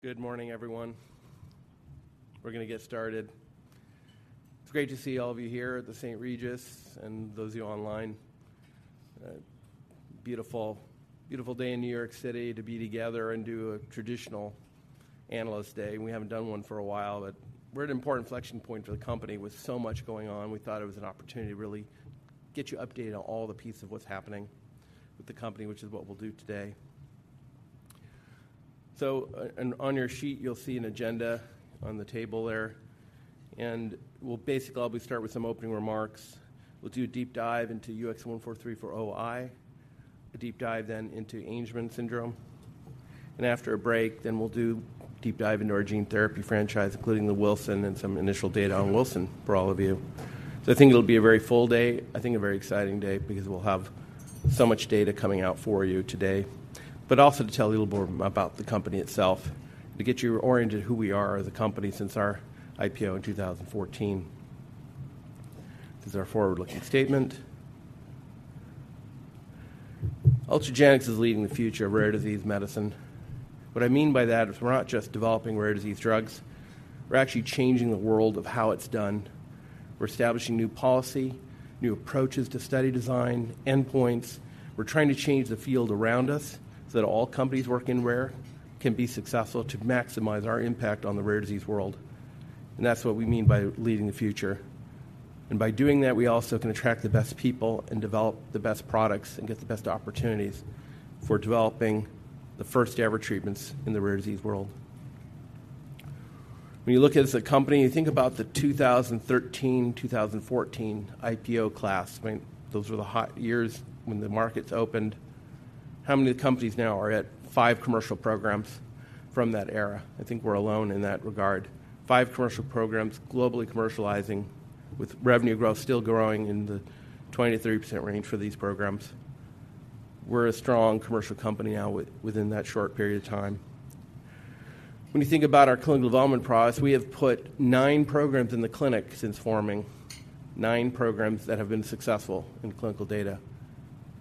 Good morning, everyone. We're gonna get started. It's great to see all of you here at the St. Regis and those of you online. Beautiful, beautiful day in New York City to be together and do a traditional analyst day. We haven't done one for a while, but we're at an important inflection point for the company. With so much going on, we thought it was an opportunity to really get you updated on all the pieces of what's happening with the company, which is what we'll do today. So, and on your sheet, you'll see an agenda on the table there, and we'll basically, I'll be starting with some opening remarks. We'll do a deep dive into UX143 for OI, a deep dive then into Angelman syndrome, and after a break, then we'll do a deep dive into our gene therapy franchise, including the Wilson and some initial data on Wilson for all of you. So I think it'll be a very full day, I think a very exciting day because we'll have so much data coming out for you today, but also to tell you a little more about the company itself, to get you oriented who we are as a company since our IPO in 2014. This is our forward-looking statement. Ultragenyx is leading the future of rare disease medicine. What I mean by that is we're not just developing rare disease drugs, we're actually changing the world of how it's done. We're establishing new policy, new approaches to study design, endpoints. We're trying to change the field around us so that all companies working in rare can be successful to maximize our impact on the rare disease world, and that's what we mean by leading the future. By doing that, we also can attract the best people and develop the best products and get the best opportunities for developing the first-ever treatments in the rare disease world. When you look at us as a company, you think about the 2013, 2014 IPO class, I mean, those were the hot years when the markets opened. How many companies now are at five commercial programs from that era? I think we're alone in that regard. Five commercial programs, globally commercializing, with revenue growth still growing in the 20%-30% range for these programs. We're a strong commercial company now within that short period of time. When you think about our clinical development products, we have put nine programs in the clinic since forming. nine programs that have been successful in clinical data,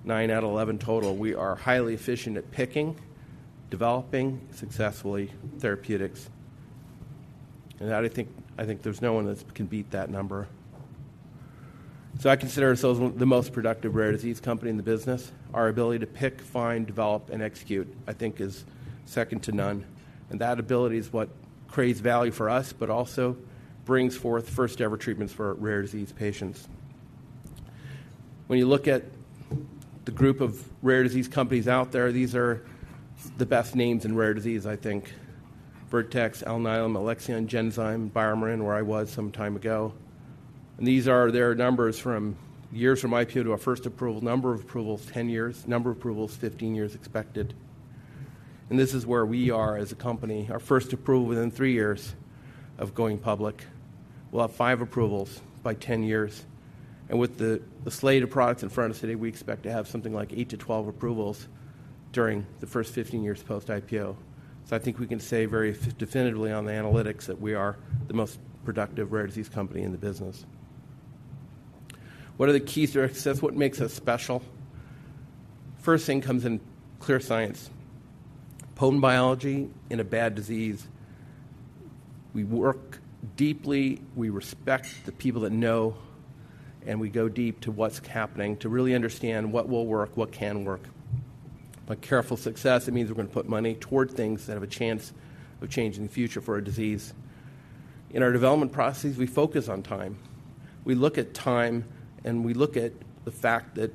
nine out of 11 total. We are highly efficient at picking, developing successfully therapeutics, and that I think there's no one that can beat that number. So I consider ourselves the most productive rare disease company in the business. Our ability to pick, find, develop, and execute, I think is second to none, and that ability is what creates value for us, but also brings forth first-ever treatments for rare disease patients. When you look at the group of rare disease companies out there, these are the best names in rare disease I think: Vertex, Alnylam, Alexion, Genzyme, BioMarin, where I was some time ago. These are their numbers from years from IPO to our first approval. Number of approvals, 10 years. Number of approvals, 15 years expected. This is where we are as a company. Our first approval within three years of going public. We'll have five approvals by 10 years, and with the slate of products in front of us today, we expect to have something like 8-12 approvals during the first 15 years post-IPO. So I think we can say very definitively on the analytics that we are the most productive rare disease company in the business. What are the keys to our success? What makes us special? First thing comes in clear science. Potent biology in a bad disease. We work deeply, we respect the people that know, and we go deep to what's happening, to really understand what will work, what can work. By careful success, it means we're gonna put money toward things that have a chance of changing the future for a disease. In our development processes, we focus on time. We look at time, and we look at the fact that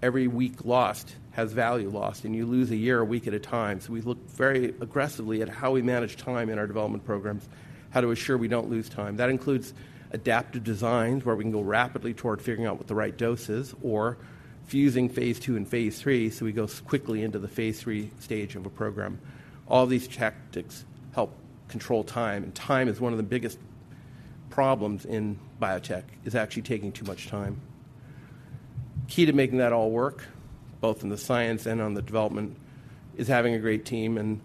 every week lost has value lost, and you lose a year, a week at a time. We look very aggressively at how we manage time in our development programs, how to ensure we don't lose time. That includes adaptive designs, where we can go rapidly toward figuring out what the right dose is or fusing phase II and phase III, so we go quickly into the phase III stage of a program. All these tactics help control time, and time is one of the biggest problems in biotech, is actually taking too much time. Key to making that all work, both in the science and on the development, is having a great team.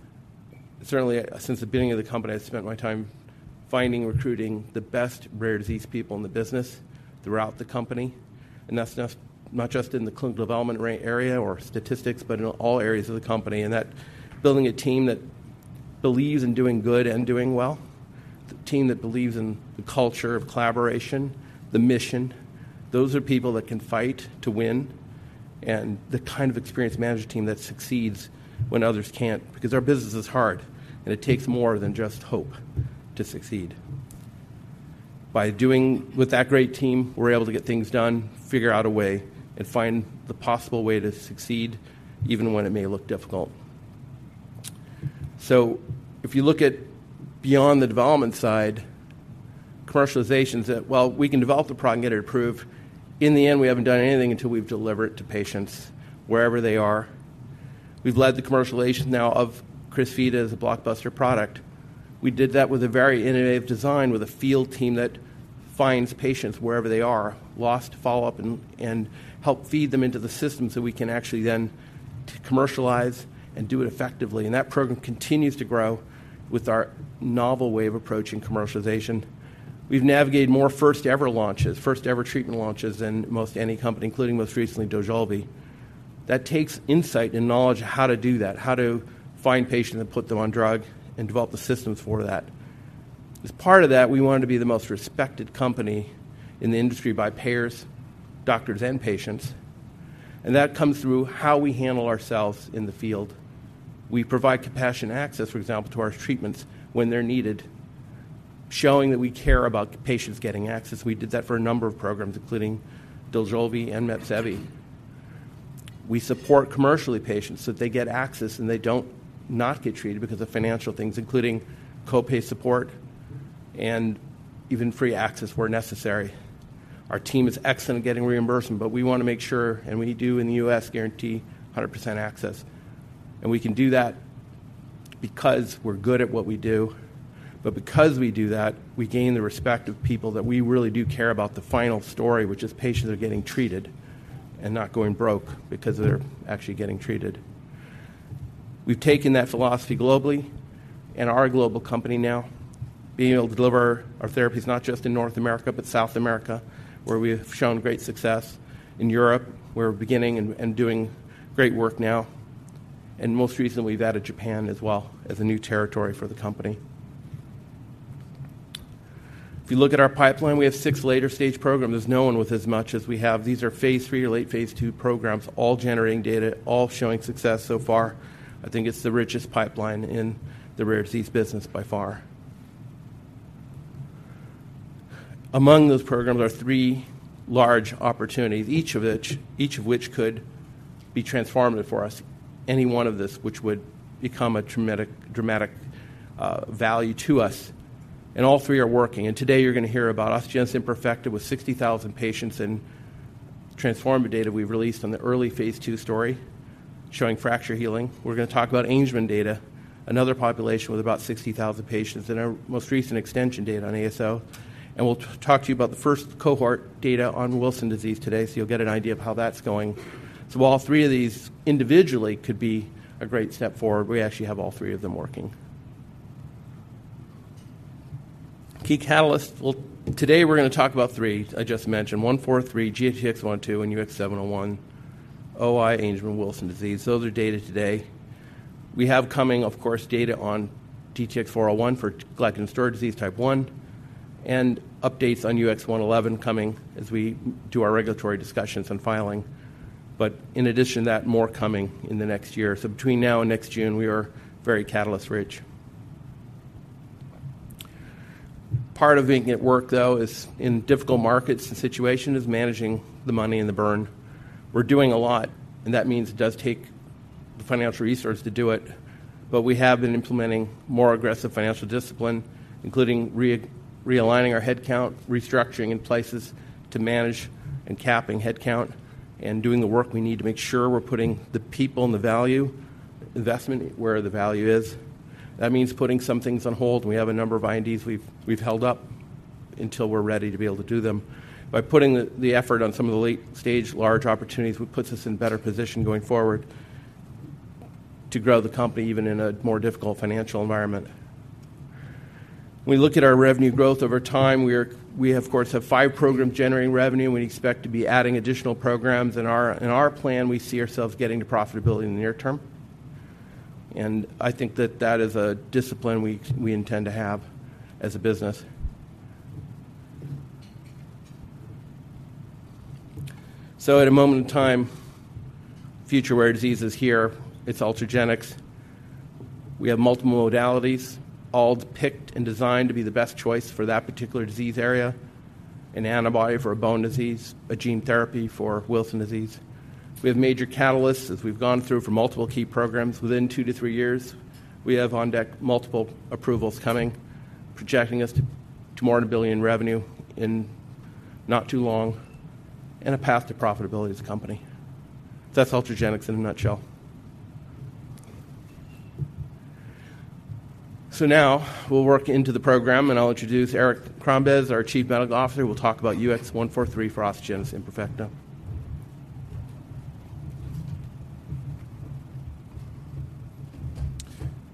Certainly, since the beginning of the company, I spent my time finding, recruiting the best rare disease people in the business throughout the company, and that's just not just in the clinical development area or statistics, but in all areas of the company, and that building a team that believes in doing good and doing well, the team that believes in the culture of collaboration, the mission, those are people that can fight to win, and the kind of experienced management team that succeeds when others can't. Because our business is hard, and it takes more than just hope to succeed. With that great team, we're able to get things done, figure out a way, and find the possible way to succeed even when it may look difficult. So if you look at beyond the development side, commercialization is that, well, we can develop the product and get it approved. In the end, we haven't done anything until we've delivered it to patients wherever they are. We've led the commercialization now of Crysvita as a blockbuster product. We did that with a very innovative design, with a field team that finds patients wherever they are, lost to follow-up, and help feed them into the system so we can actually then commercialize and do it effectively. And that program continues to grow with our novel way of approaching commercialization. We've navigated more first-ever launches, first-ever treatment launches than most any company, including most recently Dojolvi. That takes insight and knowledge of how to do that, how to find patients and put them on drug, and develop the systems for that. As part of that, we wanted to be the most respected company in the industry by payers, doctors, and patients, and that comes through how we handle ourselves in the field. We provide compassionate access, for example, to our treatments when they're needed, showing that we care about patients getting access. We did that for a number of programs, including Dojolvi and Mepsevii. We support commercially patients, so that they get access, and they don't not get treated because of financial things, including co-pay support and even free access where necessary. Our team is excellent at getting reimbursement, but we want to make sure, and we do in the US, guarantee 100% access, and we can do that because we're good at what we do. But because we do that, we gain the respect of people that we really do care about the final story, which is patients are getting treated and not going broke because they're actually getting treated. We've taken that philosophy globally and are a global company now, being able to deliver our therapies not just in North America, but South America, where we have shown great success. In Europe, we're beginning and doing great work now, and most recently, we've added Japan as well as a new territory for the company. If you look at our pipeline, we have six later-stage programs. There's no one with as much as we have. These are Phase III or late Phase II programs, all generating data, all showing success so far. I think it's the richest pipeline in the rare disease business by far. Among those programs are three large opportunities, each of which, each of which could be transformative for us, any one of this, which would become a dramatic value to us, and all three are working. And today you're going to hear about osteogenesis imperfecta with 60,000 patients and transformative data we've released on the early Phase II study showing fracture healing. We're going to talk about Angelman data, another population with about 60,000 patients, and our most recent extension data on ASO. And we'll talk to you about the first cohort data on Wilson disease today, so you'll get an idea of how that's going. So while three of these individually could be a great step forward, we actually have all three of them working. Key catalysts. Well, today we're going to talk about three. I just mentioned UX143, GTX-102, and UX701, OI, Angelman, Wilson disease. Those are data today. We have coming, of course, data on DTX401 for Glycogen Storage Disease Type I, and updates on UX111 coming as we do our regulatory discussions on filing. But in addition to that, more coming in the next year. So between now and next June, we are very catalyst-rich. Part of making it work, though, is in difficult markets, the situation is managing the money and the burn. We're doing a lot, and that means it does take the financial resources to do it. But we have been implementing more aggressive financial discipline, including realigning our headcount, restructuring in places to manage and capping headcount, and doing the work we need to make sure we're putting the people and the value investment where the value is. That means putting some things on hold. We have a number of INDs we've held up until we're ready to be able to do them. By putting the effort on some of the late-stage large opportunities, which puts us in a better position going forward to grow the company, even in a more difficult financial environment. We look at our revenue growth over time. We, of course have five programs generating revenue, and we expect to be adding additional programs. In our plan, we see ourselves getting to profitability in the near term, and I think that that is a discipline we intend to have as a business. So at a moment in time, future rare disease is here. It's Ultragenyx. We have multiple modalities, all picked and designed to be the best choice for that particular disease area: an antibody for a bone disease, a gene therapy for Wilson disease. We have major catalysts as we've gone through for multiple key programs within two to three years. We have on deck multiple approvals coming, projecting us to more than $1 billion in revenue in not too long and a path to profitability as a company. That's Ultragenyx in a nutshell. So now we'll work into the program, and I'll introduce Eric Crombez, our Chief Medical Officer, who will talk about UX143 for osteogenesis imperfecta.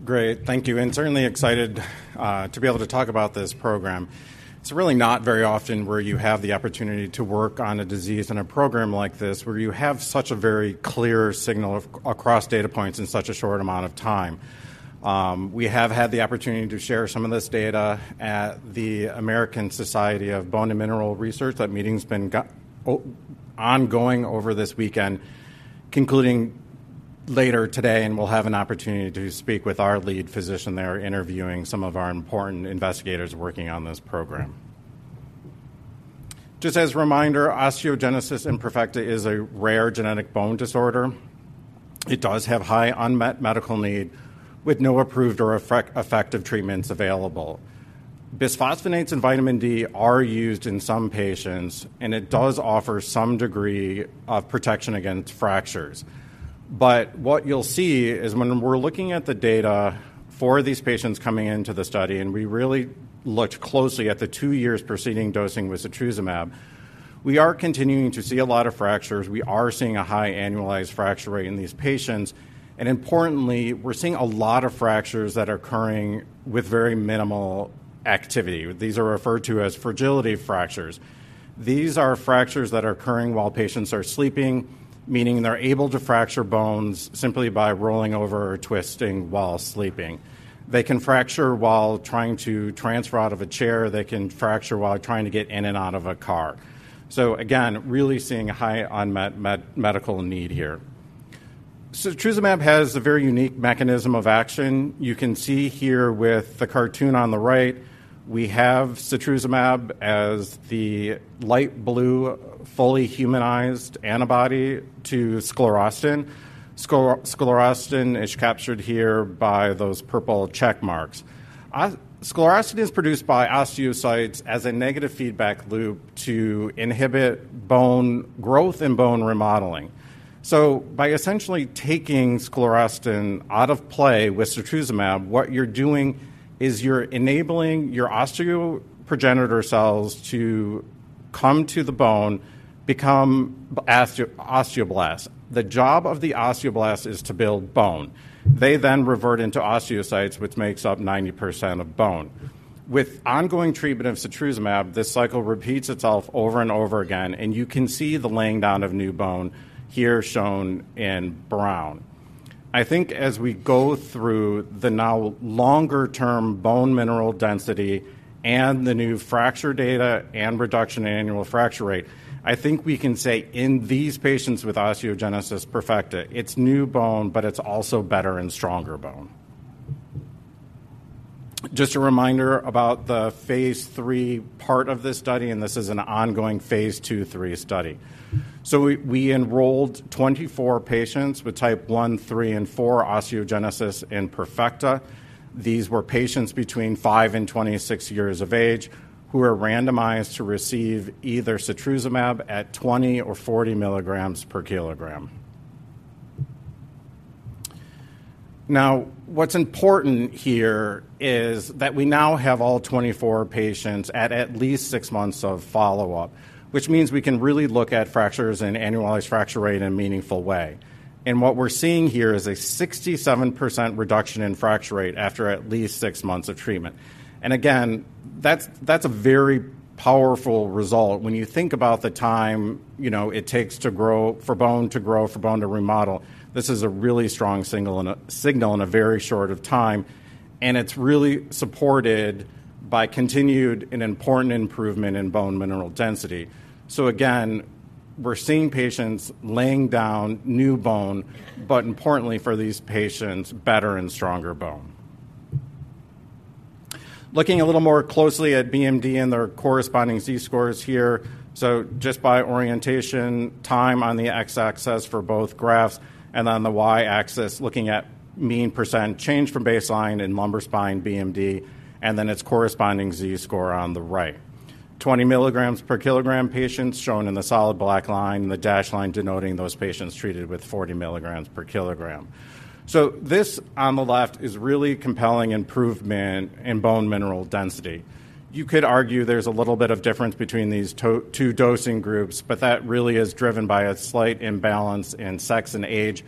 Great. Thank you, and certainly excited to be able to talk about this program. It's really not very often where you have the opportunity to work on a disease and a program like this, where you have such a very clear signal across data points in such a short amount of time. We have had the opportunity to share some of this data at the American Society for Bone and Mineral Research. That meeting's been ongoing over this weekend, concluding later today, and we'll have an opportunity to speak with our lead physician there, interviewing some of our important investigators working on this program. Just as a reminder, osteogenesis imperfecta is a rare genetic bone disorder. It does have high unmet medical need with no approved or effective treatments available. Bisphosphonates and vitamin D are used in some patients, and it does offer some degree of protection against fractures. But what you'll see is when we're looking at the data for these patients coming into the study, and we really looked closely at the two years preceding dosing with Setrusumab. We are continuing to see a lot of fractures. We are seeing a high annualized fracture rate in these patients, and importantly, we're seeing a lot of fractures that are occurring with very minimal activity. These are referred to as fragility fractures. These are fractures that are occurring while patients are sleeping, meaning they're able to fracture bones simply by rolling over or twisting while sleeping. They can fracture while trying to transfer out of a chair. They can fracture while trying to get in and out of a car. So again, really seeing a high unmet medical need here. Setrusumab has a very unique mechanism of action. You can see here with the cartoon on the right, we have Setrusumab as the light blue, fully humanized antibody to Sclerostin. Sclerostin is captured here by those purple check marks. Sclerostin is produced by osteocytes as a negative feedback loop to inhibit bone growth and bone remodeling. So by essentially taking Sclerostin out of play with Setrusumab, what you're doing is you're enabling your osteoprogenitor cells to come to the bone, become osteoblasts. The job of the osteoblasts is to build bone. They then revert into osteocytes, which makes up 90% of bone. With ongoing treatment of Setrusumab, this cycle repeats itself over and over again, and you can see the laying down of new bone here shown in brown. I think as we go through the now longer-term bone mineral density and the new fracture data and reduction in annual fracture rate, I think we can say in these patients with osteogenesis imperfecta, it's new bone, but it's also better and stronger bone. Just a reminder about the phase III part of this study, and this is an ongoing phase II/III study. So we enrolled 24 patients with Type I, III, and IV osteogenesis imperfecta. These were patients between five and 26 years of age who were randomized to receive either Setrusumab at 20 ml or 40 ml per kg. Now, what's important here is that we now have all 24 patients at least six months of follow-up, which means we can really look at fractures and annualized fracture rate in a meaningful way. What we're seeing here is a 67% reduction in fracture rate after at least six months of treatment. And again, that's, that's a very powerful result. When you think about the time, you know, it takes to grow for bone to grow, for bone to remodel, this is a really strong signal in a very short time, and it's really supported by continued and important improvement in bone mineral density. So again, we're seeing patients laying down new bone, but importantly for these patients, better and stronger bone. Looking a little more closely at BMD and their corresponding Z-scores here. So just by orientation, time on the x-axis for both graphs, and on the y-axis, looking at mean percent change from baseline in lumbar spine BMD, and then its corresponding Z-score on the right. 20 ml per kg patients shown in the solid black line, the dashed line denoting those patients treated with 40 ml per kg. So this on the left is really compelling improvement in bone mineral density. You could argue there's a little bit of difference between these two dosing groups, but that really is driven by a slight imbalance in sex and age,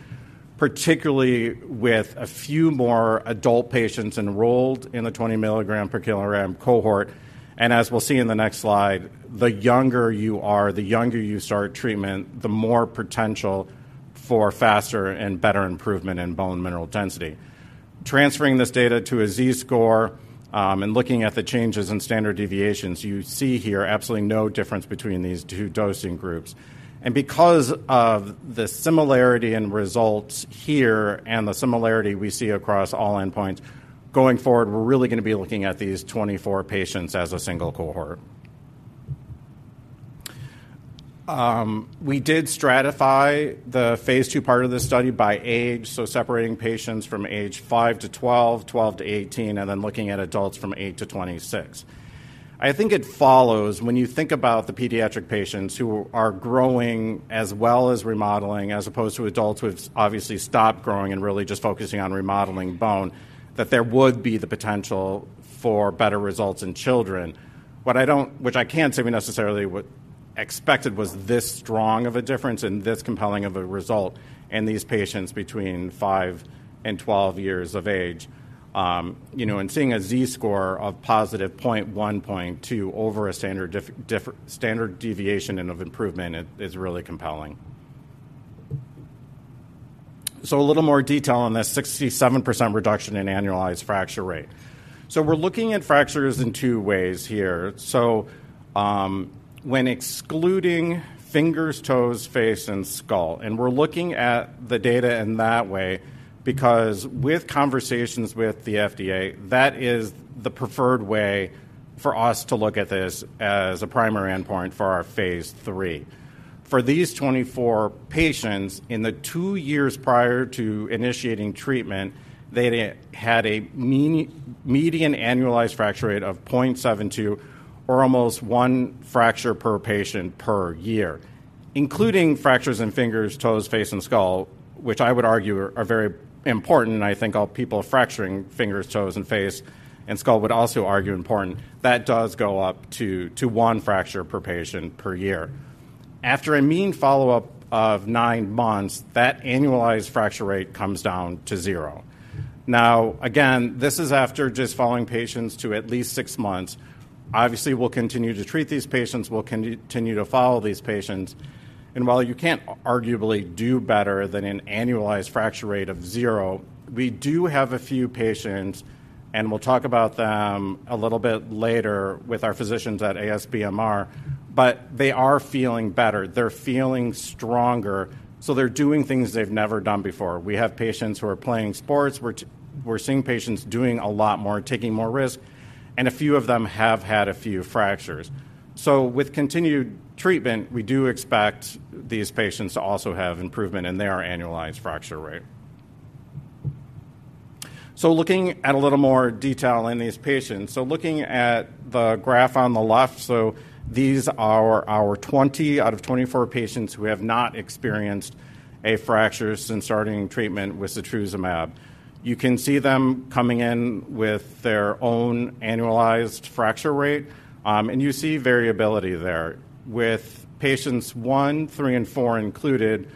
particularly with a few more adult patients enrolled in the 20 ml per kg cohort. And as we'll see in the next slide, the younger you are, the younger you start treatment, the more potential for faster and better improvement in bone mineral density. Transferring this data to a Z-score, and looking at the changes in standard deviations, you see here absolutely no difference between these two dosing groups. Because of the similarity in results here and the similarity we see across all endpoints, going forward, we're really going to be looking at these 24 patients as a single cohort. We did stratify the phase II part of this study by age, so separating patients from age five-12, 12-18, and then looking at adults from 8-26. I think it follows when you think about the pediatric patients who are growing as well as remodeling, as opposed to adults who have obviously stopped growing and really just focusing on remodeling bone, that there would be the potential for better results in children. What I don't, which I can't say we necessarily would, expected was this strong of a difference and this compelling of a result in these patients between five and 12 years of age. You know, and seeing a Z-score of positive 0.1, 0.2 over a standard deviation and of improvement is really compelling. So a little more detail on that 67% reduction in annualized fracture rate. So we're looking at fractures in two ways here. So, when excluding fingers, toes, face, and skull, and we're looking at the data in that way, because with conversations with the FDA, that is the preferred way for us to look at this as a primary endpoint for our Phase III. For these 24 patients, in the two years prior to initiating treatment, they'd had a median annualized fracture rate of 0.72 or almost one fracture per patient per year. Including fractures in fingers, toes, face, and skull, which I would argue are very important, and I think all people fracturing fingers, toes, and face, and skull would also argue important. That does go up to one fracture per patient per year. After a mean follow-up of nine months, that annualized fracture rate comes down to zero. Now, again, this is after just following patients to at least six months. Obviously, we'll continue to treat these patients, we'll continue to follow these patients, and while you can't arguably do better than an annualized fracture rate of zero, we do have a few patients, and we'll talk about them a little bit later with our physicians at ASBMR, but they are feeling better. They're feeling stronger, so they're doing things they've never done before. We have patients who are playing sports. We're seeing patients doing a lot more, taking more risk, and a few of them have had a few fractures. So with continued treatment, we do expect these patients to also have improvement in their annualized fracture rate. So looking at a little more detail in these patients. So looking at the graph on the left, so these are our 20 out of 24 patients who have not experienced a fracture since starting treatment with Setrusumab. You can see them coming in with their own annualized fracture rate, and you see variability there. With patients one, three, and four included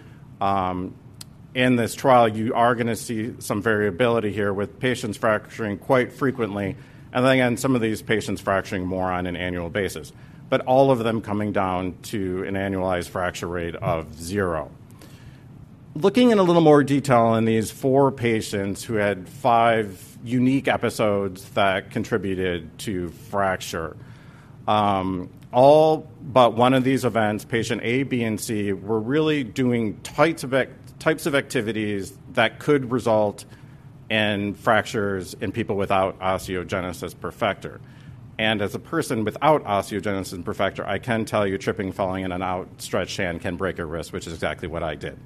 in this trial, you are gonna see some variability here, with patients fracturing quite frequently, and again, some of these patients fracturing more on an annual basis, but all of them coming down to an annualized fracture rate of zero. Looking in a little more detail on these four patients who had five unique episodes that contributed to fracture. All but one of these events, patient A, B, and C, were really doing types of activities that could result in fractures in people without osteogenesis imperfecta. And as a person without osteogenesis imperfecta, I can tell you, tripping, falling in an outstretched hand can break a wrist, which is exactly what I did.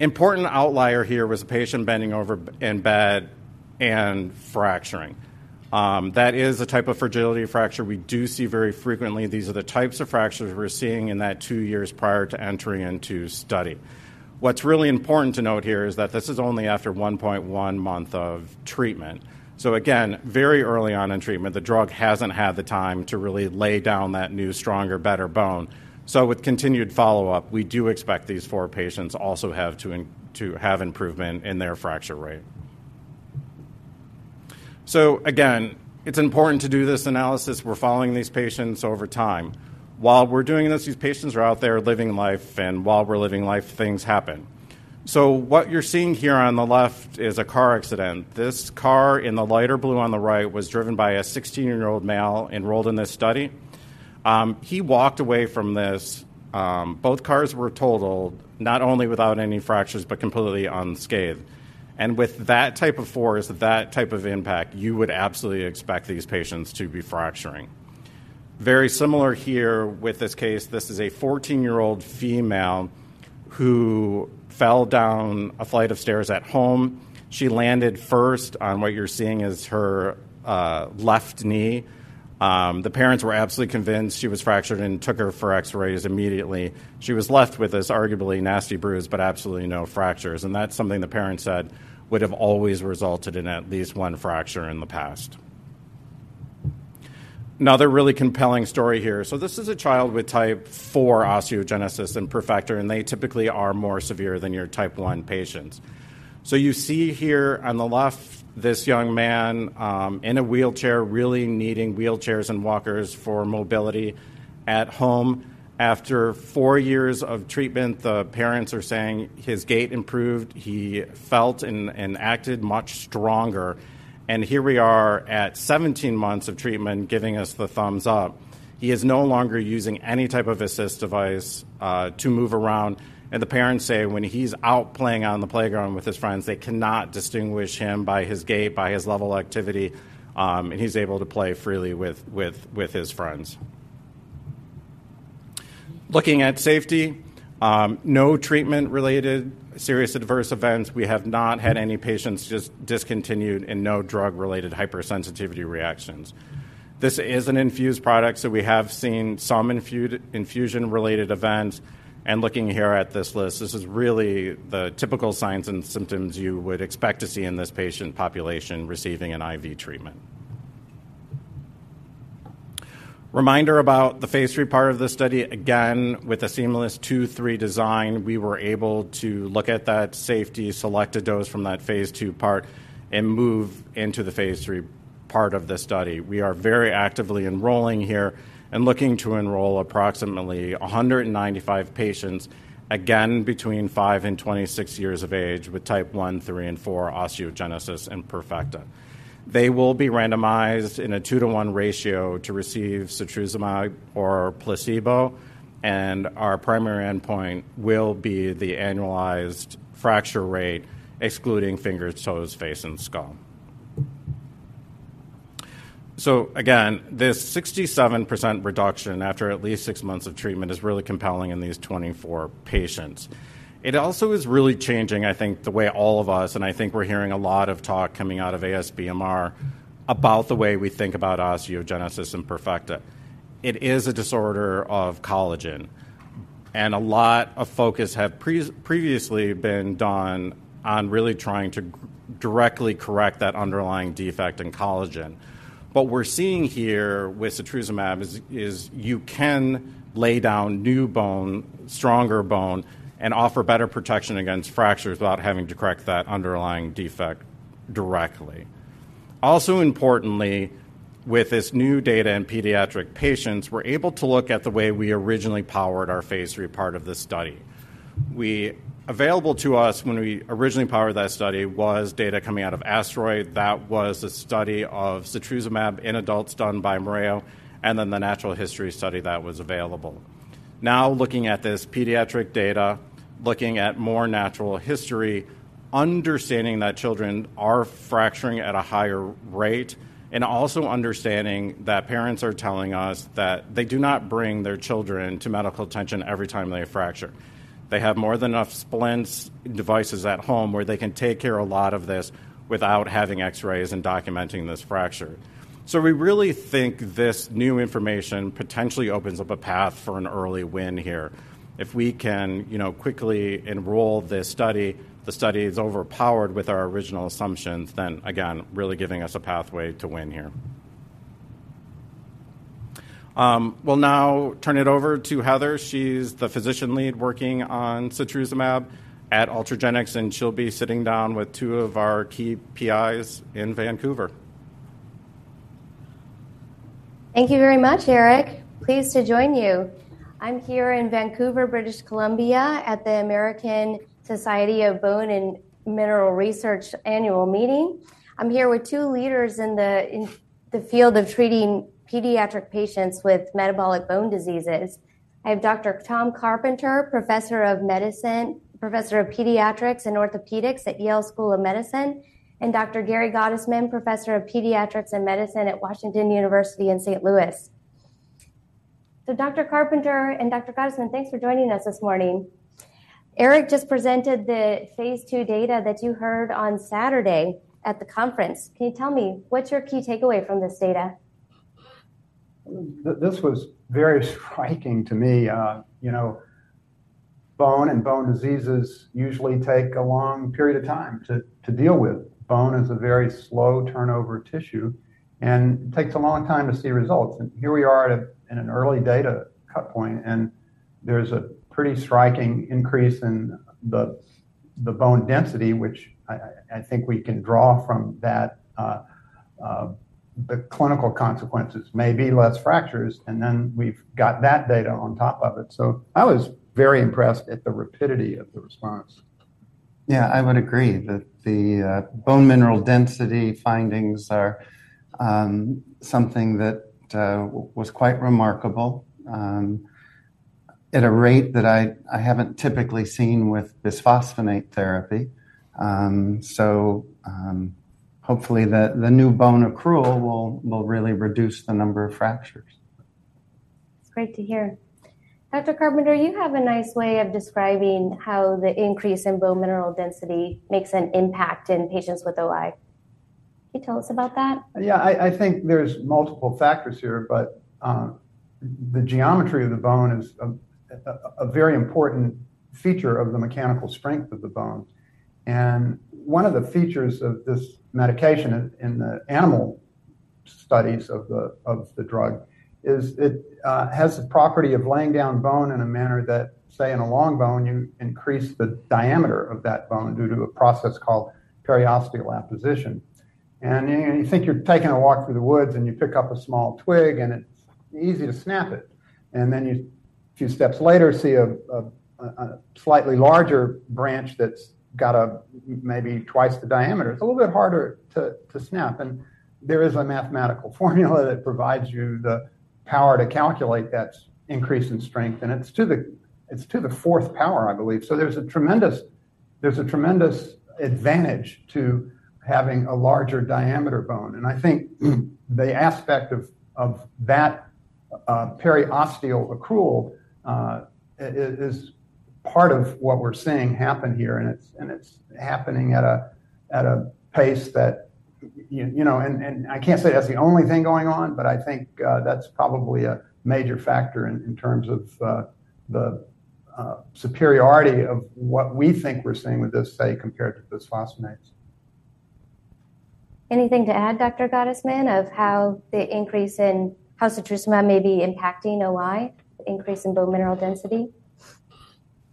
Important outlier here was a patient bending over in bed and fracturing. That is a type of fragility fracture we do see very frequently. These are the types of fractures we're seeing in that two years prior to entering into study. What's really important to note here is that this is only after 1.1 month of treatment. So again, very early on in treatment, the drug hasn't had the time to really lay down that new, stronger, better bone. So with continued follow-up, we do expect these four patients also to have improvement in their fracture rate. So again, it's important to do this analysis. We're following these patients over time. While we're doing this, these patients are out there living life, and while we're living life, things happen. So what you're seeing here on the left is a car accident. This car in the lighter blue on the right was driven by a 16-year-old male enrolled in this study. He walked away from this, both cars were totaled, not only without any fractures, but completely unscathed. And with that type of force, that type of impact, you would absolutely expect these patients to be fracturing. Very similar here with this case, this is a 14-year-old female who fell down a flight of stairs at home. She landed first on what you're seeing is her left knee. The parents were absolutely convinced she was fractured and took her for X-rays immediately. She was left with this arguably nasty bruise, but absolutely no fractures, and that's something the parents said would have always resulted in at least one fracture in the past. Another really compelling story here. So this is a child with type IV osteogenesis imperfecta, and they typically are more severe than your type I patients. So you see here on the left, this young man in a wheelchair, really needing wheelchairs and walkers for mobility at home. After four years of treatment, the parents are saying his gait improved, he felt and acted much stronger. Here we are at 17 months of treatment, giving us the thumbs up. He is no longer using any type of assist device to move around, and the parents say when he's out playing on the playground with his friends, they cannot distinguish him by his gait, by his level of activity, and he's able to play freely with, with, with his friends. Looking at safety, no treatment-related serious adverse events. We have not had any patients discontinued, and no drug-related hypersensitivity reactions. This is an infused product, so we have seen some infusion-related events, and looking here at this list, this is really the typical signs and symptoms you would expect to see in this patient population receiving an IV treatment. Reminder about the phase III part of the study. Again, with a seamless II-III design, we were able to look at that safety, select a dose from that phase II part, and move into the phase III part of the study. We are very actively enrolling here and looking to enroll approximately 195 patients, again, between five and 26 years of age, with type I, III, and IV osteogenesis imperfecta. They will be randomized in a 2-1 ratio to receive Setrusumab or placebo, and our primary endpoint will be the annualized fracture rate, excluding fingers, toes, face, and skull. So again, this 67% reduction after at least six months of treatment is really compelling in these 24 patients. It also is really changing, I think, the way all of us, and I think we're hearing a lot of talk coming out of ASBMR, about the way we think about osteogenesis imperfecta. It is a disorder of collagen, and a lot of focus have previously been done on really trying to directly correct that underlying defect in collagen. What we're seeing here with Setrusumab is you can lay down new bone, stronger bone, and offer better protection against fractures without having to correct that underlying defect directly. Also importantly, with this new data in pediatric patients, we're able to look at the way we originally powered our phase III part of this study. Available to us when we originally powered that study was data coming out of ASTEROID. That was a study of Setrusumab in adults done by Mereo, and then the natural history study that was available. Now, looking at this pediatric data, looking at more natural history, understanding that children are fracturing at a higher rate, and also understanding that parents are telling us that they do not bring their children to medical attention every time they fracture. They have more than enough splints, devices at home, where they can take care a lot of this without having X-rays and documenting this fracture. So we really think this new information potentially opens up a path for an early win here. If we can, you know, quickly enroll this study, the study is overpowered with our original assumptions, then again, really giving us a pathway to win here. We'll now turn it over to Heather. She's the physician lead working on Setrusumab at Ultragenyx, and she'll be sitting down with two of our key PIs in Vancouver. Thank you very much, Eric. Pleased to join you. I'm here in Vancouver, British Columbia, at the American Society of Bone and Mineral Research Annual Meeting. I'm here with two leaders in the field of treating pediatric patients with metabolic bone diseases. I have Dr. Tom Carpenter, Professor of Pediatrics and Orthopedics at Yale School of Medicine, and Dr. Gary Gottesman, Professor of Pediatrics and Medicine at Washington University in St. Louis. So Dr. Carpenter and Dr. Gottesman, thanks for joining us this morning. Eric just presented the phase II data that you heard on Saturday at the conference. Can you tell me, what's your key takeaway from this data? This was very striking to me. You know, bone and bone diseases usually take a long period of time to deal with. Bone is a very slow turnover tissue and takes a long time to see results. And here we are at in an early data cut point, and there's a pretty striking increase in the bone density, which I think we can draw from that. The clinical consequences may be less fractures, and then we've got that data on top of it. So I was very impressed at the rapidity of the response. Yeah, I would agree that the bone mineral density findings are something that was quite remarkable at a rate that I haven't typically seen with bisphosphonate therapy. So, hopefully, the new bone accrual will really reduce the number of fractures. It's great to hear. Dr. Carpenter, you have a nice way of describing how the increase in bone mineral density makes an impact in patients with OI. Can you tell us about that? Yeah, I think there's multiple factors here, but the geometry of the bone is a very important feature of the mechanical strength of the bone. One of the features of this medication in the animal studies of the drug is it has the property of laying down bone in a manner that, say, in a long bone, you increase the diameter of that bone due to a process called periosteal apposition. You think you're taking a walk through the woods, and you pick up a small twig, and it's easy to snap it. Then you, a few steps later, see a slightly larger branch that's got maybe twice the diameter. It's a little bit harder to snap, and there is a mathematical formula that provides you the power to calculate that increase in strength, and it's to the fourth power, I believe. So there's a tremendous advantage to having a larger diameter bone. And I think the aspect of that periosteal accrual is part of what we're seeing happen here, and it's happening at a pace that, you know, and I can't say that's the only thing going on, but I think that's probably a major factor in terms of the superiority of what we think we're seeing with this study compared to bisphosphonates. Anything to add, Dr. Gottesman, of how the increase in how Setrusumab may be impacting OI, the increase in bone mineral density?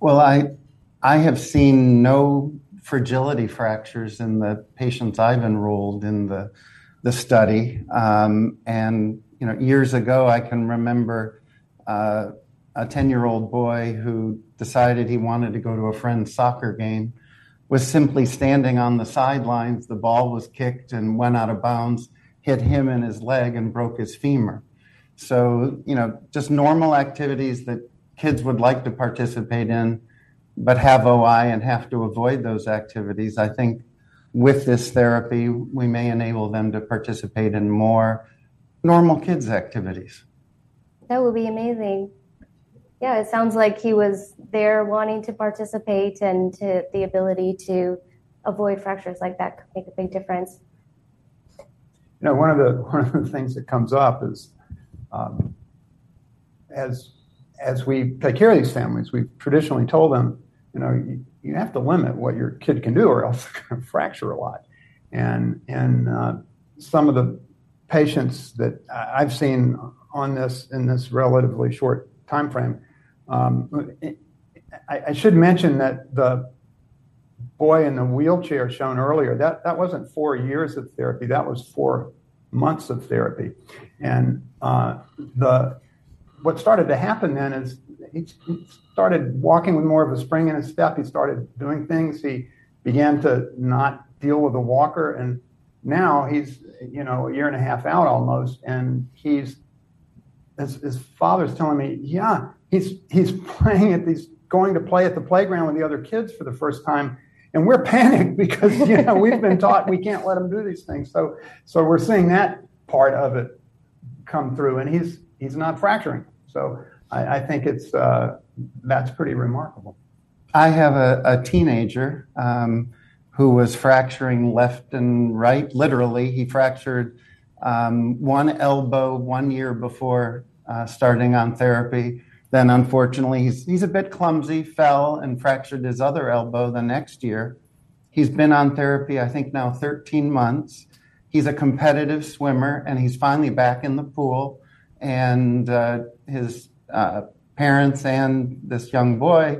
Well, I have seen no fragility fractures in the patients I've enrolled in the study. And, you know, years ago, I can remember a 10-year-old boy who decided he wanted to go to a friend's soccer game, was simply standing on the sidelines. The ball was kicked and went out of bounds, hit him in his leg, and broke his femur. So, you know, just normal activities that kids would like to participate in but have OI and have to avoid those activities. I think with this therapy, we may enable them to participate in more normal kids' activities. That would be amazing. Yeah, it sounds like he was there wanting to participate, and to the ability to avoid fractures like that could make a big difference. You know, one of the things that comes up is, as, as we take care of these families, we've traditionally told them, "You know, you, you have to limit what your kid can do, or else they're gonna fracture a lot." And, some of the patients that I've seen on this, in this relatively short timeframe, I should mention that the boy in the wheelchair shown earlier, that, that wasn't four years of therapy, that was four months of therapy. And what started to happen then is he, he started walking with more of a spring in his step. He started doing things. He began to not deal with a walker, and now he's, you know, a year and a half out almost, and his father is telling me: "Yeah, he's playing at these, going to play at the playground with the other kids for the first time, and we're panicked because, you know, we've been taught we can't let him do these things." So we're seeing that part of it come through, and he's not fracturing. So I think it's that's pretty remarkable. I have a teenager who was fracturing left and right. Literally, he fractured one elbow one year before starting on therapy. Then, unfortunately, he's a bit clumsy, fell, and fractured his other elbow the next year. He's been on therapy, I think now 13 months. He's a competitive swimmer, and he's finally back in the pool, and his parents and this young boy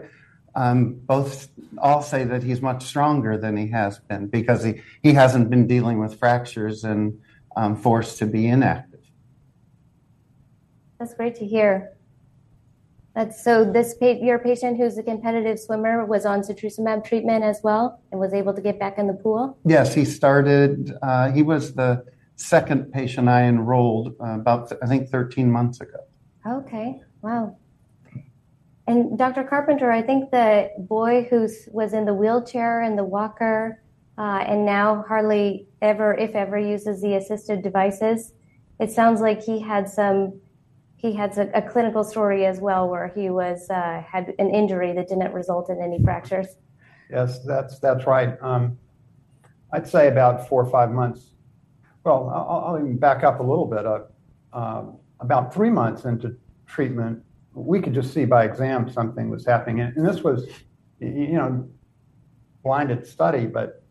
both all say that he's much stronger than he has been because he hasn't been dealing with fractures and forced to be inactive. That's great to hear. That's so, this your patient, who's a competitive swimmer, was on Setrusumab treatment as well and was able to get back in the pool? Yes. He started, he was the second patient I enrolled, about, I think, 13 months ago. Okay. Wow! And Dr. Carpenter, I think the boy who was in the wheelchair and the walker, and now hardly ever, if ever, uses the assisted devices. It sounds like he had a clinical story as well, where he had an injury that didn't result in any fractures. Yes, that's, that's right. I'd say about four or five months. Well, I'll even back up a little bit. About three months into treatment, we could just see by exam something was happening. And, and this was, you know, blinded study, but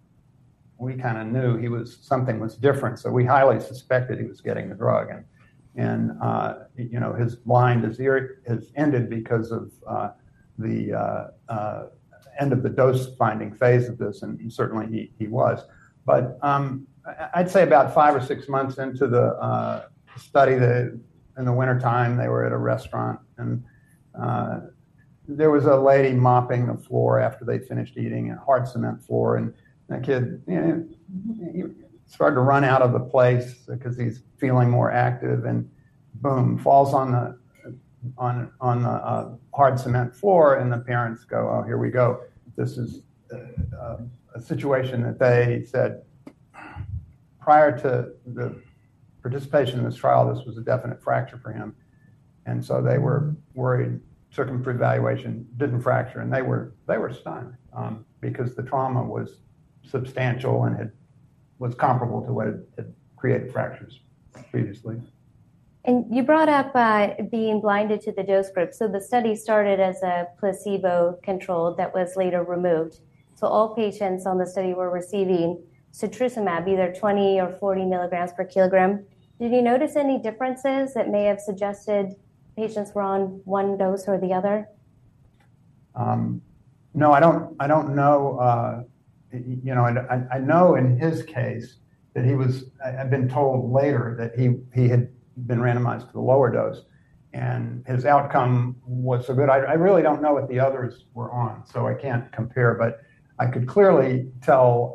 we kinda knew he was, something was different, so we highly suspected he was getting the drug. And, and, you know, his blinded period has ended because of the end of the dose-finding phase of this, and certainly, he, he was. But I'd say about five or six months into the study, in the wintertime, they were at a restaurant, and there was a lady mopping the floor after they'd finished eating, a hard cement floor, and that kid, you know, he started to run out of the place because he's feeling more active, and boom, falls on the hard cement floor, and the parents go, "Oh, here we go." This is a situation that they said prior to the participation in this trial, this was a definite fracture for him. And so they were worried, took him for evaluation, didn't fracture, and they were stunned because the trauma was substantial, and it was comparable to what it created fractures previously. You brought up being blinded to the dose group. So the study started as a placebo-controlled that was later removed. So all patients on the study were receiving Setrusumab, either 20 ml or 40 ml per kg. Did you notice any differences that may have suggested patients were on one dose or the other? No, I don't know. You know, I know in his case that he was, I've been told later that he had been randomized to the lower dose, and his outcome was so good. I really don't know what the others were on, so I can't compare, but I could clearly tell.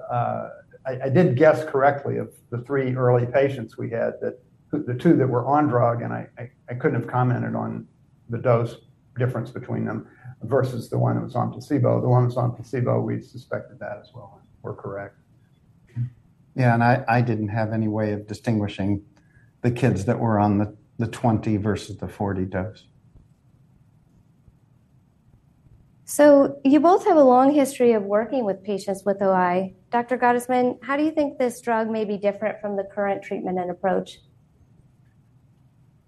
I did guess correctly of the three early patients we had, that the two that were on drug, and I couldn't have commented on the dose difference between them versus the one that was on placebo. The one that was on placebo, we suspected that as well and were correct. Yeah, and I didn't have any way of distinguishing the kids that were on the 20 versus the 40 dose. So you both have a long history of working with patients with OI. Dr. Gottesman, how do you think this drug may be different from the current treatment and approach?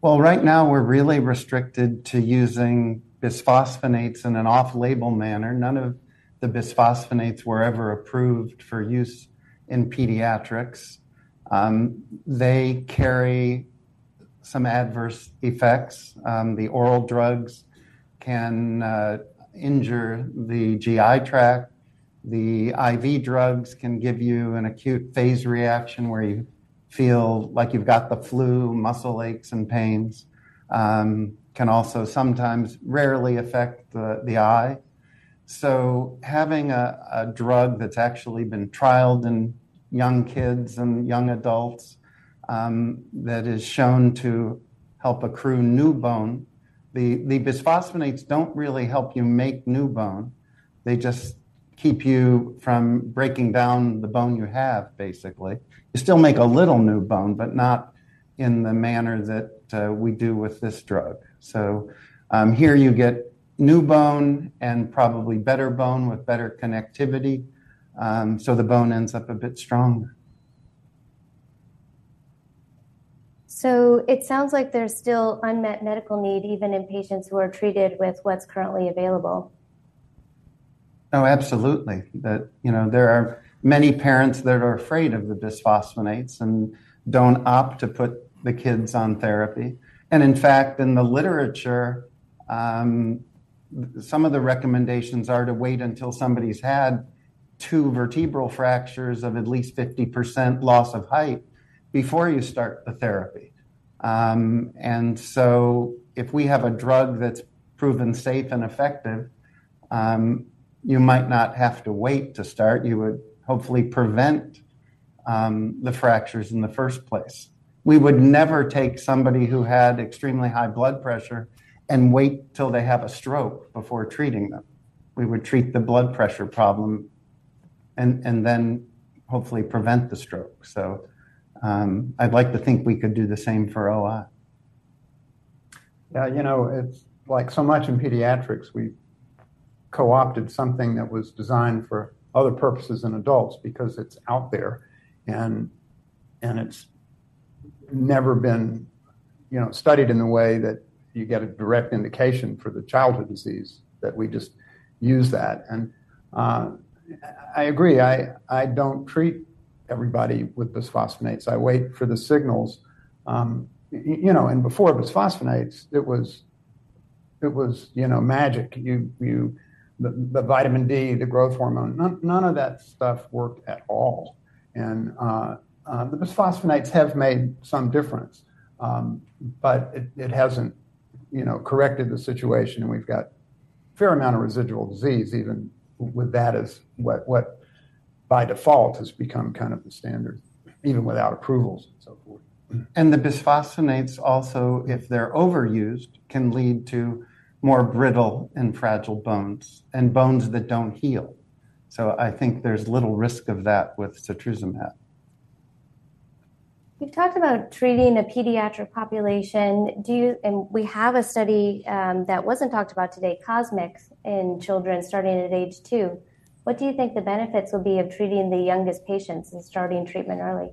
Well, right now, we're really restricted to using bisphosphonates in an off-label manner. None of the bisphosphonates were ever approved for use in pediatrics. They carry some adverse effects. The oral drugs can injure the GI tract. The IV drugs can give you an acute phase reaction, where you feel like you've got the flu, muscle aches and pains. Can also sometimes rarely affect the eye. So having a drug that's actually been trialed in young kids and young adults that is shown to help accrue new bone. The bisphosphonates don't really help you make new bone. They just keep you from breaking down the bone you have, basically. You still make a little new bone, but not in the manner that we do with this drug. So here you get new bone and probably better bone with better connectivity. The bone ends up a bit stronger. It sounds like there's still unmet medical need, even in patients who are treated with what's currently available. Oh, absolutely. That, you know, there are many parents that are afraid of the bisphosphonates and don't opt to put the kids on therapy. And in fact, in the literature, some of the recommendations are to wait until somebody's had two vertebral fractures of at least 50% loss of height before you start the therapy. And so if we have a drug that's proven safe and effective, you might not have to wait to start. You would hopefully prevent the fractures in the first place. We would never take somebody who had extremely high blood pressure and wait till they have a stroke before treating them. We would treat the blood pressure problem and then hopefully prevent the stroke. So, I'd like to think we could do the same for OI. Yeah. You know, it's like so much in pediatrics, we co-opted something that was designed for other purposes in adults because it's out there, and it's never been, you know, studied in a way that you get a direct indication for the childhood disease, that we just use that. I agree, I don't treat everybody with bisphosphonates. I wait for the signals. You know, and before bisphosphonates, it was, you know, magic. The vitamin D, the growth hormone, none of that stuff worked at all. The bisphosphonates have made some difference. But it hasn't, you know, corrected the situation, and we've got a fair amount of residual disease, even with that as what by default has become kind of the standard, even without approvals and so forth. The bisphosphonates also, if they're overused, can lead to more brittle and fragile bones and bones that don't heal. So I think there's little risk of that with Setrusumab. You've talked about treating a pediatric population. We have a study that wasn't talked about today, COSMIC, in children starting at age two. What do you think the benefits will be of treating the youngest patients and starting treatment early?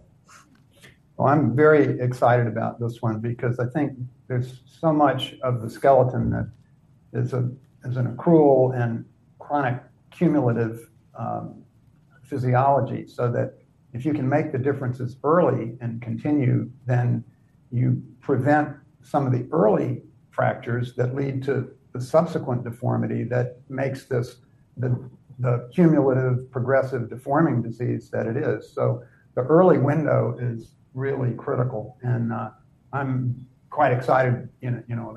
Well, I'm very excited about this one because I think there's so much of the skeleton that is an accrual and chronic cumulative physiology, so that if you can make the differences early and continue, then you prevent some of the early fractures that lead to the subsequent deformity that makes this the cumulative progressive deforming disease that it is. So the early window is really critical, and I'm quite excited, you know,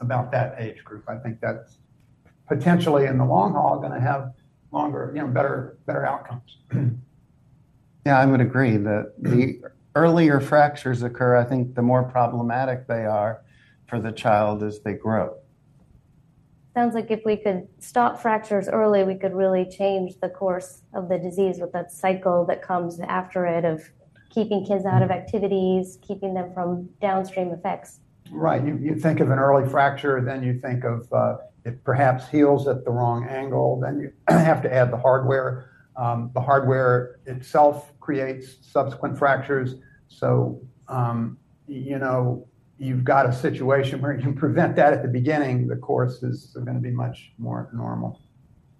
about that age group. I think that's potentially, in the long haul, gonna have longer, you know, better outcomes. Yeah, I would agree that the earlier fractures occur, I think the more problematic they are for the child as they grow. Sounds like if we could stop fractures early, we could really change the course of the disease with that cycle that comes after it, of keeping kids out of activities, keeping them from downstream effects. Right. You think of an early fracture, then you think of it perhaps heals at the wrong angle, then you have to add the hardware. The hardware itself creates subsequent fractures. So, you know, you've got a situation where you can prevent that at the beginning, the course is gonna be much more normal.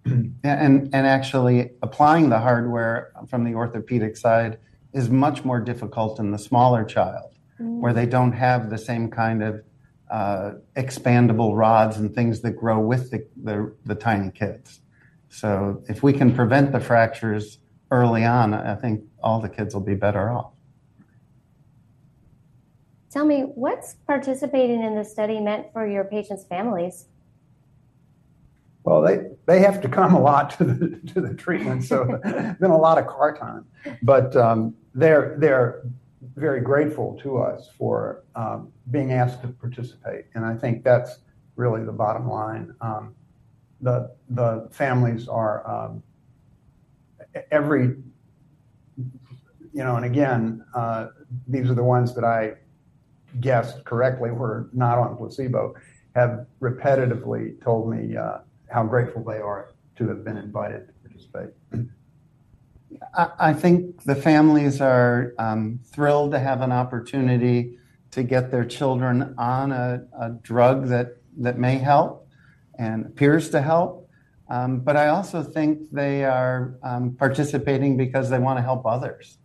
Yeah, and actually applying the hardware from the orthopedic side is much more difficult in the smaller child where they don't have the same kind of expandable rods and things that grow with the tiny kids. So if we can prevent the fractures early on, I think all the kids will be better off. Tell me, what's participating in this study meant for your patients' families? Well, they have to come a lot to the treatment, so been a lot of car time. But, they're very grateful to us for being asked to participate, and I think that's really the bottom line. The families are, every, you know, and again, these are the ones that I guessed correctly were not on placebo, have repetitively told me how grateful they are to have been invited to participate. I think the families are thrilled to have an opportunity to get their children on a drug that may help and appears to help. But I also think they are participating because they wanna help others,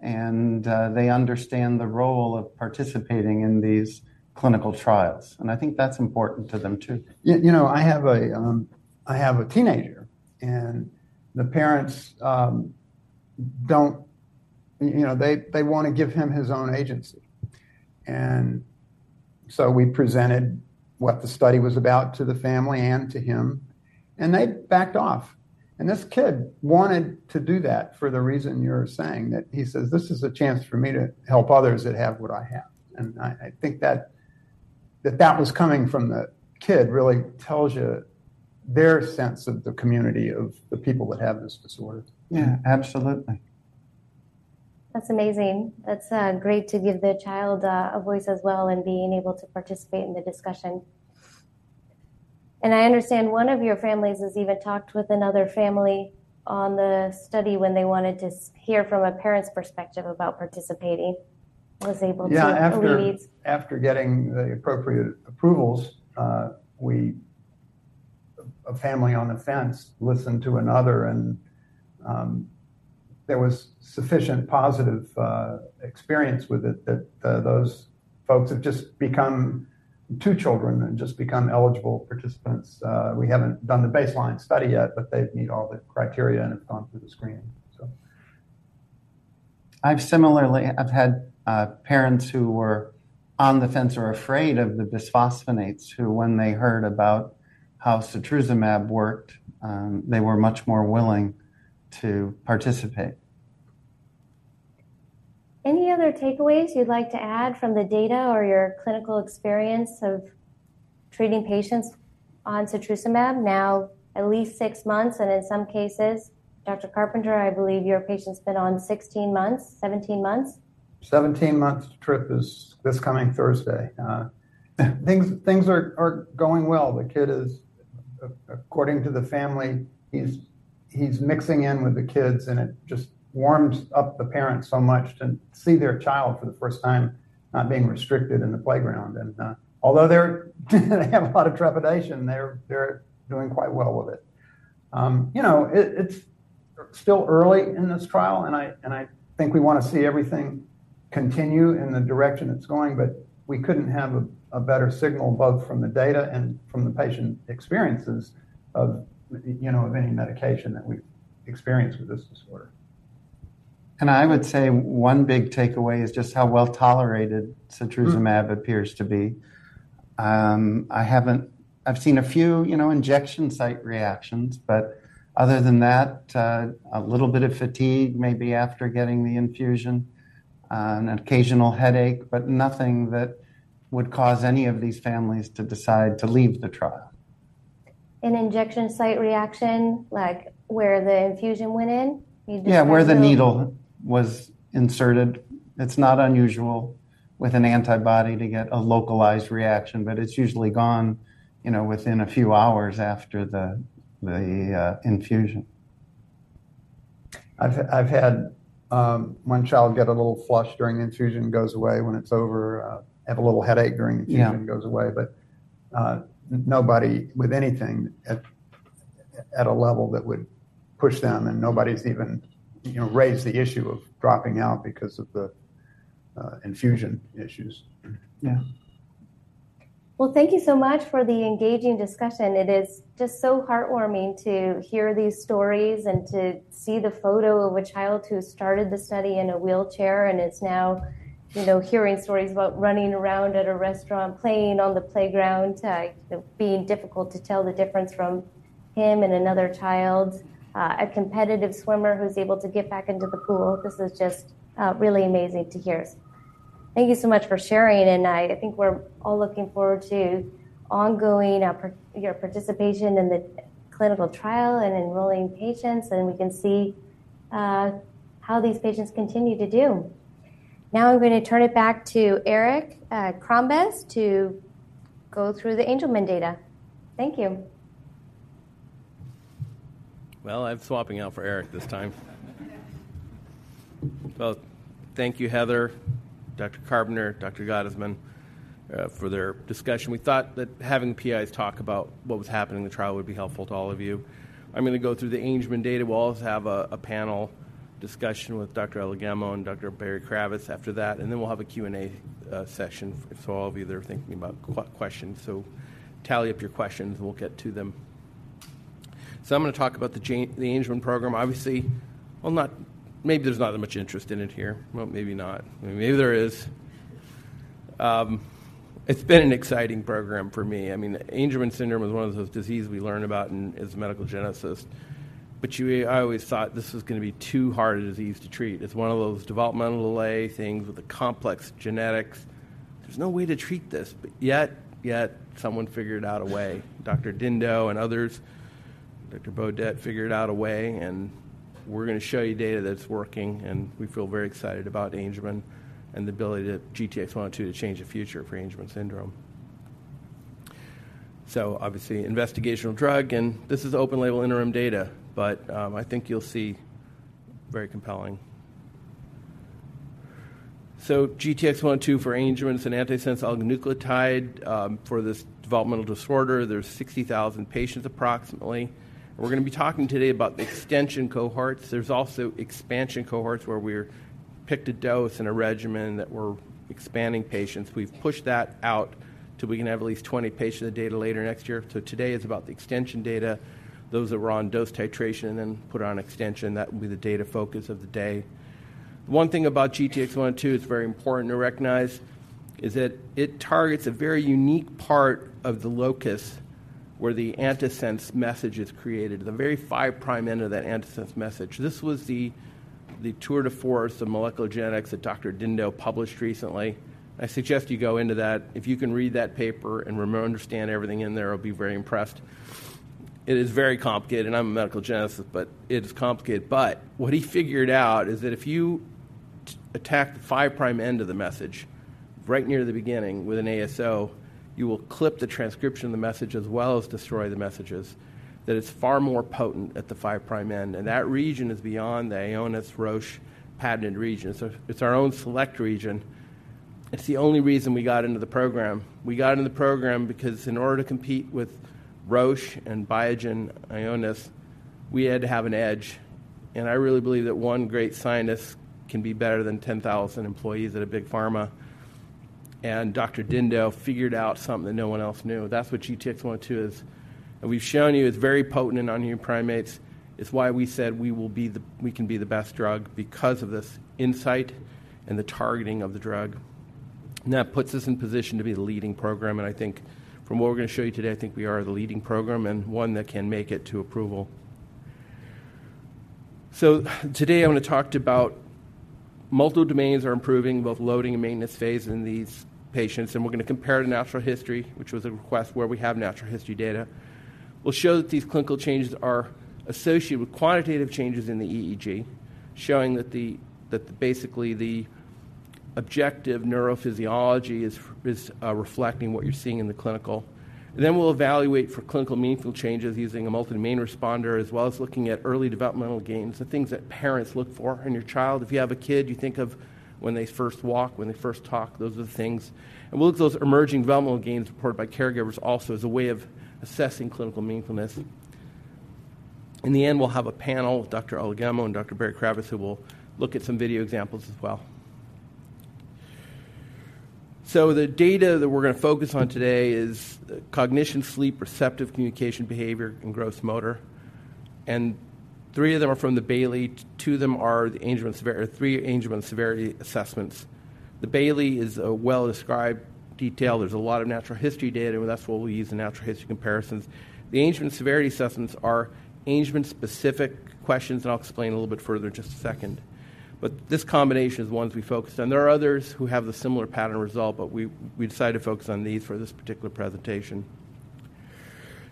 and they understand the role of participating in these clinical trials, and I think that's important to them, too. You know, I have a teenager, and the parents don't, you know, they wanna give him his own agency. And so we presented what the study was about to the family and to him, and they backed off. And this kid wanted to do that for the reason you're saying, that he says: "This is a chance for me to help others that have what I have." And I think that that was coming from the kid really tells you their sense of the community, of the people that have this disorder. Yeah, absolutely. That's amazing. That's great to give the child a voice as well and being able to participate in the discussion. I understand one of your families has even talked with another family on the study when they wanted to hear from a parent's perspective about participating, was able to. Yeah, after getting the appropriate approvals, a family on the fence listened to another, and there was sufficient positive experience with it that those folks have just become two children and just become eligible participants. We haven't done the baseline study yet, but they meet all the criteria and have gone through the screening, so. I've had parents who were on the fence or afraid of the bisphosphonates, who, when they heard about how Setrusumab worked, they were much more willing to participate. Any other takeaways you'd like to add from the data or your clinical experience of treating patients on Setrusumab now at least six months, and in some cases, Dr. Carpenter, I believe your patient's been on 16 months, 17 months? 17 months trip is this coming Thursday. Things are going well. The kid is, according to the family, he's mixing in with the kids, and it just warms up the parents so much to see their child for the first time not being restricted in the playground. And although they have a lot of trepidation, they're doing quite well with it. You know, it's still early in this trial, and I think we wanna see everything continue in the direction it's going, but we couldn't have a better signal, both from the data and from the patient experiences of, you know, any medication that we've experienced with this disorder. I would say one big takeaway is just how well tolerated Setrusumab appears to be. I haven't seen a few, you know, injection site reactions, but other than that, a little bit of fatigue, maybe after getting the infusion, an occasional headache, but nothing that would cause any of these families to decide to leave the trial. An injection site reaction, like where the infusion went in? You just. Yeah, where the needle was inserted. It's not unusual with an antibody to get a localized reaction, but it's usually gone, you know, within a few hours after the infusion. I've had one child get a little flush during infusion, goes away when it's over. Have a little headache during the infusion goes away, but nobody with anything at a level that would push them, and nobody's even, you know, raised the issue of dropping out because of the infusion issues. Yeah. Well, thank you so much for the engaging discussion. It is just so heartwarming to hear these stories and to see the photo of a child who started the study in a wheelchair and is now, you know, hearing stories about running around at a restaurant, playing on the playground, it being difficult to tell the difference from him and another child. A competitive swimmer who's able to get back into the pool. This is just really amazing to hear. Thank you so much for sharing, and I think we're all looking forward to ongoing your participation in the clinical trial and enrolling patients, and we can see how these patients continue to do. Now I'm gonna turn it back to Eric Crombez to go through the Angelman data. Thank you. Well, I'm swapping out for Eric this time. Well, thank you, Heather, Dr. Carpenter, Dr. Gottesman, for their discussion. We thought that having PIs talk about what was happening in the trial would be helpful to all of you. I'm gonna go through the Angelman data. We'll also have a panel discussion with Dr. Olugemo and Dr. Berry-Kravis after that, and then we'll have a Q&A session. So all of you that are thinking about questions, so tally up your questions, and we'll get to them. So I'm gonna talk about the Angelman program. Obviously, well, not, maybe there's not that much interest in it here. Well, maybe not. Maybe there is. It's been an exciting program for me. I mean, Angelman syndrome is one of those diseases we learn about in as medical geneticists, but you, I always thought this was gonna be too hard a disease to treat. It's one of those developmental delay things with the complex genetics. There's no way to treat this, but yet, yet someone figured out a way. Dr. Dindot and others, Dr. Beaudet, figured out a way, and we're gonna show you data that's working, and we feel very excited about Angelman and the ability to GTX-102 to change the future for Angelman syndrome. So obviously, investigational drug, and this is open label interim data, but, I think you'll see very compelling. So GTX-102 for Angelman is an antisense oligonucleotide for this developmental disorder. There's 60,000 patients approximately. We're gonna be talking today about the extension cohorts. There's also expansion cohorts, where we're picked a dose and a regimen that we're expanding patients. We've pushed that out till we can have at least 20 patient data later next year. So today is about the extension data, those that were on dose titration and put on extension. That will be the data focus of the day. One thing about GTX-102, it's very important to recognize, is that it targets a very unique part of the locus where the antisense message is created, the very five prime end of that antisense message. This was the tour de force of molecular genetics that Dr. Dindot published recently. I suggest you go into that. If you can read that paper and really understand everything in there, I'll be very impressed. It is very complicated, and I'm a medical geneticist, but it is complicated. But what he figured out is that if you attack the five prime end of the message, right near the beginning with an ASO, you will clip the transcription of the message as well as destroy the messages, that it's far more potent at the five prime end, and that region is beyond the Ionis-Roche patented region. So it's our own select region. It's the only reason we got into the program. We got into the program because in order to compete with Roche and Biogen Ionis, we had to have an edge, and I really believe that one great scientist can be better than 10,000 employees at a big pharma. And Dr. Dindot figured out something that no one else knew. That's what GTX-102 is. And we've shown you it's very potent on nonhuman primates. It's why we said we can be the best drug because of this insight and the targeting of the drug. That puts us in position to be the leading program, and I think from what we're gonna show you today, I think we are the leading program and one that can make it to approval. Today, I'm gonna talk to you about multiple domains are improving, both loading and maintenance phase in these patients, and we're gonna compare to natural history, which was a request where we have natural history data. We'll show that these clinical changes are associated with quantitative changes in the EEG, showing that the, that basically the objective neurophysiology is reflecting what you're seeing in the clinical. Then we'll evaluate for clinical meaningful changes using a multi-domain responder, as well as looking at early developmental gains, the things that parents look for in your child. If you have a kid, you think of when they first walk, when they first talk, those are the things. And we'll look at those emerging developmental gains reported by caregivers also as a way of assessing clinical meaningfulness. In the end, we'll have a panel, Dr. Ologemo and Dr. Berry-Kravis, who will look at some video examples as well. So the data that we're gonna focus on today is cognition, sleep, perceptive, communication, behavior, and gross motor. And three of them are from the Bayley, two of them are the Angelman's, or three Angelman Severity Assessments. The Bayley is a well-described detail. There's a lot of natural history data, and that's what we'll use in natural history comparisons. The Angelman Severity Assessments are Angelman-specific questions, and I'll explain a little bit further just a second. But this combination is the ones we focused on. There are others who have a similar pattern result, but we, we decided to focus on these for this particular presentation.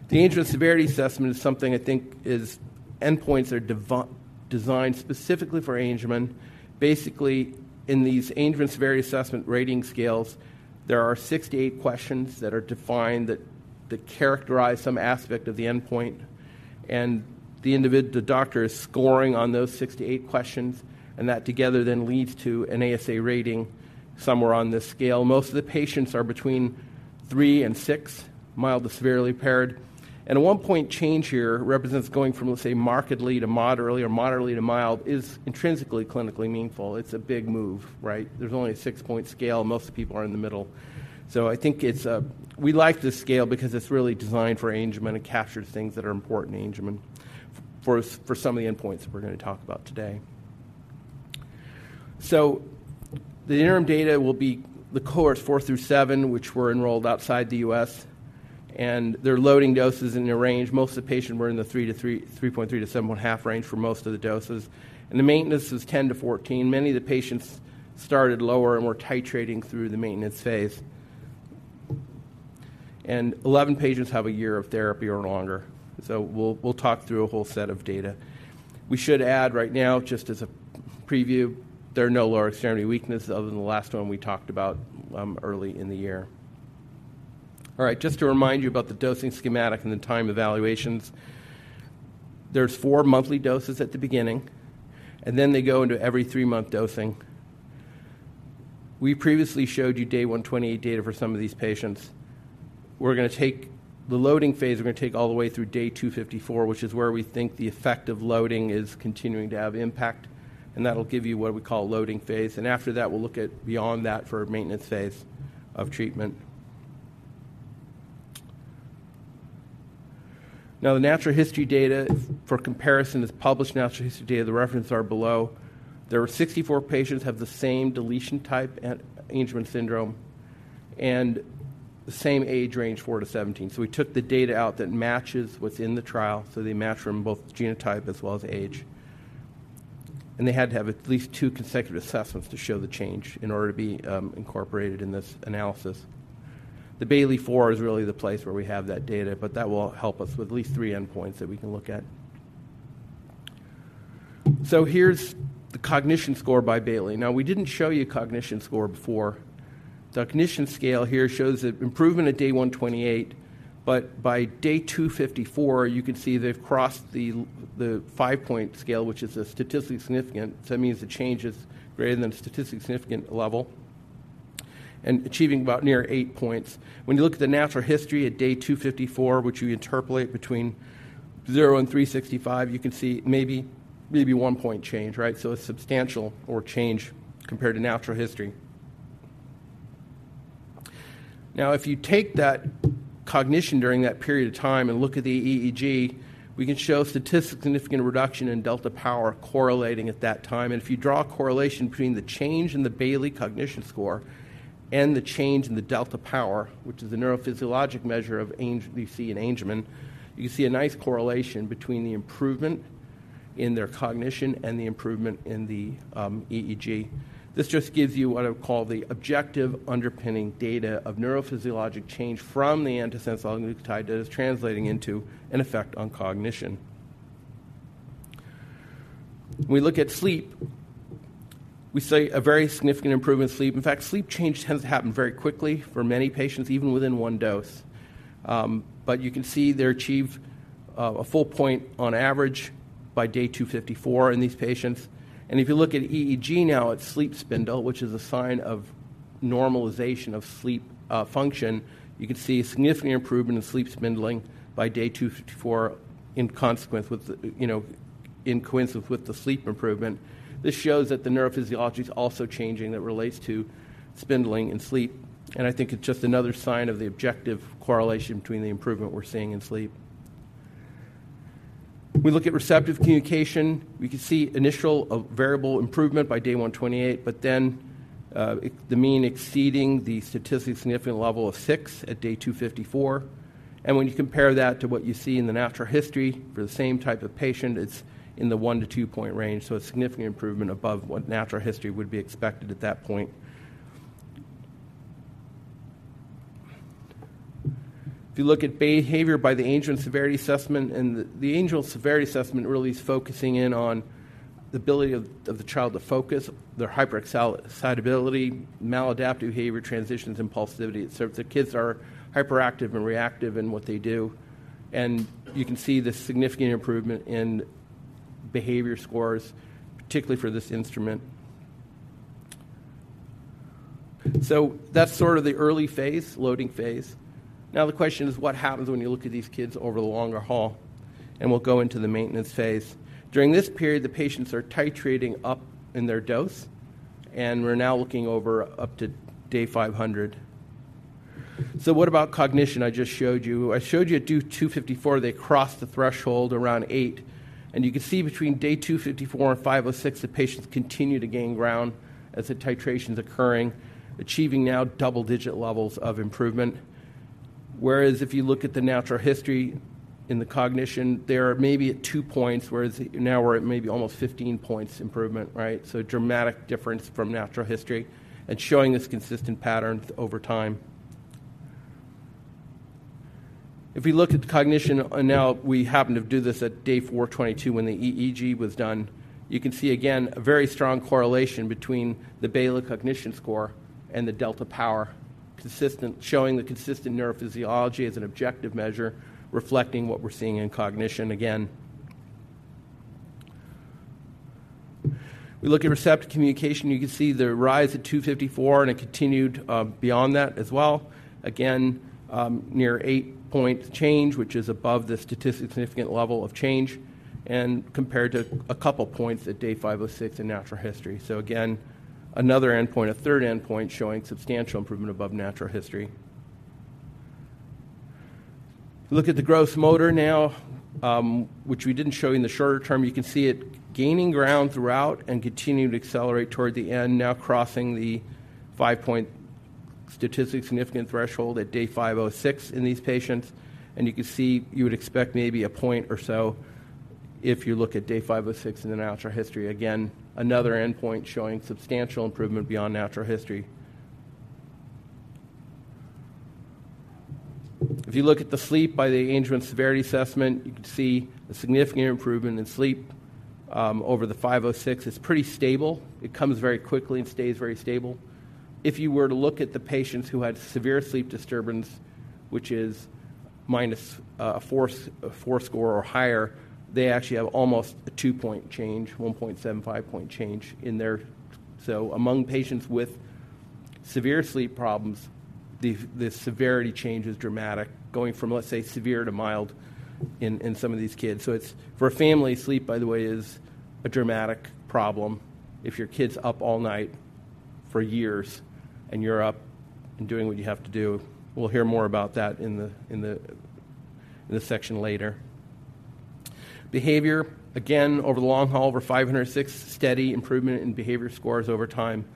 The Angelman severity assessment is something I think is endpoints are designed specifically for Angelman. Basically, in these Angelman severity assessment rating scales, there are 68 questions that are defined that, that characterize some aspect of the endpoint, and the doctor is scoring on those 68 questions, and that together then leads to an ASA rating somewhere on this scale. Most of the patients are between three and six, mild to severely impaired. And a one point change here represents going from, let's say, markedly to moderately or moderately to mild, is intrinsically clinically meaningful. It's a big move, right? There's only a six-point scale. Most people are in the middle. So I think it's we like this scale because it's really designed for Angelman. It captures things that are important in Angelman for some of the endpoints that we're gonna talk about today. So the interim data will be the cohorts four through seven, which were enrolled outside the U.S., and their loading doses in the range. Most of the patients were in the three to 3.3-7.5 range for most of the doses, and the maintenance was 10-14. Many of the patients started lower and were titrating through the maintenance phase. And 11 patients have a year of therapy or longer. So we'll talk through a whole set of data. We should add right now, just as a preview, there are no lower extremity weakness other than the last one we talked about early in the year. All right, just to remind you about the dosing schematic and the time evaluations. There's four monthly doses at the beginning, and then they go into every three month dosing. We previously showed you day 128 data for some of these patients. We're gonna take, the loading phase, we're gonna take all the way through day 254, which is where we think the effect of loading is continuing to have impact, and that'll give you what we call loading phase. And after that, we'll look at beyond that for a maintenance phase of treatment. Now, the natural history data for comparison is published natural history data. The references are below. There are 64 patients who have the same deletion type at Angelman syndrome and the same age range, 4-17. We took the data out that matches within the trial, so they match from both genotype as well as age. They had to have at least two consecutive assessments to show the change in order to be incorporated in this analysis. The Bayley-4 is really the place where we have that data, but that will help us with at least three endpoints that we can look at. Here's the cognition score by Bayley. Now, we didn't show you a cognition score before. The cognition scale here shows that improvement at day 128, but by day 254, you can see they've crossed the 5-point scale, which is a statistically significant. So that means the change is greater than a statistically significant level and achieving about near eight points. When you look at the natural history at day 254, which we interpolate between zero and 365, you can see maybe, maybe one point change, right? So a substantial more change compared to natural history. Now, if you take that cognition during that period of time and look at the EEG, we can show statistically significant reduction in delta power correlating at that time. And if you draw a correlation between the change in the Bayley Cognition Score and the change in the delta power, which is a neurophysiologic measure of Angelman we see in Angelman, you can see a nice correlation between the improvement in their cognition and the improvement in the EEG. This just gives you what I would call the objective underpinning data of neurophysiologic change from the antisense oligonucleotide that is translating into an effect on cognition. When we look at sleep, we see a very significant improvement in sleep. In fact, sleep change tends to happen very quickly for many patients, even within one dose. But you can see they achieve a full point on average by day 254 in these patients. And if you look at EEG now at sleep spindle, which is a sign of normalization of sleep function, you can see a significant improvement in sleep spindling by day 254, in consequence with the, you know, in coincidence with the sleep improvement. This shows that the neurophysiology is also changing, that relates to spindling and sleep, and I think it's just another sign of the objective correlation between the improvement we're seeing in sleep. We look at receptive communication. We can see initial of variable improvement by day 128, but then, it the mean exceeding the statistically significant level of six at day 254. And when you compare that to what you see in the natural history for the same type of patient, it's in the one to two point range, so a significant improvement above what natural history would be expected at that point. If you look at behavior by the Angelman Severity Assessment, and the Angelman Severity Assessment really is focusing in on the ability of the child to focus, their hyperexcitability, maladaptive behavior, transitions, impulsivity. So the kids are hyperactive and reactive in what they do, and you can see the significant improvement in behavior scores, particularly for this instrument. So that's sort of the early phase, loading phase. Now, the question is, what happens when you look at these kids over the longer haul? And we'll go into the maintenance phase. During this period, the patients are titrating up in their dose, and we're now looking over up to day 500. So what about cognition? I just showed you. I showed you at day 254, they crossed the threshold around eight, and you can see between day 254 and 506, the patients continue to gain ground as the titration is occurring, achieving now double-digit levels of improvement. Whereas if you look at the natural history in the cognition, they are maybe at two points, whereas now we're at maybe almost 15 points improvement, right? So a dramatic difference from natural history and showing this consistent pattern over time. If we look at the cognition, and now we happen to do this at day 422, when the EEG was done, you can see again, a very strong correlation between the Bayley Cognition Score and the delta power, consistent, showing the consistent neurophysiology as an objective measure, reflecting what we're seeing in cognition again. We look at receptive communication, you can see the rise at 254, and it continued beyond that as well. Again, near 8 points change, which is above the statistically significant level of change and compared to a couple of points at day 506 in natural history. So again, another endpoint, a third endpoint showing substantial improvement above natural history. Look at the gross motor now, which we didn't show in the shorter term. You can see it gaining ground throughout and continuing to accelerate toward the end, now crossing the five point statistically significant threshold at day 506 in these patients. And you can see, you would expect maybe a point or so if you look at day 506 in the natural history. Again, another endpoint showing substantial improvement beyond natural history. If you look at the sleep by the Angelman Severity Assessment, you can see a significant improvement in sleep over the 506. It's pretty stable. It comes very quickly and stays very stable. If you were to look at the patients who had severe sleep disturbance, which is minus a four score or higher, they actually have almost a two point change, 1.75-point change in there. So among patients with severe sleep problems, the severity change is dramatic, going from, let's say, severe to mild in some of these kids. So it's, for a family, sleep, by the way, is a dramatic problem if your kid's up all night for years and you're up and doing what you have to do. We'll hear more about that in this section later. Behavior, again, over the long haul, over 506, steady improvement in behavior scores over time,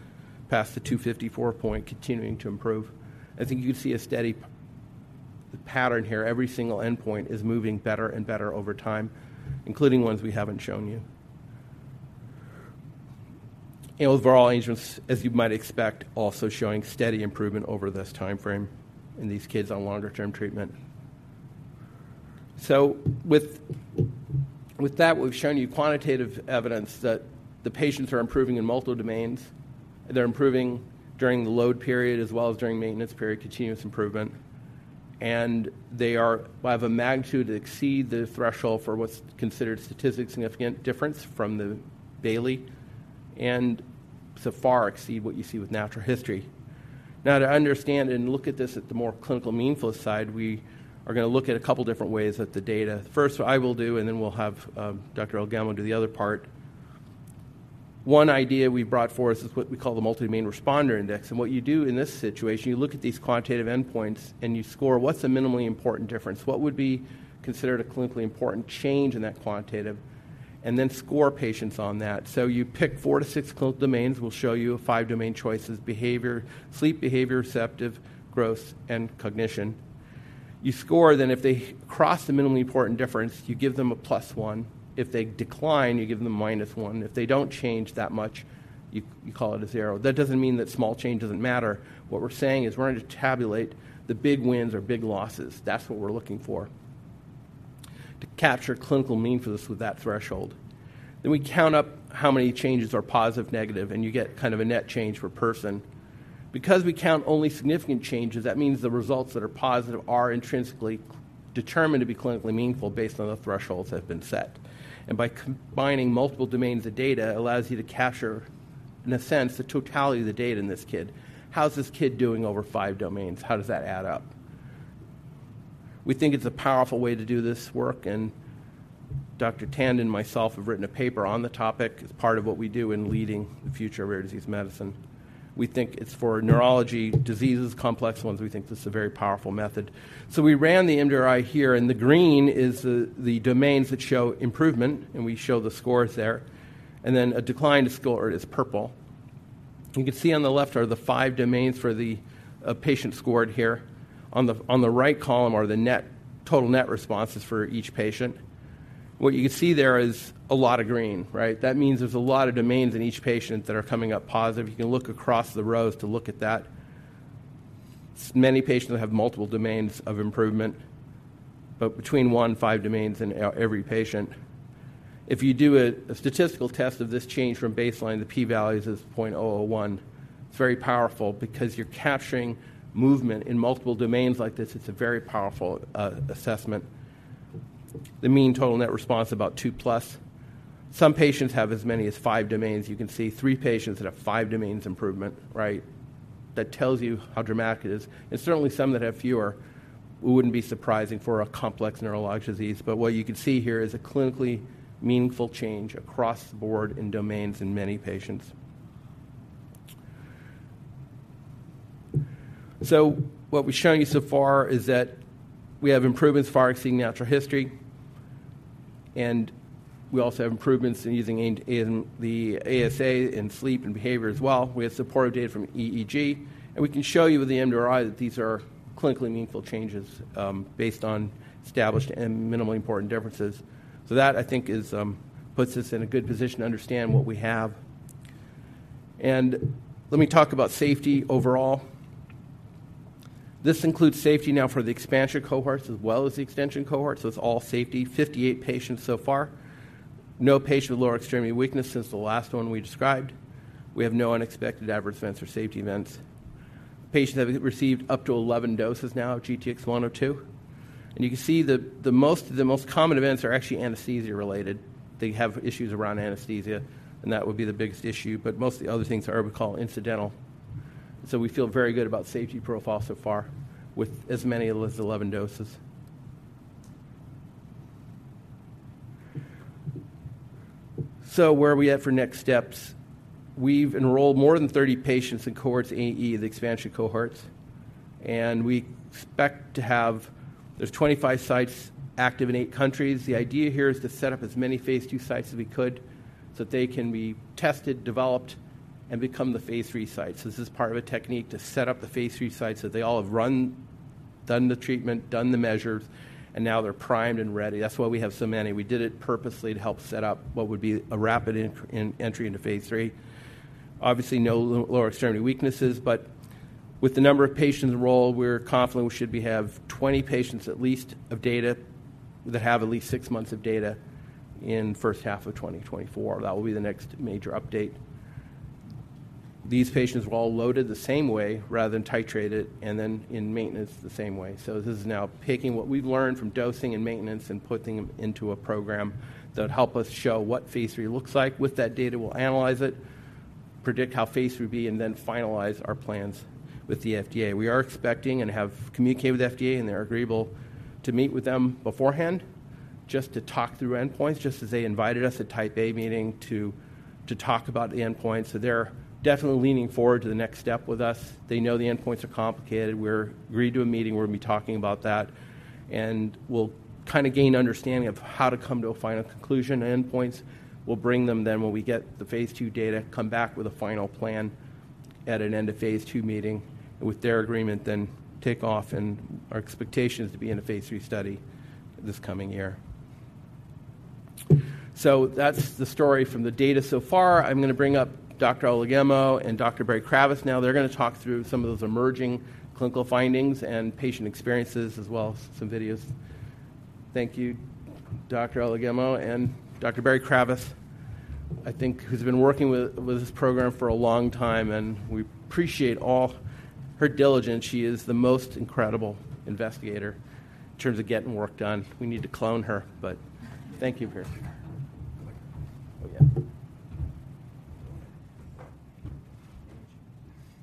past the 254-point, continuing to improve. I think you can see a steady pattern here. Every single endpoint is moving better and better over time, including ones we haven't shown you. Overall, Angelman's, as you might expect, also showing steady improvement over this timeframe in these kids on longer-term treatment. So with that, we've shown you quantitative evidence that the patients are improving in multiple domains. They're improving during the load period as well as during maintenance period, continuous improvement. And they are by the magnitude exceed the threshold for what's considered statistically significant difference from the Bayley and so far exceed what you see with natural history. Now, to understand and look at this at the more clinical meaningful side, we are gonna look at a couple of different ways at the data. First, I will do, and then we'll have Dr. Elgammal do the other part. One idea we brought forth is what we call the Multi-Domain Responder Index, and what you do in this situation, you look at these quantitative endpoints and you score what's the minimally important difference, what would be considered a clinically important change in that quantitative, and then score patients on that. So you pick four-six clinical domains. We'll show you five domain choices: behavior, sleep, behavior, receptive, growth, and cognition, you score, then if they cross the minimally important difference, you give them a plus one. If they decline, you give them a minus one. If they don't change that much, you, you call it a zero. That doesn't mean that small change doesn't matter. What we're saying is we're going to tabulate the big wins or big losses. That's what we're looking for, to capture clinical meaningfulness with that threshold. Then we count up how many changes are positive, negative, and you get kind of a net change per person. Because we count only significant changes, that means the results that are positive are intrinsically determined to be clinically meaningful based on the thresholds that have been set. And by combining multiple domains of data, it allows you to capture, in a sense, the totality of the data in this kid. How's this kid doing over five domains? How does that add up? We think it's a powerful way to do this work, and Dr. Tandon and myself have written a paper on the topic. It's part of what we do in leading the future of rare disease medicine. We think it's for neurology diseases, complex ones, we think this is a very powerful method. So we ran the mDRI here, and the green is the, the domains that show improvement, and we show the scores there, and then a declined score is purple. You can see on the left are the 5 domains for the patient scored here. On the, on the right column are the total net responses for each patient. What you can see there is a lot of green, right? That means there's a lot of domains in each patient that are coming up positive. You can look across the rows to look at that. Many patients have multiple domains of improvement, but between one, five domains in every patient. If you do a statistical test of this change from baseline, the p-value is 0.001. It's very powerful because you're capturing movement in multiple domains like this. It's a very powerful assessment. The mean total net response, about two plus. Some patients have as many as five domains. You can see three patients that have five domains improvement, right? That tells you how dramatic it is, and certainly some that have fewer, it wouldn't be surprising for a complex neurologic disease. But what you can see here is a clinically meaningful change across the board in domains in many patients. So what we've shown you so far is that we have improvements far exceeding natural history, and we also have improvements in the ASA, in sleep and behavior as well. We have supportive data from EEG, and we can show you with the mDRI that these are clinically meaningful changes, based on established and minimally important differences. So that, I think, puts us in a good position to understand what we have. Let me talk about safety overall. This includes safety now for the expansion cohorts as well as the extension cohorts. So it's all safety, 58 patients so far. No patient with lower extremity weakness since the last one we described. We have no unexpected adverse events or safety events. Patients have received up to 11 doses now of GTX-102, and you can see the most common events are actually anesthesia-related. They have issues around anesthesia, and that would be the biggest issue, but most of the other things are what we call incidental. So we feel very good about safety profile so far with as many as 11 doses. So where are we at for next steps? We've enrolled more than 30 patients in cohorts A and E, the expansion cohorts, and we expect to have. There's 25 sites active in eight countries. The idea here is to set up as many phase II sites as we could, so that they can be tested, developed, and become the phase III sites. This is part of a technique to set up the phase III sites, so they all have run, done the treatment, done the measures, and now they're primed and ready. That's why we have so many. We did it purposely to help set up what would be a rapid entry into phase III. Obviously, no lower extremity weaknesses, but with the number of patients enrolled, we're confident we should be, have 20 patients at least of data, that have at least six months of data in first half of 2024. That will be the next major update. These patients were all loaded the same way rather than titrated, and then in maintenance the same way. So this is now taking what we've learned from dosing and maintenance and putting them into a program that help us show what phase III looks like. With that data, we'll analyze it, predict how phase III will be, and then finalize our plans with the FDA. We are expecting and have communicated with FDA, and they are agreeable to meet with them beforehand just to talk through endpoints, just as they invited us to Type A meeting to talk about the endpoints. So they're definitely leaning forward to the next step with us. They know the endpoints are complicated. We're agreed to a meeting, we're gonna be talking about that, and we'll kinda gain understanding of how to come to a final conclusion on endpoints. We'll bring them then when we get the phase II data, come back with a final plan at an end of phase II meeting. With their agreement, then take off, and our expectation is to be in a phase III study this coming year. So that's the story from the data so far. I'm gonna bring up Dr. Ologemo and Dr. Berry-Kravis now. They're gonna talk through some of those emerging clinical findings and patient experiences, as well as some videos. Thank you, Dr. Ologemo and Dr. Berry-Kravis. I think, who's been working with this program for a long time, and we appreciate all her diligence. She is the most incredible investigator in terms of getting work done. We need to clone her, but thank you very much.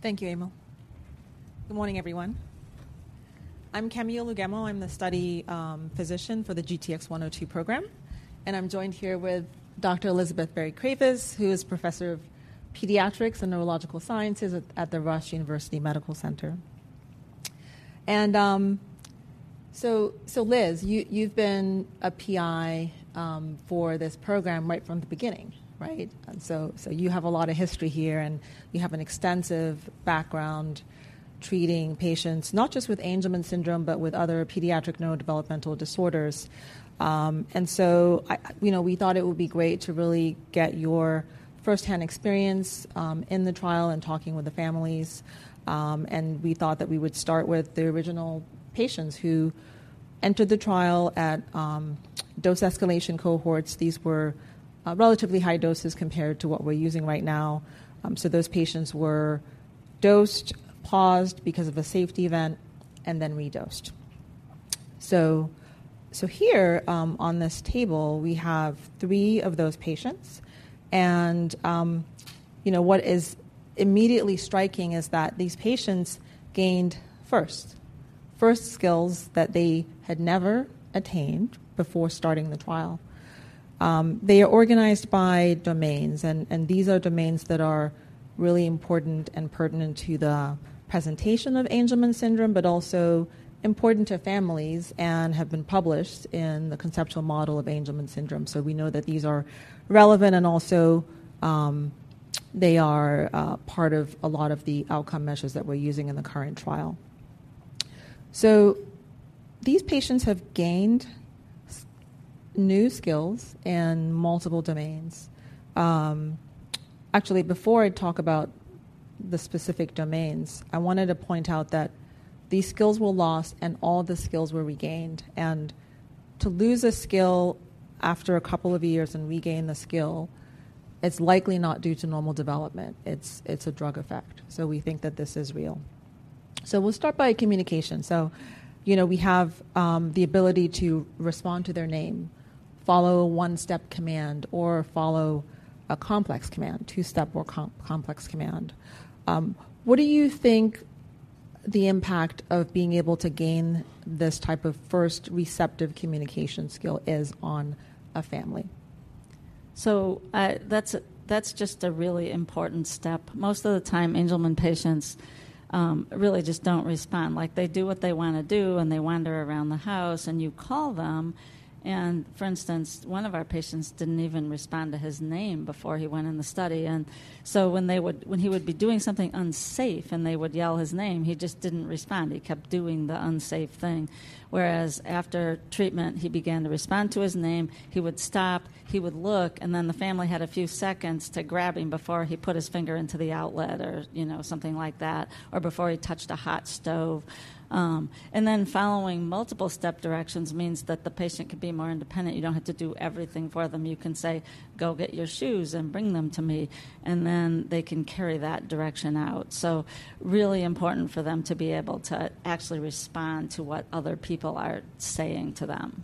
Thank you, Emil. Good morning, everyone. I'm Kemi Olugemo. I'm the study physician for the GTX-102 program, and I'm joined here with Dr. Elizabeth Berry-Kravis, who is Professor of Pediatrics and Neurological Sciences at the Rush University Medical Center. So Liz, you've been a PI for this program right from the beginning, right? So you have a lot of history here, and you have an extensive background treating patients, not just with Angelman syndrome, but with other pediatric neurodevelopmental disorders. You know, we thought it would be great to really get your firsthand experience in the trial and talking with the families. We thought that we would start with the original patients who entered the trial at dose escalation cohorts. These were relatively high doses compared to what we're using right now. So those patients were dosed, paused because of a safety event, and then redosed. So here, on this table, we have three of those patients, and you know, what is immediately striking is that these patients gained first skills that they had never attained before starting the trial. They are organized by domains, and these are domains that are really important and pertinent to the presentation of Angelman syndrome, but also important to families and have been published in the conceptual model of Angelman syndrome. So we know that these are relevant, and also, they are part of a lot of the outcome measures that we're using in the current trial. So these patients have gained new skills in multiple domains. Actually, before I talk about the specific domains, I wanted to point out that these skills were lost, and all the skills were regained. To lose a skill after a couple of years and regain the skill, it's likely not due to normal development. It's a drug effect, so we think that this is real. We'll start by communication. You know, we have the ability to respond to their name, follow a one-step command, or follow a complex command, two-step or complex command. What do you think the impact of being able to gain this type of first receptive communication skill is on a family? So, that's, that's just a really important step. Most of the time, Angelman patients really just don't respond. Like, they do what they wanna do, and they wander around the house, and you call them, and for instance, one of our patients didn't even respond to his name before he went in the study. And so when he would be doing something unsafe, and they would yell his name, he just didn't respond. He kept doing the unsafe thing. Whereas after treatment, he began to respond to his name. He would stop, he would look, and then the family had a few seconds to grab him before he put his finger into the outlet or, you know, something like that, or before he touched a hot stove. And then following multiple-step directions means that the patient can be more independent. You don't have to do everything for them. You can say, "Go get your shoes and bring them to me," and then they can carry that direction out. So really important for them to be able to actually respond to what other people are saying to them.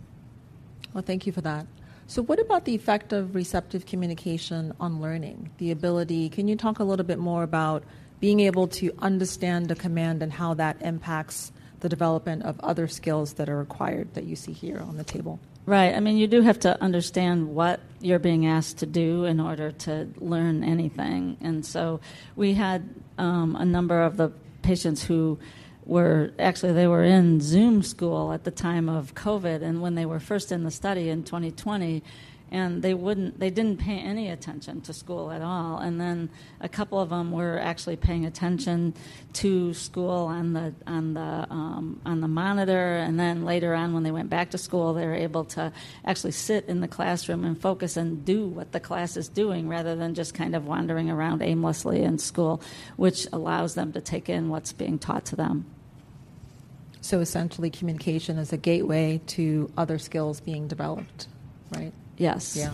Well, thank you for that. So what about the effect of receptive communication on learning, the ability? Can you talk a little bit more about being able to understand a command and how that impacts the development of other skills that are required that you see here on the table? Right. I mean, you do have to understand what you're being asked to do in order to learn anything. So we had a number of the patients who were actually in Zoom school at the time of COVID and when they were first in the study in 2020, and they didn't pay any attention to school at all. And then a couple of them were actually paying attention to school on the monitor, and then later on, when they went back to school, they were able to actually sit in the classroom and focus and do what the class is doing, rather than just kind of wandering around aimlessly in school, which allows them to take in what's being taught to them. Essentially, communication is a gateway to other skills being developed, right? Yes. Yeah.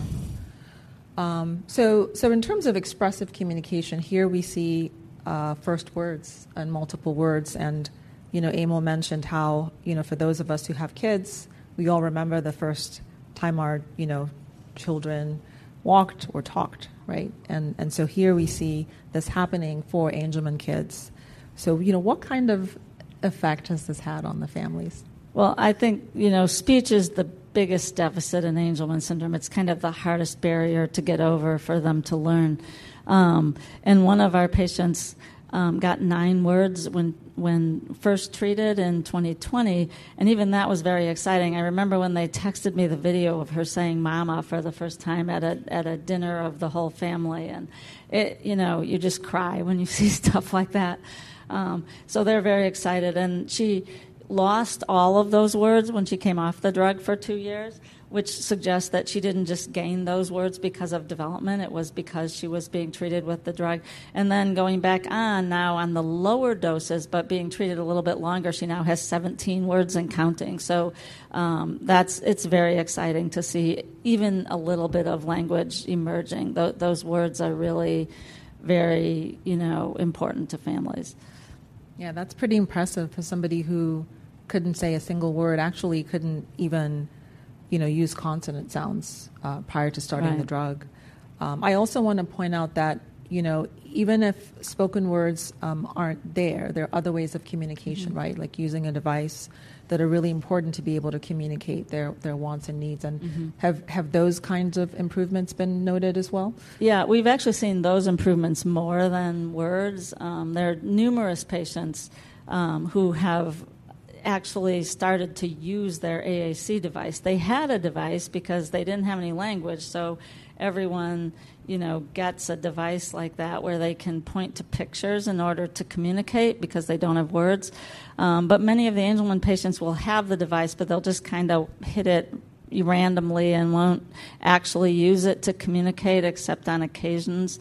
So, so in terms of expressive communication, here we see first words and multiple words, and, you know, Emil mentioned how, you know, for those of us who have kids, we all remember the first time our, you know, children walked or talked, right? And, and so here we see this happening for Angelman kids. So, you know, what kind of effect has this had on the families? Well, I think, you know, speech is the biggest deficit in Angelman syndrome. It's kind of the hardest barrier to get over for them to learn. And one of our patients got nine words when first treated in 2020, and even that was very exciting. I remember when they texted me the video of her saying, "Mama," for the first time at a dinner of the whole family, and it, you know, you just cry when you see stuff like that. So they're very excited, and she lost all of those words when she came off the drug for two years, which suggests that she didn't just gain those words because of development. It was because she was being treated with the drug. And then going back on, now on the lower doses, but being treated a little bit longer, she now has 17 words and counting. So, that's, it's very exciting to see even a little bit of language emerging. Those words are really very, you know, important to families. Yeah, that's pretty impressive for somebody who couldn't say a single word, actually couldn't even, you know, use cosonant sounds prior to starting the drug. I also wanna point out that, you know, even if spoken words aren't there, there are other ways of communication right? Like using a device, that are really important to be able to communicate their, their wants and needs, and have those kinds of improvements been noted as well? Yeah. We've actually seen those improvements more than words. There are numerous patients who have actually started to use their AAC device. They had a device because they didn't have any language, so everyone, you know, gets a device like that, where they can point to pictures in order to communicate because they don't have words. But many of the Angelman patients will have the device, but they'll just kind of hit it randomly and won't actually use it to communicate, except on occasions.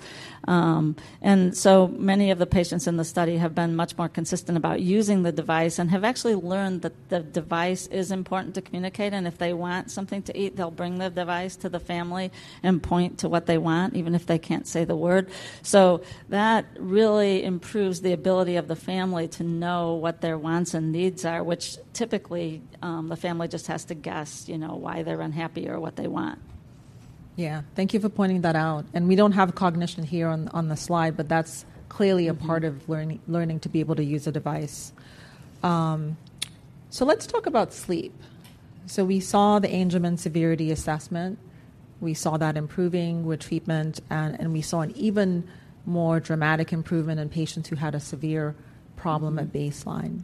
And so many of the patients in the study have been much more consistent about using the device and have actually learned that the device is important to communicate, and if they want something to eat, they'll bring the device to the family and point to what they want, even if they can't say the word. So that really improves the ability of the family to know what their wants and needs are, which typically, the family just has to guess, you know, why they're unhappy or what they want. Yeah. Thank you for pointing that out. And we don't have cognition here on, on the slide, but that's clearly a part of learning, learning to be able to use a device. So let's talk about sleep. So we saw the Angelman Severity Assessment. We saw that improving with treatment, and, and we saw an even more dramatic improvement in patients who had a severe problem at baseline.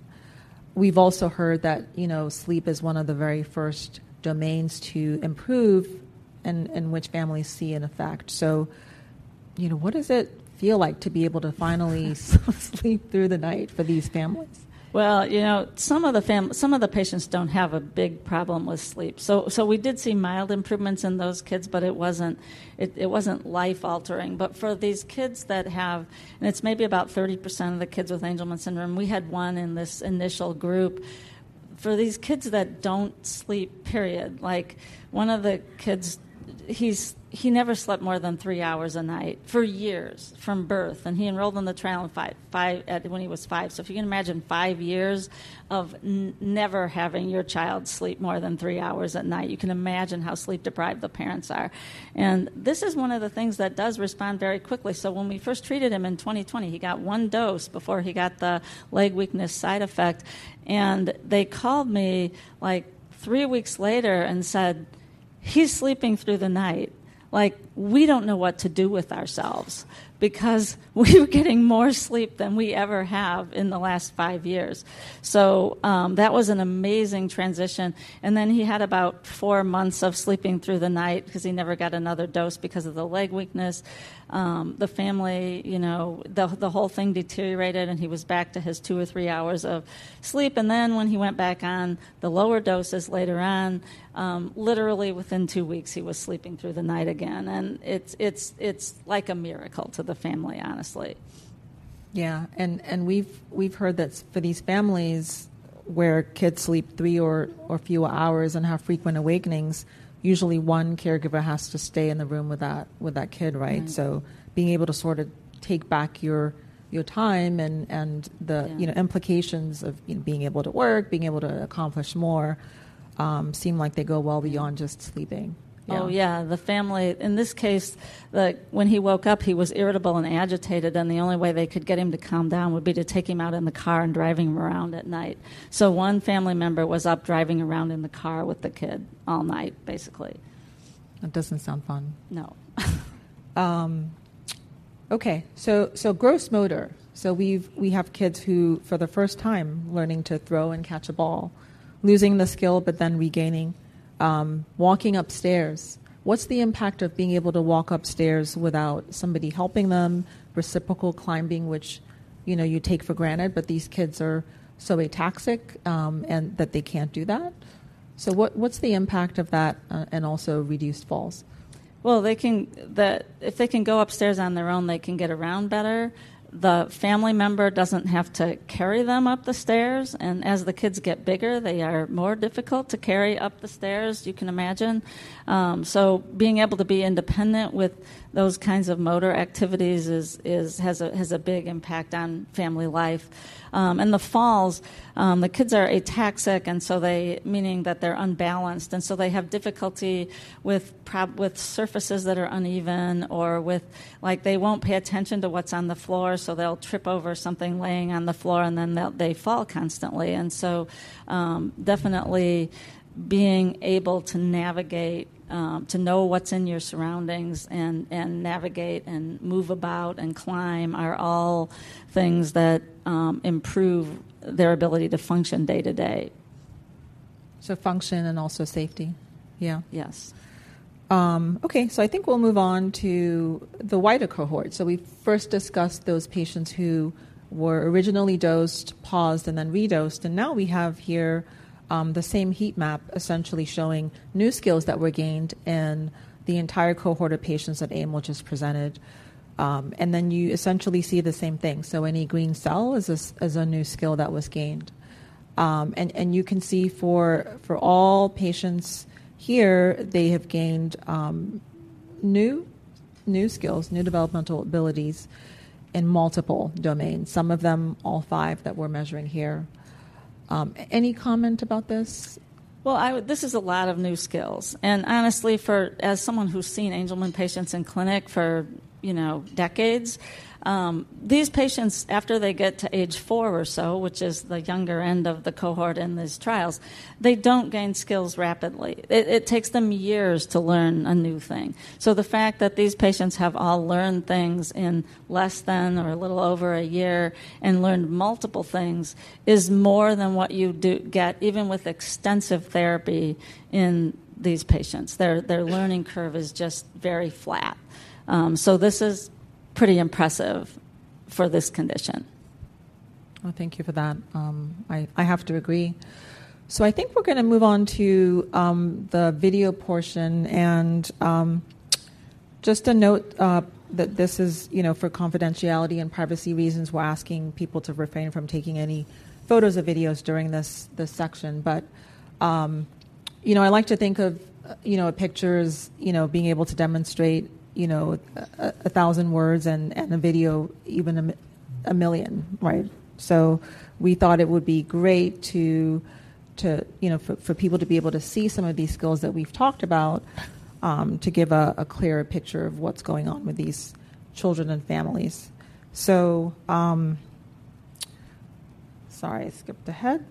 We've also heard that, you know, sleep is one of the very first domains to improve and, and which families see an effect. So, you know, what does it feel like to be able to finally sleep through the night for these families? Well, you know, some of the patients don't have a big problem with sleep. So we did see mild improvements in those kids, but it wasn't life altering. But for these kids that have, and it's maybe about 30% of the kids with Angelman syndrome, we had one in this initial group. For these kids that don't sleep, period, like, one of the kids, he never slept more than three hours a night for years, from birth, and he enrolled in the trial when he was five. So if you can imagine five years of never having your child sleep more than three hours at night, you can imagine how sleep-deprived the parents are. And this is one of the things that does respond very quickly. So when we first treated him in 2020, he got one dose before he got the leg weakness side effect, and they called me, like, three weeks later and said, "He's sleeping through the night. Like, we don't know what to do with ourselves because we are getting more sleep than we ever have in the last five years." So, that was an amazing transition, and then he had about four months of sleeping through the night because he never got another dose because of the leg weakness. The family, you know, the, the whole thing deteriorated, and he was back to his two or three hours of sleep, and then when he went back on the lower doses later on, literally within two weeks, he was sleeping through the night again, and it's, it's, it's like a miracle to the family, honestly. Yeah, and we've heard that for these families, where kids sleep three or few hours and have frequent awakenings, usually one caregiver has to stay in the room with that kid, right? So being able to sort of take back your time and the implications of, you know, being able to work, being able to accomplish more, seem like they go well beyond just sleeping. Yeah. Oh, yeah. The family, in this case, like, when he woke up, he was irritable and agitated, and the only way they could get him to calm down would be to take him out in the car and driving him around at night. So one family member was up driving around in the car with the kid all night, basically. That doesn't sound fun. No. Okay, so gross motor. So we've, we have kids who, for the first time, learning to throw and catch a ball, losing the skill, but then regaining, walking upstairs. What's the impact of being able to walk upstairs without somebody helping them? Reciprocal climbing, which, you know, you take for granted, but these kids are so ataxic, and that they can't do that. So what, what's the impact of that, and also reduced falls? Well, if they can go upstairs on their own, they can get around better. The family member doesn't have to carry them up the stairs, and as the kids get bigger, they are more difficult to carry up the stairs, you can imagine. So being able to be independent with those kinds of motor activities has a big impact on family life. And the falls, the kids are ataxic, and so they, meaning that they're unbalanced, and so they have difficulty with surfaces that are uneven or with like, they won't pay attention to what's on the floor, so they'll trip over something lying on the floor, and then they fall constantly. So, definitely being able to navigate, to know what's in your surroundings and navigate, and move about, and climb are all things that improve their ability to function day to day. Function and also safety? Yeah. Yes. Okay. So I think we'll move on to the wider cohort. So we first discussed those patients who were originally dosed, paused, and then redosed, and now we have here the same heat map essentially showing new skills that were gained and the entire cohort of patients that Emil just presented. And then you essentially see the same thing. So any green cell is a new skill that was gained. And you can see for all patients here, they have gained new skills, new developmental abilities in multiple domains, some of them all five that we're measuring here. Any comment about this? Well, this is a lot of new skills, and honestly, for as someone who's seen Angelman patients in clinic for, you know, decades, these patients, after they get to age four or so, which is the younger end of the cohort in these trials, they don't gain skills rapidly. It takes them years to learn a new thing. So the fact that these patients have all learned things in less than or a little over a year and learned multiple things, is more than what you get even with extensive therapy in these patients. Their learning curve is just very flat. So this is pretty impressive for this condition. Oh, thank you for that. I have to agree. So I think we're gonna move on to the video portion, and just a note that this is, you know, for confidentiality and privacy reasons, we're asking people to refrain from taking any photos or videos during this section. But you know, I like to think of you know, a picture as you know, being able to demonstrate you know, a 1,000 words, and a video even a million, right? So we thought it would be great to you know, for people to be able to see some of these skills that we've talked about to give a clearer picture of what's going on with these children and families. So sorry, I skipped ahead.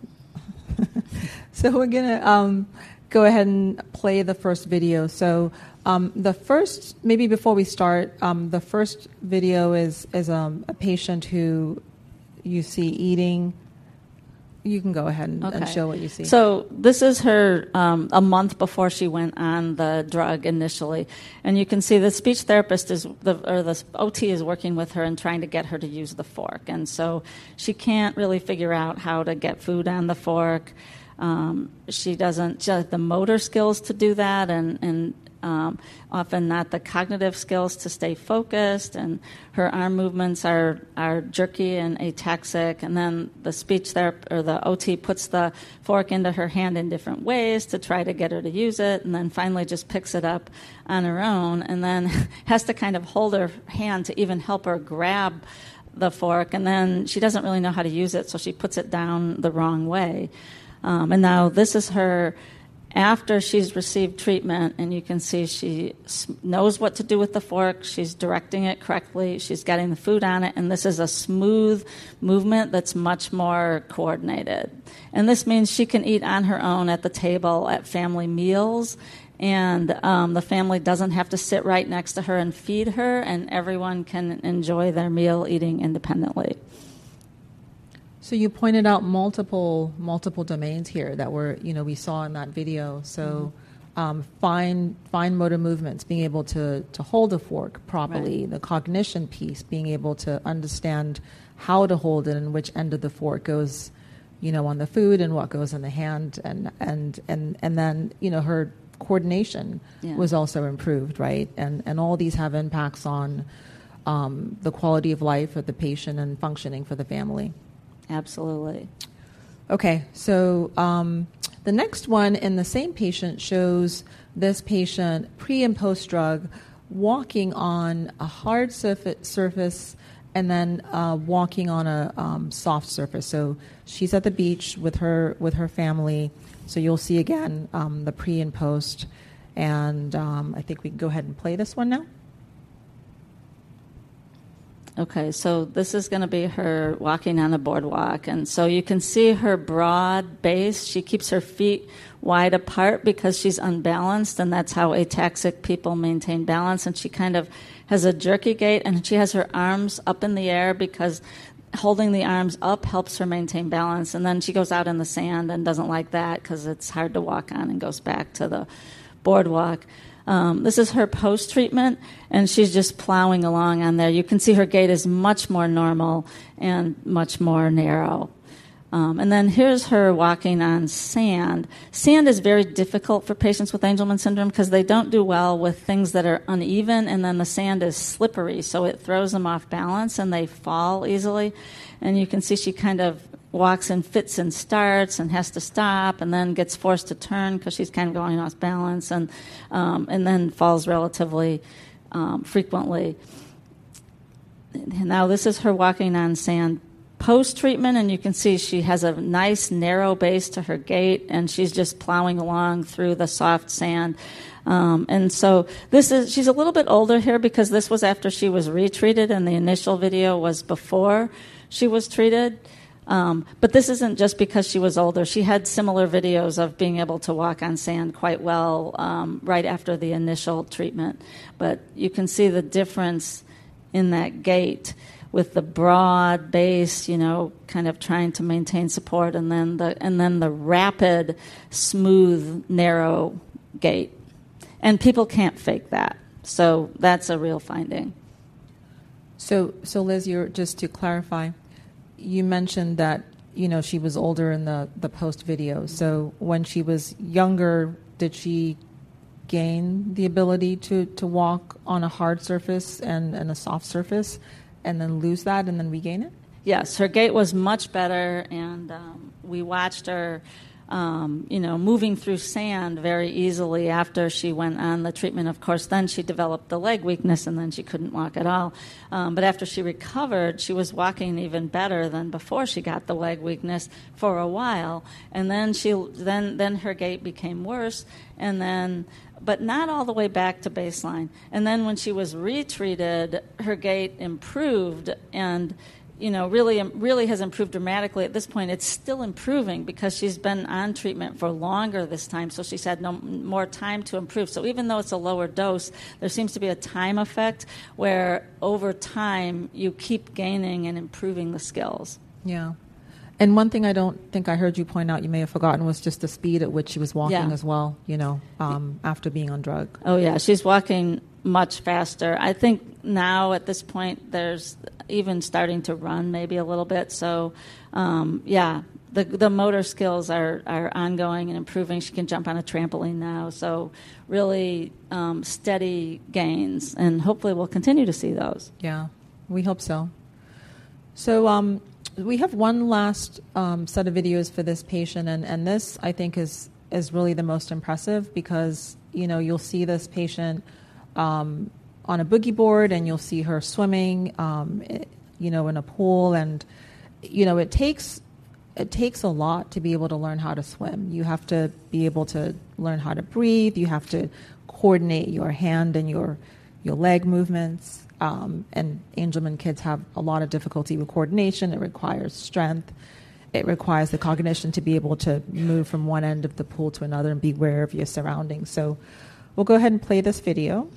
So we're gonna go ahead and play the first video. So, the first. Maybe before we start, the first video is a patient who you see eating. You can go ahead and show what you see. This is her, a month before she went on the drug initially, and you can see the speech therapist is, or the OT is working with her and trying to get her to use the fork. She can't really figure out how to get food on the fork. She doesn't show the motor skills to do that, and often not the cognitive skills to stay focused, and her arm movements are jerky and ataxic. And then the speech therapist or the OT puts the fork into her hand in different ways to try to get her to use it, and then finally just picks it up on her own, and then has to kind of hold her hand to even help her grab the fork, and then she doesn't really know how to use it, so she puts it down the wrong way. And now this is her after she's received treatment, and you can see she knows what to do with the fork. She's directing it correctly, she's getting the food on it, and this is a smooth movement that's much more coordinated. And this means she can eat on her own at the table, at family meals, and the family doesn't have to sit right next to her and feed her, and everyone can enjoy their meal, eating independently. So you pointed out multiple, multiple domains here that were, you know, we saw in that video. So, fine motor movements, being able to hold a fork properly. Right. The cognition piece, being able to understand how to hold it and which end of the fork goes, you know, on the food and what goes on the hand, and then, you know, her coordination was also improved, right? And all these have impacts on the quality of life of the patient and functioning for the family. Absolutely. Okay. So, the next one, in the same patient, shows this patient pre and post-drug, walking on a hard surface and then, walking on a soft surface. So she's at the beach with her family. So you'll see again, the pre and post, and I think we can go ahead and play this one now. Okay, so this is gonna be her walking on a boardwalk, and so you can see her broad base. She keeps her feet wide apart because she's unbalanced, and that's how ataxic people maintain balance, and she kind of has a jerky gait, and she has her arms up in the air because holding the arms up helps her maintain balance. And then she goes out in the sand and doesn't like that 'cause it's hard to walk on, and goes back to the boardwalk. This is her post-treatment, and she's just plowing along on there. You can see her gait is much more normal and much more narrow. And then here's her walking on sand. Sand is very difficult for patients with Angelman syndrome cause they don't do well with things that are uneven, and then the sand is slippery, so it throws them off balance, and they fall easily. And you can see she kind of walks in fits and starts and has to stop, and then gets forced to turn 'cause she's kind of going off balance and, and then falls relatively frequently. Now, this is her walking on sand post-treatment, and you can see she has a nice, narrow base to her gait, and she's just plowing along through the soft sand. And so this is, she's a little bit older here because this was after she was retreated, and the initial video was before she was treated. But this isn't just because she was older. She had similar videos of being able to walk on sand quite well, right after the initial treatment. But you can see the difference in that gait with the broad base, you know, kind of trying to maintain support and then the rapid, smooth, narrow gait. And people can't fake that, so that's a real finding. So, Liz, you're just to clarify, you know, she was older in the post video. When she was younger, did she gain the ability to walk on a hard surface and a soft surface and then lose that and then regain it? Yes. Her gait was much better, and we watched her, you know, moving through sand very easily after she went on the treatment. Of course, then she developed the leg weakness, and then she couldn't walk at all. But after she recovered, she was walking even better than before she got the leg weakness for a while, and then her gait became worse, and then, but not all the way back to baseline. And then when she was retreated, her gait improved and, you know, really has improved dramatically. At this point, it's still improving because she's been on treatment for longer this time, so she's had more time to improve. So even though it's a lower dose, there seems to be a time effect, where over time, you keep gaining and improving the skills. Yeah. And one thing I don't think I heard you point out, you may have forgotten, was just the speed at which she was walking as well, you know, after being on drug. Oh, yeah, she's walking much faster. I think now, at this point, there's even starting to run maybe a little bit. So, yeah, the motor skills are ongoing and improving. She can jump on a trampoline now, so really, steady gains, and hopefully we'll continue to see those. Yeah, we hope so. So, we have one last set of videos for this patient, and this, I think, is really the most impressive because, you know, you'll see this patient on a boogie board, and you'll see her swimming, you know, in a pool and, you know, it takes a lot to be able to learn how to swim. You have to be able to learn how to breathe, you have to coordinate your hand and your leg movements, and Angelman kids have a lot of difficulty with coordination. It requires strength, it requires the cognition to be able to move from one end of the pool to another and be aware of your surroundings. So we'll go ahead and play this video.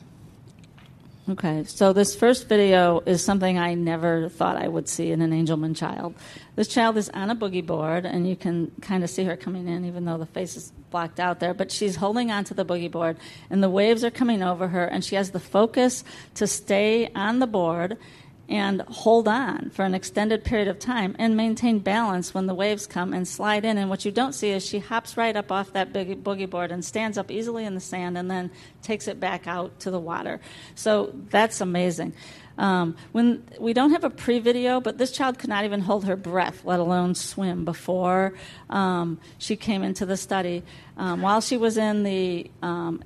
Okay, so this first video is something I never thought I would see in an Angelman child. This child is on a boogie board, and you can kind of see her coming in, even though the face is blocked out there. But she's holding on to the boogie board, and the waves are coming over her, and she has the focus to stay on the board and hold on for an extended period of time and maintain balance when the waves come and slide in. And what you don't see is she hops right up off that boogie board and stands up easily in the sand and then takes it back out to the water. So that's amazing. We don't have a pre-video, but this child could not even hold her breath, let alone swim, before she came into the study. While she was in the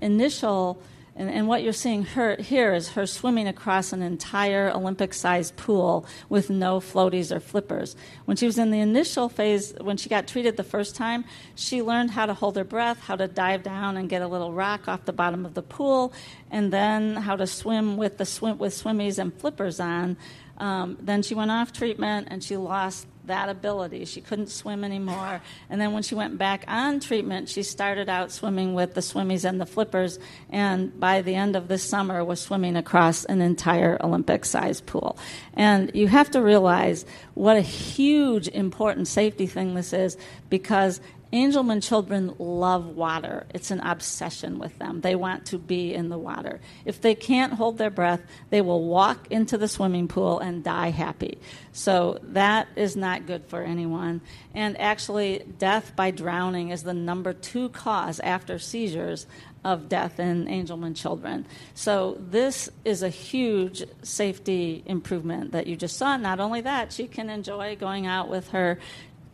initial, and what you're seeing here is her swimming across an entire Olympic-sized pool with no floaties or flippers. When she was in the initial phase, when she got treated the first time, she learned how to hold her breath, how to dive down and get a little rock off the bottom of the pool, and then how to swim with swimmies and flippers on. Then she went off treatment, and she lost that ability. She couldn't swim anymore. And then when she went back on treatment, she started out swimming with the swimmies and the flippers, and by the end of the summer, was swimming across an entire Olympic-sized pool. And you have to realize what a huge, important safety thing this is because Angelman children love water. It's an obsession with them. They want to be in the water. If they can't hold their breath, they will walk into the swimming pool and die happy. So that is not good for anyone. And actually, death by drowning is the number two cause, after seizures, of death in Angelman children. So this is a huge safety improvement that you just saw. Not only that, she can enjoy going out with her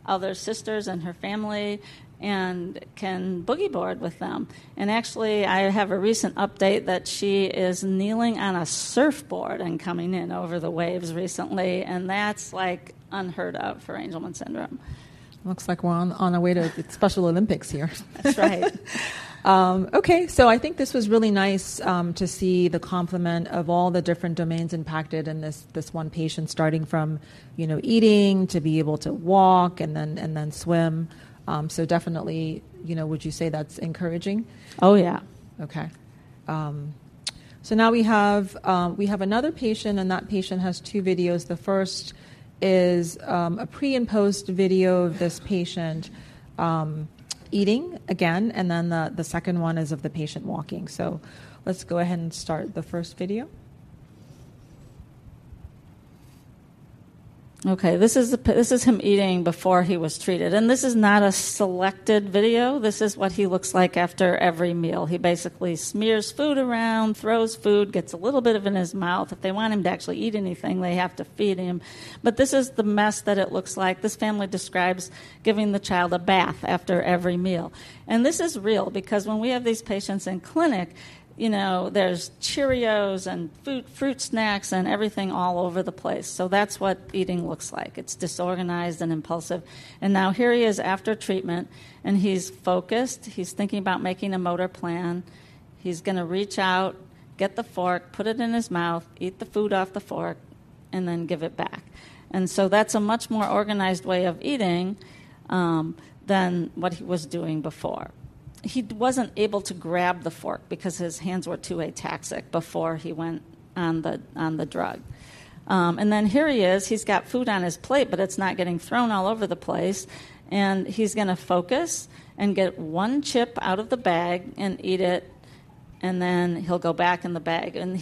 other sisters and her family and can boogie board with them. And actually, I have a recent update that she is kneeling on a surfboard and coming in over the waves recently, and that's, like, unheard of for Angelman syndrome. Looks like we're on our way to Special Olympics here. That's right. Okay, so I think this was really nice to see the complement of all the different domains impacted in this one patient, starting from, you know, eating, to be able to walk and then swim. So definitely, you know, would you say that's encouraging? Oh, yeah. Okay. So now we have, we have another patient, and that patient has two videos. The first is, a pre and post-video of this patient, eating again, and then the second one is of the patient walking. So let's go ahead and start the first video. Okay, this is him eating before he was treated, and this is not a selected video. This is what he looks like after every meal. He basically smears food around, throws food, gets a little bit of it in his mouth. If they want him to actually eat anything, they have to feed him. But this is the mess that it looks like. This family describes giving the child a bath after every meal. This is real because when we have these patients in clinic, you know, there's Cheerios and food, fruit snacks and everything all over the place. So that's what eating looks like. It's disorganized and impulsive. Now here he is after treatment, and he's focused. He's thinking about making a motor plan. He's gonna reach out, get the fork, put it in his mouth, eat the food off the fork, and then give it back. And so that's a much more organized way of eating than what he was doing before. He wasn't able to grab the fork because his hands were too ataxic before he went on the drug. And then here he is. He's got food on his plate, but it's not getting thrown all over the place, and he's gonna focus and get one chip out of the bag and eat it, and then he'll go back in the bag. And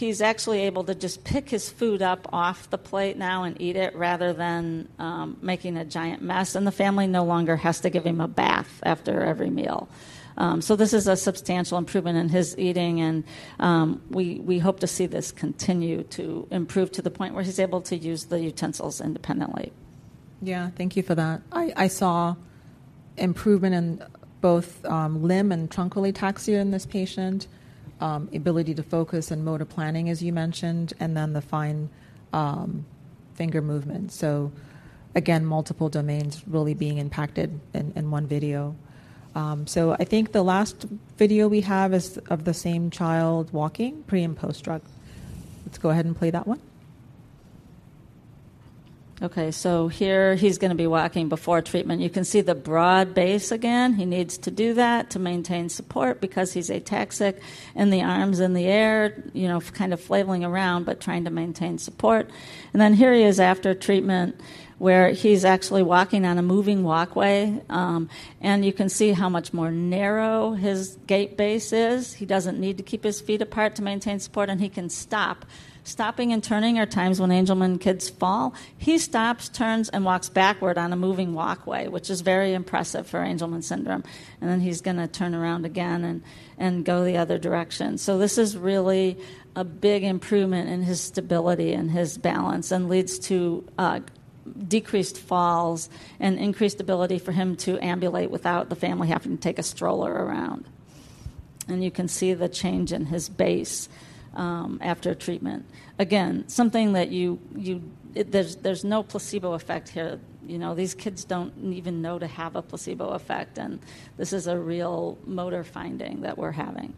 he's actually able to just pick his food up off the plate now and eat it, rather than making a giant mess, and the family no longer has to give him a bath after every meal. This is a substantial improvement in his eating, and we hope to see this continue to improve to the point where he's able to use the utensils independently. Yeah. Thank you for that. I, I saw improvement in both, limb and truncal ataxia in this patient, ability to focus and motor planning, as you mentioned, and then the fine, finger movement. So again, multiple domains really being impacted in, in one video. So I think the last video we have is of the same child walking, pre and post-drug. Let's go ahead and play that one. Okay, so here he's gonna be walking before treatment. You can see the broad base again. He needs to do that to maintain support because he's ataxic, and the arm's in the air, you know, kind of flailing around, but trying to maintain support. And then here he is after treatment, where he's actually walking on a moving walkway, and you can see how much more narrow his gait base is. He doesn't need to keep his feet apart to maintain support, and he can stop. Stopping and turning are times when Angelman kids fall. He stops, turns, and walks backward on a moving walkway, which is very impressive for Angelman syndrome, and then he's gonna turn around again and go the other direction. This is really a big improvement in his stability and his balance, and leads to decreased falls and increased ability for him to ambulate without the family having to take a stroller around. You can see the change in his base after treatment. Again, something that you, there's no placebo effect here. You know, these kids don't even know to have a placebo effect, and this is a real motor finding that we're having.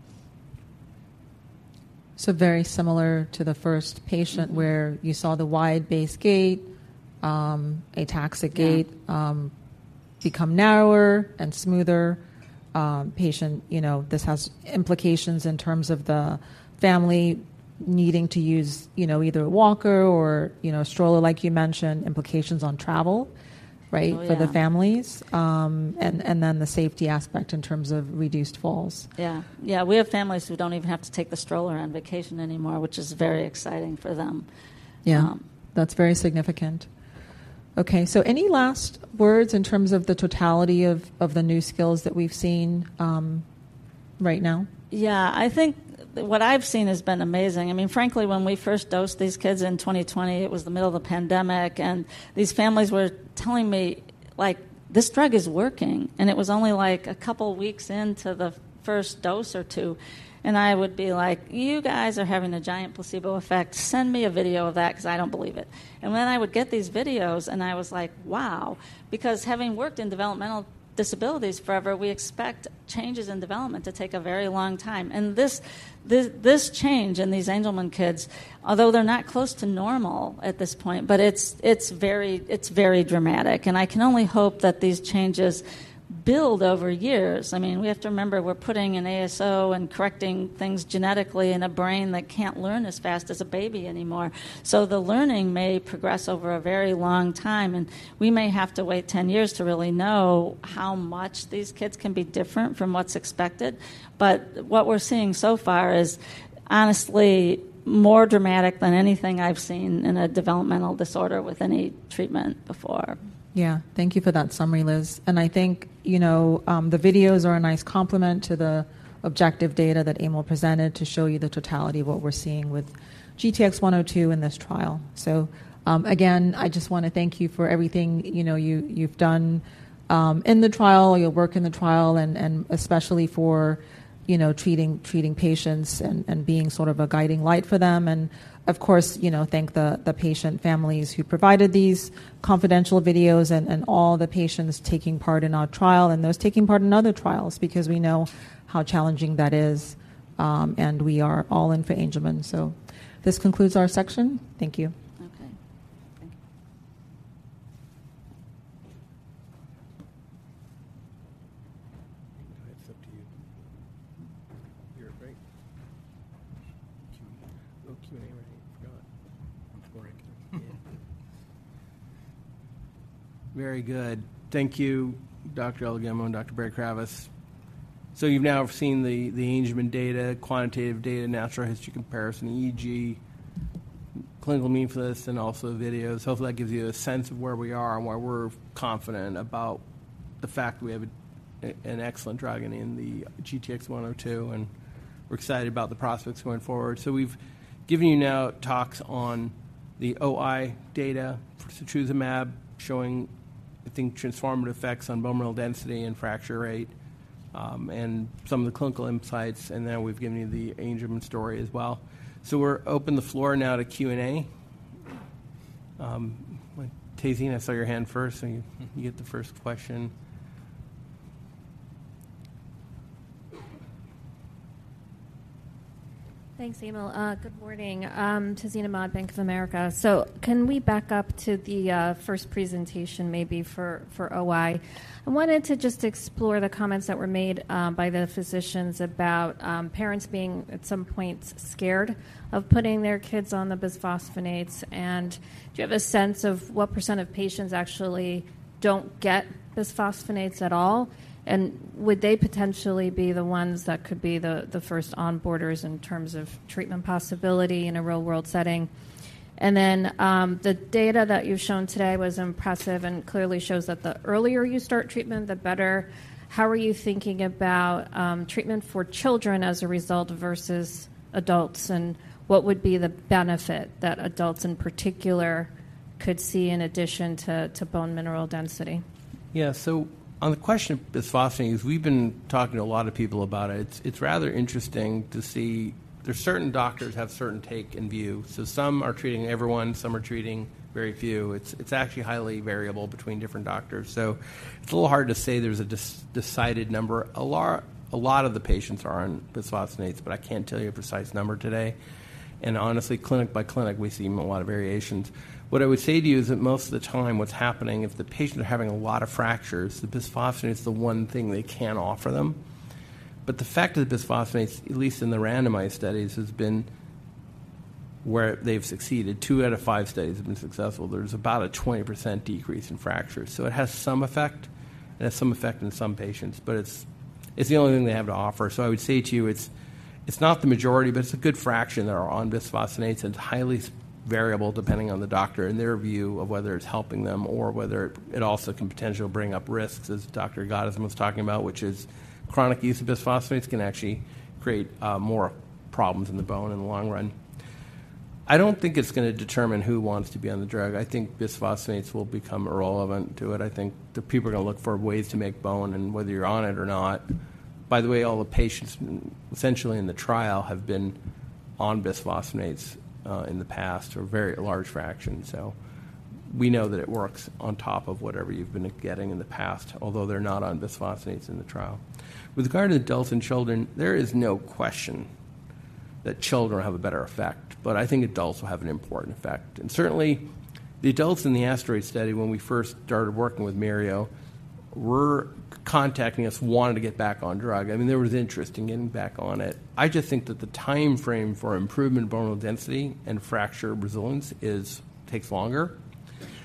So very similar to the first patient, where you saw the wide-base gait, ataxic gait become narrower and smoother. Patient, you know, this has implications in terms of the family needing to use, you know, either a walker or, you know, a stroller, like you mentioned, implications on travel, right? Oh, yeah. For the families. And then the safety aspect in terms of reduced falls. Yeah. Yeah, we have families who don't even have to take the stroller on vacation anymore, which is very exciting for them. Yeah. That's very significant. Okay, so any last words in terms of the totality of the new skills that we've seen, right now? Yeah, I think what I've seen has been amazing. I mean, frankly, when we first dosed these kids in 2020, it was the middle of the pandemic, and these families were telling me, like, "This drug is working." And it was only, like, a couple of weeks into the first dose or two, and I would be like: You guys are having a giant placebo effect. Send me a video of that because I don't believe it. And then I would get these videos, and I was like: Wow! Because having worked in developmental disabilities forever, we expect changes in development to take a very long time. And this, this, this change in these Angelman kids, although they're not close to normal at this point, but it's, it's very, it's very dramatic. And I can only hope that these changes build over years. I mean, we have to remember, we're putting an ASO and correcting things genetically in a brain that can't learn as fast as a baby anymore. So the learning may progress over a very long time, and we may have to wait 10 years to really know how much these kids can be different from what's expected. But what we're seeing so far is honestly more dramatic than anything I've seen in a developmental disorder with any treatment before. Yeah. Thank you for that summary, Liz. And I think, you know, the videos are a nice complement to the objective data that Emil presented to show you the totality of what we're seeing with GTX-102 in this trial. So, again, I just wanna thank you for everything, you know, you, you've done, in the trial, your work in the trial, and, and especially for, you know, treating, treating patients and, and being sort of a guiding light for them. And, of course, you know, thank the patient families who provided these confidential videos and, and all the patients taking part in our trial and those taking part in other trials, because we know how challenging that is, and we are all in for Angelman. So this concludes our section. Thank you. Okay. Thank you. It's up to you. You're great. Q&A right? Got it. I'm sorry. Very good. Thank you, Dr. Olugemo and Dr. Berry-Kravis. So you've now seen the Angelman data, quantitative data, natural history comparison, EEG, clinical need for this, and also videos. Hopefully, that gives you a sense of where we are and why we're confident about the fact we have an excellent drug in the GTX-102, and we're excited about the prospects going forward. So we've given you now talks on the OI data for Setrusumab, showing, I think, transformative effects on bone mineral density and fracture rate, and some of the clinical insights, and then we've given you the Angelman story as well. So we're open the floor now to Q&A. Tazeen, I saw your hand first, so you get the first question. Thanks, Emil. Good morning, Tazeen Ahmad, Bank of America. So can we back up to the first presentation, maybe for OI? I wanted to just explore the comments that were made by the physicians about parents being, at some points, scared of putting their kids on the bisphosphonates. And do you have a sense of what percent of patients actually don't get bisphosphonates at all? And would they potentially be the ones that could be the first adopters in terms of treatment possibility in a real-world setting? And then, the data that you've shown today was impressive and clearly shows that the earlier you start treatment, the better. How are you thinking about treatment for children as a result versus adults, and what would be the benefit that adults, in particular, could see in addition to bone mineral density? Yeah. So on the question of bisphosphonates, we've been talking to a lot of people about it. It's, it's rather interesting to see. There's certain doctors have certain take and view. So some are treating everyone, some are treating very few. It's, it's actually highly variable between different doctors. So it's a little hard to say there's a decided number. A lot, a lot of the patients are on bisphosphonates, but I can't tell you a precise number today and honestly, clinic by clinic, we see a lot of variations. What I would say to you is that most of the time, what's happening, if the patient are having a lot of fractures, the bisphosphonate is the one thing they can offer them. But the fact that bisphosphonates, at least in the randomized studies, has been where they've succeeded, two out of five studies have been successful. There's about a 20% decrease in fractures, so it has some effect, and it has some effect in some patients, but it's, it's the only thing they have to offer. So I would say to you, it's, it's not the majority, but it's a good fraction that are on bisphosphonates, and it's highly variable, depending on the doctor and their view of whether it's helping them or whether it also can potentially bring up risks, as Dr. Gottesman was talking about, which is chronic use of bisphosphonates can actually create more problems in the bone in the long run. I don't think it's gonna determine who wants to be on the drug. I think bisphosphonates will become irrelevant to it. I think the people are gonna look for ways to make bone and whether you're on it or not. By the way, all the patients essentially in the trial have been on bisphosphonates in the past, or a very large fraction. So we know that it works on top of whatever you've been getting in the past, although they're not on bisphosphonates in the trial. With regard to adults and children, there is no question that children will have a better effect, but I think adults will have an important effect. And certainly, the adults in the ASTEROID study, when we first started working with Mereo, were contacting us, wanting to get back on drug. I mean, there was interest in getting back on it. I just think that the timeframe for improvement in bone density and fracture resilience takes longer.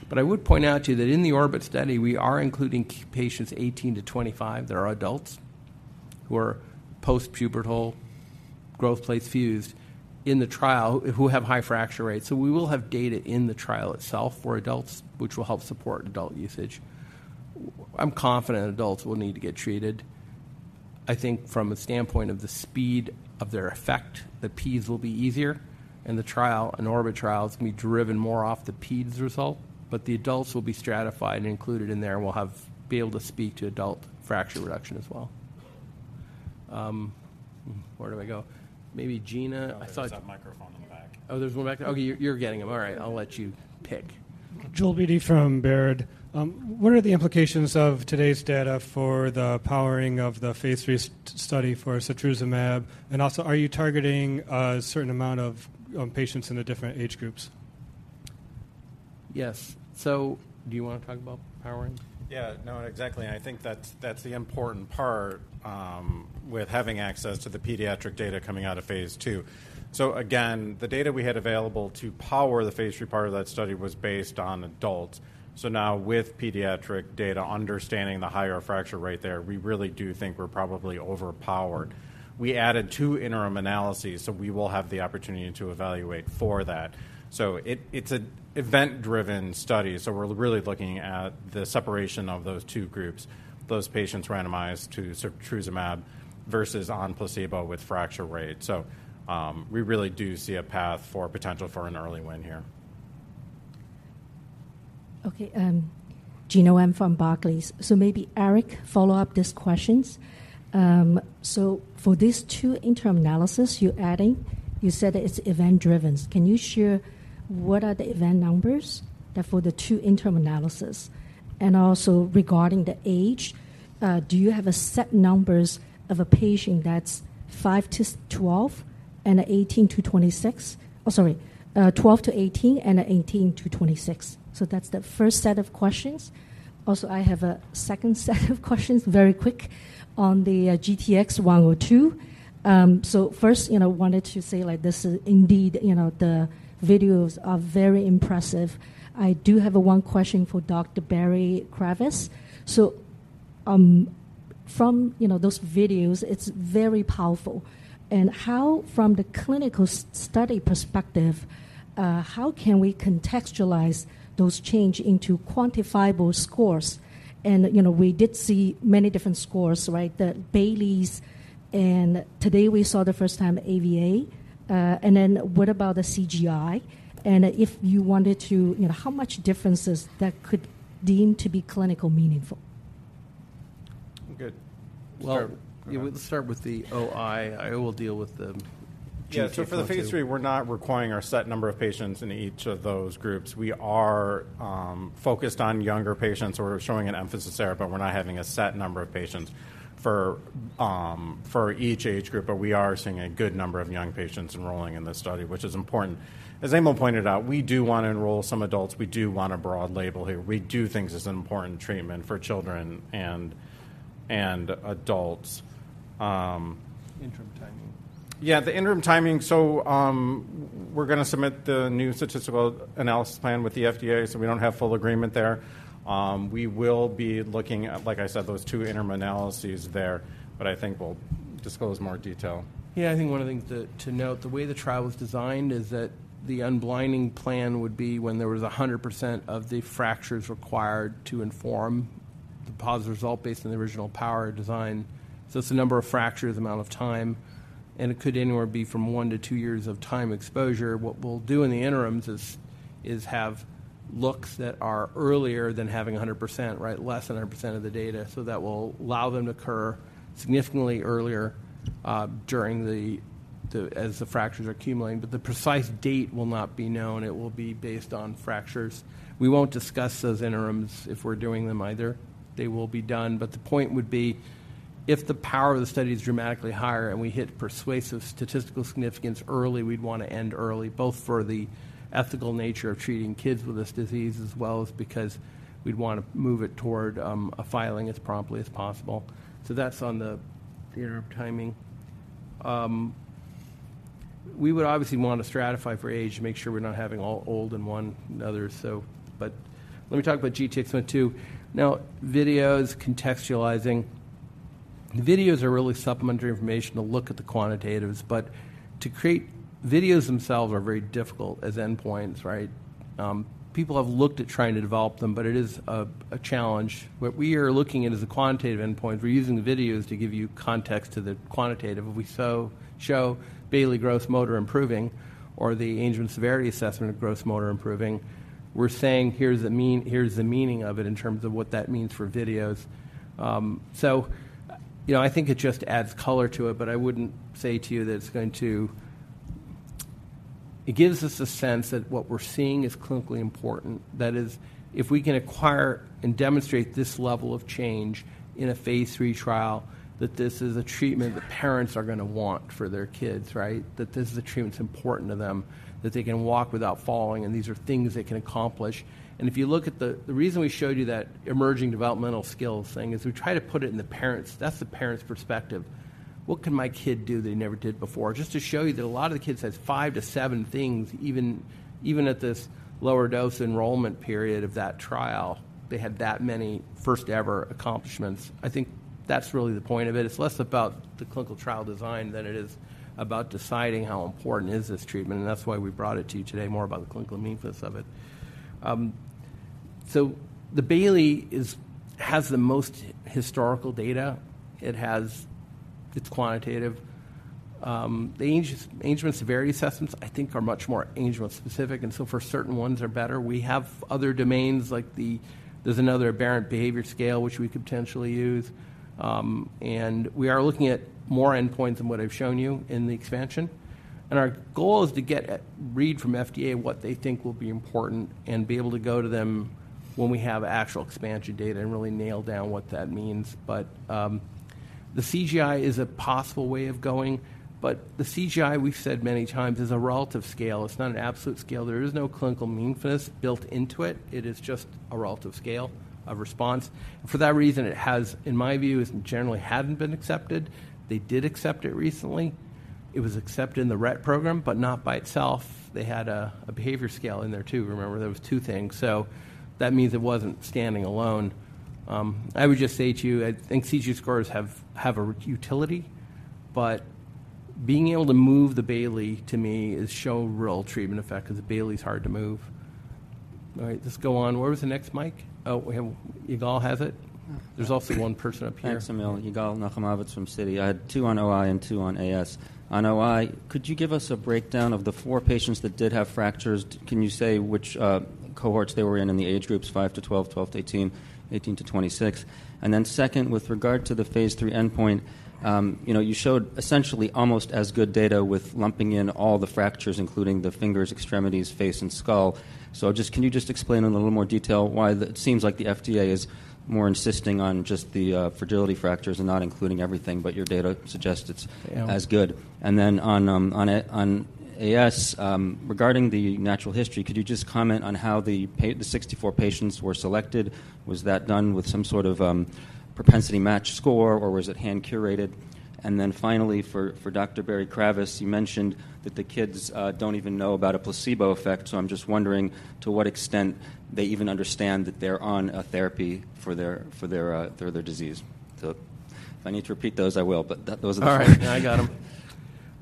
But I would point out to you that in the Orbit study, we are including patients 18-25. There are adults who are post-pubertal, growth plate fused in the trial, who have high fracture rates. So we will have data in the trial itself for adults, which will help support adult usage. I'm confident adults will need to get treated. I think from a standpoint of the speed of their effect, the peds will be easier, and the trial, and Orbit trials, can be driven more off the peds result. But the adults will be stratified and included in there, and we'll have be able to speak to adult fracture reduction as well. Where do I go? Maybe Gena, I thought. There's a microphone in the back. Oh, there's one back there. Okay, you're getting them. All right, I'll let you pick. Joel Beatty from Baird. What are the implications of today's data for the powering of the Phase III study for Setrusumab? And also, are you targeting a certain amount of patients in the different age groups? Yes. So do you want to talk about the powering? Yeah, no, exactly, and I think that's, that's the important part with having access to the pediatric data coming out of phase II. So again, the data we had available to power the phase III part of that study was based on adults. So now with pediatric data, understanding the higher fracture rate there, we really do think we're probably overpowered. We added two interim analyses, so we will have the opportunity to evaluate for that. So it, it's an event-driven study, so we're really looking at the separation of those two groups, those patients randomized to Setrusumab versus on placebo with fracture rate. So, we really do see a path for potential for an early win here. Okay, Gena Wang from Barclays. So maybe Eric, follow up these questions. So for these two interim analysis you're adding, you said that it's event-driven. Can you share what are the event numbers that for the two interim analysis? And also regarding the age, do you have a set numbers of a patient that's five-12 and 18-26, oh, sorry, 12-18 and 18-26? So that's the first set of questions. Also, I have a second set of questions, very quick, on the, GTX-102. So first, you know, wanted to say like this is indeed, you know, the videos are very impressive. I do have a one question for Dr. Berry-Kravis. So, from, you know, those videos, it's very powerful. How, from the clinical study perspective, how can we contextualize those change into quantifiable scores? And, you know, we did see many different scores, right? The Bayleys, and today we saw the first time ASA. And then what about the CGI? And if you wanted to, you know, how much differences that could deem to be clinically meaningful? Good. Well. Yeah, let's start with the OI. I will deal with the GTX-102. Yeah, so for the phase III, we're not requiring a set number of patients in each of those groups. We are focused on younger patients. We're showing an emphasis there, but we're not having a set number of patients for each age group, but we are seeing a good number of young patients enrolling in this study, which is important. As Emil pointed out, we do want to enroll some adults. We do want a broad label here. We do think this is an important treatment for children and adults. Interim timing. Yeah, the interim timing. So, we're gonna submit the new statistical analysis plan with the FDA, so we don't have full agreement there. We will be looking at, like I said, those two interim analyses there, but I think we'll disclose more detail. Yeah, I think one of the things to note, the way the trial was designed is that the unblinding plan would be when there was 100% of the fractures required to inform the positive result based on the original power design. So it's the number of fractures, amount of time, and it could anywhere be from one to two years of time exposure. What we'll do in the interims is have looks that are earlier than having 100%, right, less than 100% of the data. So that will allow them to occur significantly earlier during the, as the fractures are accumulating, but the precise date will not be known. It will be based on fractures. We won't discuss those interims if we're doing them either. They will be done, but the point would be If the power of the study is dramatically higher, and we hit persuasive statistical significance early, we'd wanna end early, both for the ethical nature of treating kids with this disease, as well as because we'd wanna move it toward a filing as promptly as possible. So that's on the interim timing. We would obviously want to stratify for age to make sure we're not having all old in one and all young in another. But let me talk about GTX-102, too. Now, videos, contextualizing. Videos are really supplementary information to look at the quantitatives. Videos themselves are very difficult as endpoints, right? People have looked at trying to develop them, but it is a challenge. What we are looking at is a quantitative endpoint. We're using the videos to give you context to the quantitative. If we sow, show Bayley Gross Motor improving or the Angelman Severity Assessment of Gross Motor improving, we're saying: Here's the meaning of it in terms of what that means for videos. So, you know, I think it just adds color to it, but I wouldn't say to you that it's going to, It gives us a sense that what we're seeing is clinically important. That is, if we can acquire and demonstrate this level of change in a phase III trial, that this is a treatment that parents are gonna want for their kids, right? That this is a treatment that's important to them, that they can walk without falling, and these are things they can accomplish. If you look at the. The reason we showed you that emerging developmental skills thing is we try to put it in the parents'. That's the parent's perspective. What can my kid do they never did before? Just to show you that a lot of the kids has five to seven things, even at this lower dose enrollment period of that trial, they had that many first-ever accomplishments. I think that's really the point of it. It's less about the clinical trial design than it is about deciding how important is this treatment, and that's why we brought it to you today, more about the clinical meaningfulness of it. So the Bayley is, has the most historical data. It has. It's quantitative. The Angelman Severity Assessments, I think, are much more Angelman-specific, and so for certain ones, are better. We have other domains, like the. There's another aberrant behavior scale, which we could potentially use. And we are looking at more endpoints than what I've shown you in the expansion. And our goal is to get a read from FDA what they think will be important and be able to go to them when we have actual expansion data and really nail down what that means. But, the CGI is a possible way of going, but the CGI, we've said many times, is a relative scale. It's not an absolute scale. There is no clinical meaningfulness built into it. It is just a relative scale, a response. For that reason, it has, in my view, it generally hadn't been accepted. They did accept it recently. It was accepted in the Rett program, but not by itself. They had a behavior scale in there, too. Remember, there was two things. So that means it wasn't standing alone. I would just say to you, I think CGI scores have a utility, but being able to move the Bayley, to me, is show real treatment effect because the Bayley's hard to move. All right, just go on. Where was the next mic? Oh, we have Yigal has it. There's also one person up here. Thanks a million. Yigal Nochomovitz from Citi. I had two on OI and two on AS. On OI, could you give us a breakdown of the four patients that did have fractures? Can you say which cohorts they were in, in the age groups, five-12, 12-18, 18-26? And then second, with regard to the phase III endpoint, you know, you showed essentially almost as good data with lumping in all the fractures, including the fingers, extremities, face, and skull. So just, can you just explain in a little more detail why it seems like the FDA is more insisting on just the fragility fractures and not including everything, but your data suggests it's as good? And then on AS, regarding the natural history, could you just comment on how the 64 patients were selected? Was that done with some sort of propensity match score, or was it hand-curated? And then finally, for Dr. Berry-Kravis, you mentioned that the kids don't even know about a placebo effect, so I'm just wondering to what extent they even understand that they're on a therapy for their, for their, for their disease. So if I need to repeat those, I will, but that, those are the three. All right, I got them.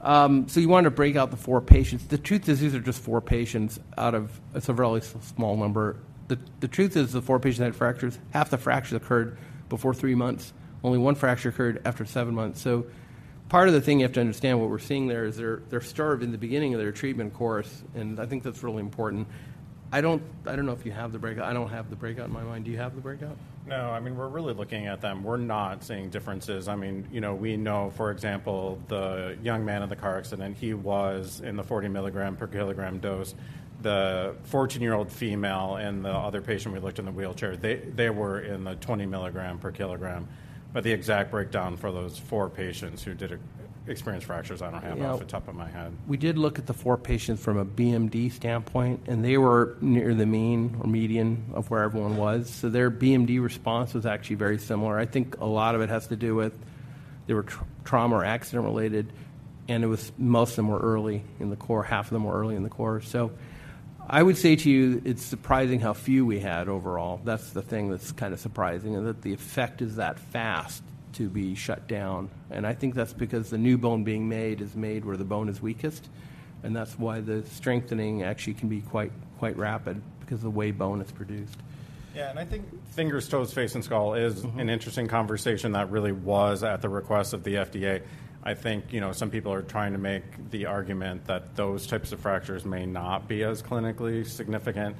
So you want to break out the four patients. The truth is, these are just four patients out of, It's a really small number. The truth is, the four patients that had fractures, half the fractures occurred before three months. Only one fracture occurred after seven months. So part of the thing you have to understand, what we're seeing there is they're starved in the beginning of their treatment course, and I think that's really important. I don't know if you have the breakout. I don't have the breakout in my mind. Do you have the breakout? No. I mean, we're really looking at them. We're not seeing differences. I mean, you know, we know, for example, the young man in the car accident, he was in the 40 ml per kg dose. The 14-year-old female and the other patient we looked in the wheelchair, they, they were in the 20 ml per kg. But the exact breakdown for those four patients who did experience fractures, I don't have off the top of my head. We did look at the four patients from a BMD standpoint, and they were near the mean or median of where everyone was, so their BMD response was actually very similar. I think a lot of it has to do with, they were trauma or accident-related, and it was, most of them were early in the course, half of them were early in the course. So I would say to you, it's surprising how few we had overall. That's the thing that's kinda surprising, and that the effect is that fast to be shut down. And I think that's because the new bone being made is made where the bone is weakest, and that's why the strengthening actually can be quite, quite rapid, because of the way bone is produced. Yeah, and I think fingers, toes, face, and skull is an interesting conversation that really was at the request of the FDA. I think, you know, some people are trying to make the argument that those types of fractures may not be as clinically significant.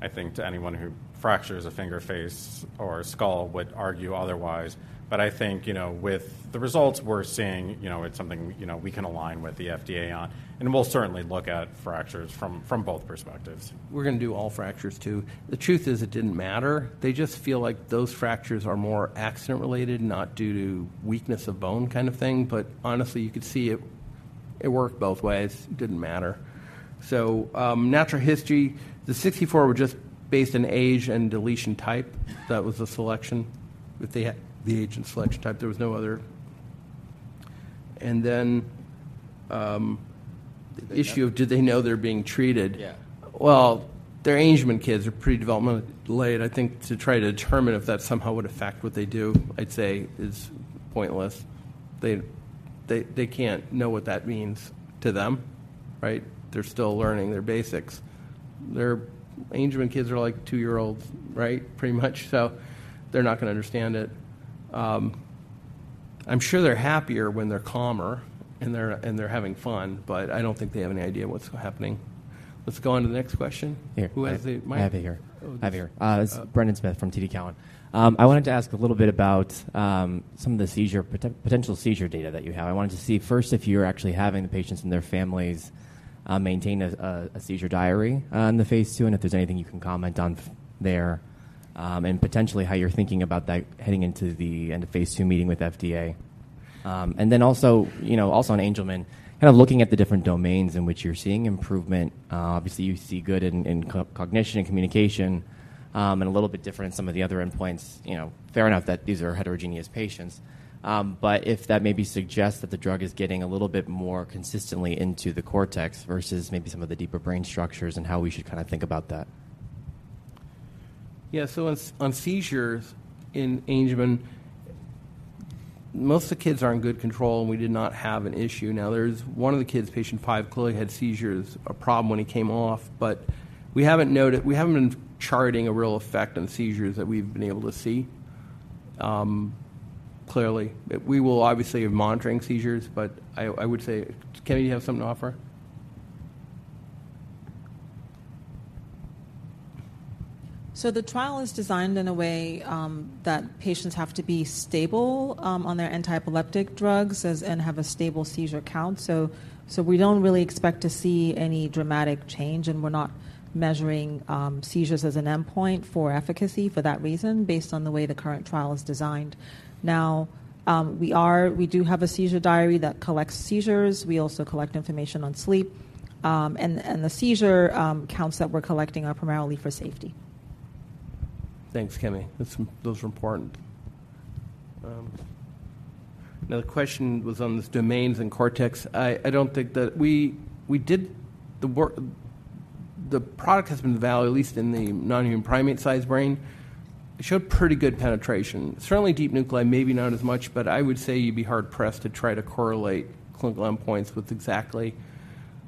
I think, to anyone who fractures a finger, face, or a skull would argue otherwise. But I think, you know, with the results we're seeing, you know, it's something, you know, we can align with the FDA on, and we'll certainly look at fractures from both perspectives. We're gonna do all fractures, too. The truth is, it didn't matter. They just feel like those fractures are more accident-related, not due to weakness of bone kind of thing. But honestly, you could see it. It worked both ways. It didn't matter. So, natural history, the 64 were just based on age and deletion type. That was the selection, that they had, the age and selection type. There was no other. And then, the issue of do they know they're being treated? Yeah. Well, they're Angelman kids. They're pretty developmentally delayed. I think to try to determine if that somehow would affect what they do, I'd say is pointless. They can't know what that means to them, right? They're still learning their basics. They're, Angelman kids are like two-year-olds, right? Pretty much. So they're not gonna understand it. I'm sure they're happier when they're calmer and they're, and they're having fun, but I don't think they have any idea what's happening. Let's go on to the next question. Here. Who has the mic? I have it here. I have it here. It's Brendan Smith from TD Cowen. I wanted to ask a little bit about some of the potential seizure data that you have. I wanted to see first if you're actually having the patients and their families maintain a seizure diary in the phase II, and if there's anything you can comment on from there, and potentially how you're thinking about that heading into the end of phase II meeting with FDA. And then also, you know, also on Angelman, kind of looking at the different domains in which you're seeing improvement, obviously you see good in cognition and communication, and a little bit different in some of the other endpoints. You know, fair enough that these are heterogeneous patients, but if that maybe suggests that the drug is getting a little bit more consistently into the cortex versus maybe some of the deeper brain structures and how we should kinda think about that. Yeah, so on seizures in Angelman, most of the kids are in good control, and we did not have an issue. Now, there's one of the kids, patient five, clearly had seizures, a problem when he came off, but we haven't noted, we haven't been charting a real effect on seizures that we've been able to see, clearly. We will obviously be monitoring seizures, but I, I would say, Kemi, you have something to offer? So the trial is designed in a way that patients have to be stable on their antiepileptic drugs and have a stable seizure count. So we don't really expect to see any dramatic change, and we're not measuring seizures as an endpoint for efficacy for that reason, based on the way the current trial is designed. Now, we are, we do have a seizure diary that collects seizures. We also collect information on sleep and the seizure counts that we're collecting are primarily for safety. Thanks, Kemi. Those are important. Now the question was on the domains and cortex. I don't think that, we did the work. The product has been valued, at least in the non-human primate size brain. It showed pretty good penetration. Certainly deep nuclei, maybe not as much, but I would say you'd be hard-pressed to try to correlate clinical endpoints with exactly.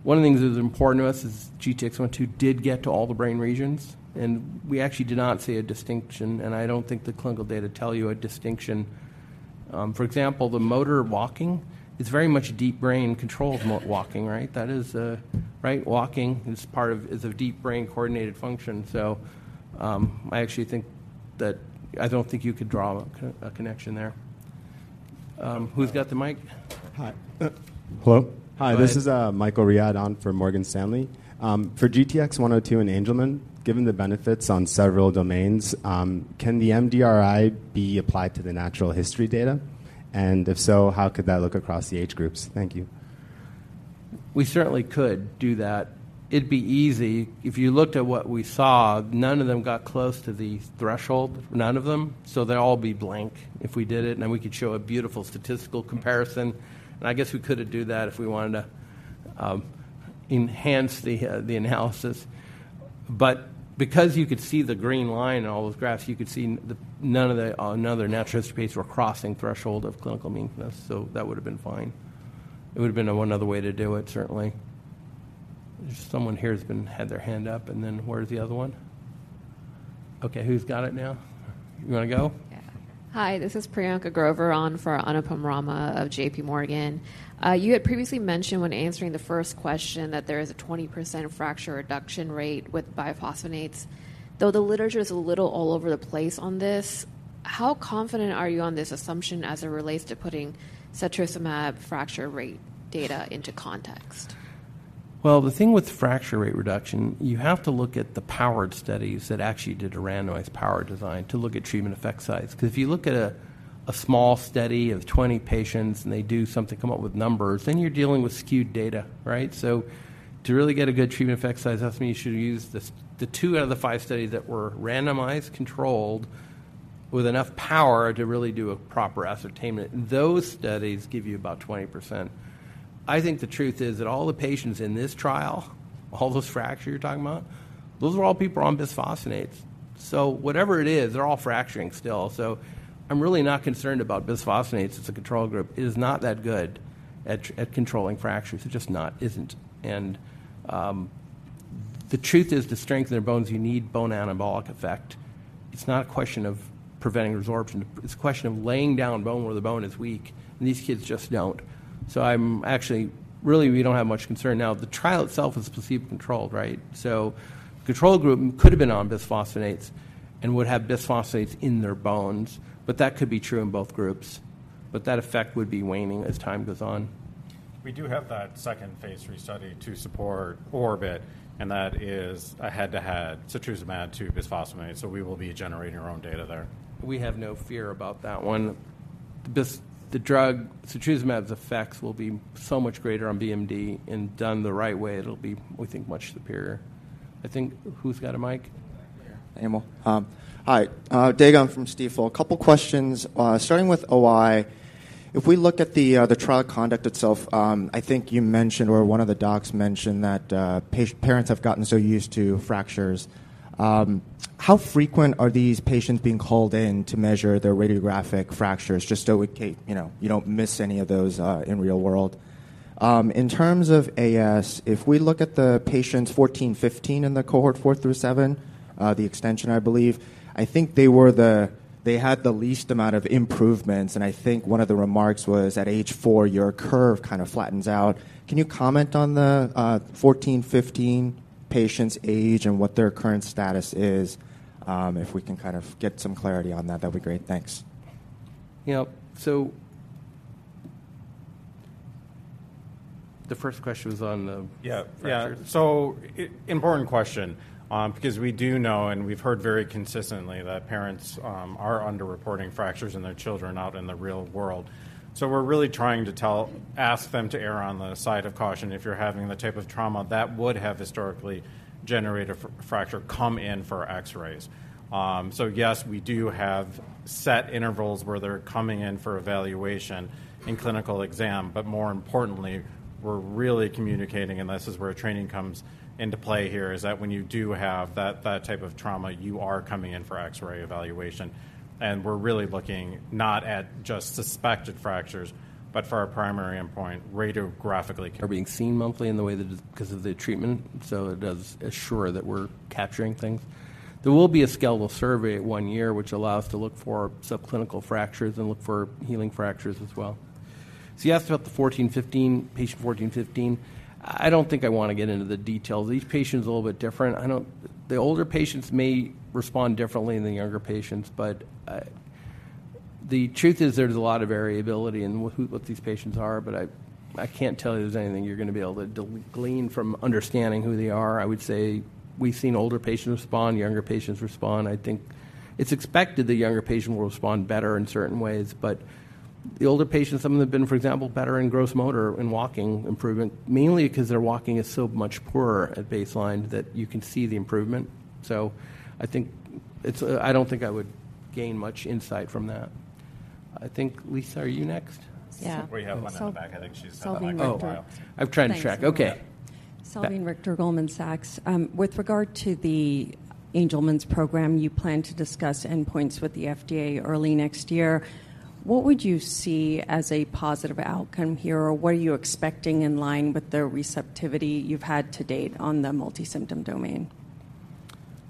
One of the things that is important to us is GTX-102 did get to all the brain regions, and we actually did not see a distinction, and I don't think the clinical data tell you a distinction. For example, the motor walking, it's very much a deep brain controlled walking, right? That is, right, walking is part of, is a deep brain-coordinated function. So, I actually think that, I don't think you could draw a connection there. Who's got the mic? Hi. Hello? Hi. Hi, this is Michael Riad on from Morgan Stanley. For GTX-102 and Angelman, given the benefits on several domains, can the MDRI be applied to the natural history data? And if so, how could that look across the age groups? Thank you. We certainly could do that. It'd be easy. If you looked at what we saw, none of them got close to the threshold, none of them. So they'd all be blank if we did it, and then we could show a beautiful statistical comparison, and I guess we could do that if we wanted to enhance the analysis. But because you could see the green line in all those graphs, you could see none of the natural history rates were crossing threshold of clinical meaningfulness, so that would have been fine. It would have been one other way to do it, certainly. Someone here has been, had their hand up, and then where is the other one? Okay, who's got it now? You wanna go? Yeah. Hi, this is Priyanka Grover on for Anupam Rama of JPMorgan. You had previously mentioned when answering the first question, that there is a 20% fracture reduction rate with bisphosphonates, though the literature is a little all over the place on this. How confident are you on this assumption as it relates to putting Setrusumab fracture rate data into context? Well, the thing with fracture rate reduction, you have to look at the powered studies that actually did a randomized powered design to look at treatment effect size. 'Cause if you look at a small study of 20 patients, and they do something, come up with numbers, then you're dealing with skewed data, right? So to really get a good treatment effect size, that's when you should use the two out of the five studies that were randomized, controlled, with enough power to really do a proper ascertainment. Those studies give you about 20%. I think the truth is that all the patients in this trial, all those fractures you're talking about, those are all people on bisphosphonates. So whatever it is, they're all fracturing still. So I'm really not concerned about bisphosphonates as a control group. It is not that good at controlling fractures. It's just not. It isn't. And the truth is, to strengthen their bones, you need bone anabolic effect. It's not a question of preventing resorption. It's a question of laying down bone where the bone is weak, and these kids just don't. So I'm actually, really, we don't have much concern now. The trial itself is perceived controlled, right? So the control group could have been on bisphosphonates and would have bisphosphonates in their bones, but that could be true in both groups, but that effect would be waning as time goes on. We do have that second Phase III study to support ORBIT, and that is a head-to-head Setrusumab to bisphosphonate, so we will be generating our own data there. We have no fear about that one, the drug Setrusumab's effects will be so much greater on BMD, and done the right way, it'll be, we think, much superior. I think, who's got a mic? Right here. Dae Gon from Stifel. A couple questions, starting with OI. If we look at the trial conduct itself, I think you mentioned or one of the docs mentioned that parents have gotten so used to fractures. How frequent are these patients being called in to measure their radiographic fractures, just so we you know, you don't miss any of those in real world? In terms of AS, if we look at the patients 14, 15 in the cohort four through seven, the extension, I believe, I think they had the least amount of improvements, and I think one of the remarks was, at age four, your curve kind of flattens out. Can you comment on the 14, 15 patients' age and what their current status is? If we can kind of get some clarity on that, that'd be great. Thanks. You know, so the first question was on the fractures. Yeah. Yeah, so important question, because we do know, and we've heard very consistently, that parents are underreporting fractures in their children out in the real world. So we're really trying to ask them to err on the side of caution. "If you're having the type of trauma that would have historically generated a fracture, come in for X-rays." So yes, we do have set intervals where they're coming in for evaluation and clinical exam, but more importantly, we're really communicating, and this is where training comes into play here, is that when you do have that, that type of trauma, you are coming in for X-ray evaluation. And we're really looking not at just suspected fractures, but for our primary endpoint, radiographically. Are being seen monthly in the way that the 'cause of the treatment, so it does assure that we're capturing things. There will be a skeletal survey at one year, which allows to look for subclinical fractures and look for healing fractures as well. So you asked about the 14, 15, patient 14, 15. I don't think I wanna get into the details. Each patient is a little bit different. I don't. The older patients may respond differently than the younger patients, but the truth is, there's a lot of variability in what these patients are, but I can't tell you there's anything you're gonna be able to glean from understanding who they are. I would say we've seen older patients respond, younger patients respond. I think it's expected the younger patient will respond better in certain ways, but the older patients, some of them have been, for example, better in gross motor, in walking improvement, mainly 'cause their walking is so much poorer at baseline that you can see the improvement. So I think it's. I don't think I would gain much insight from that. I think, Liisa, are you next? Yeah. We have one in the back. I think she's had her hand up a while. Oh, I've tried to track. Okay. Salveen Richter, Goldman Sachs. With regard to the Angelman's program, you plan to discuss endpoints with the FDA early next year. What would you see as a positive outcome here, or what are you expecting in line with the receptivity you've had to date on the multi-symptom domain?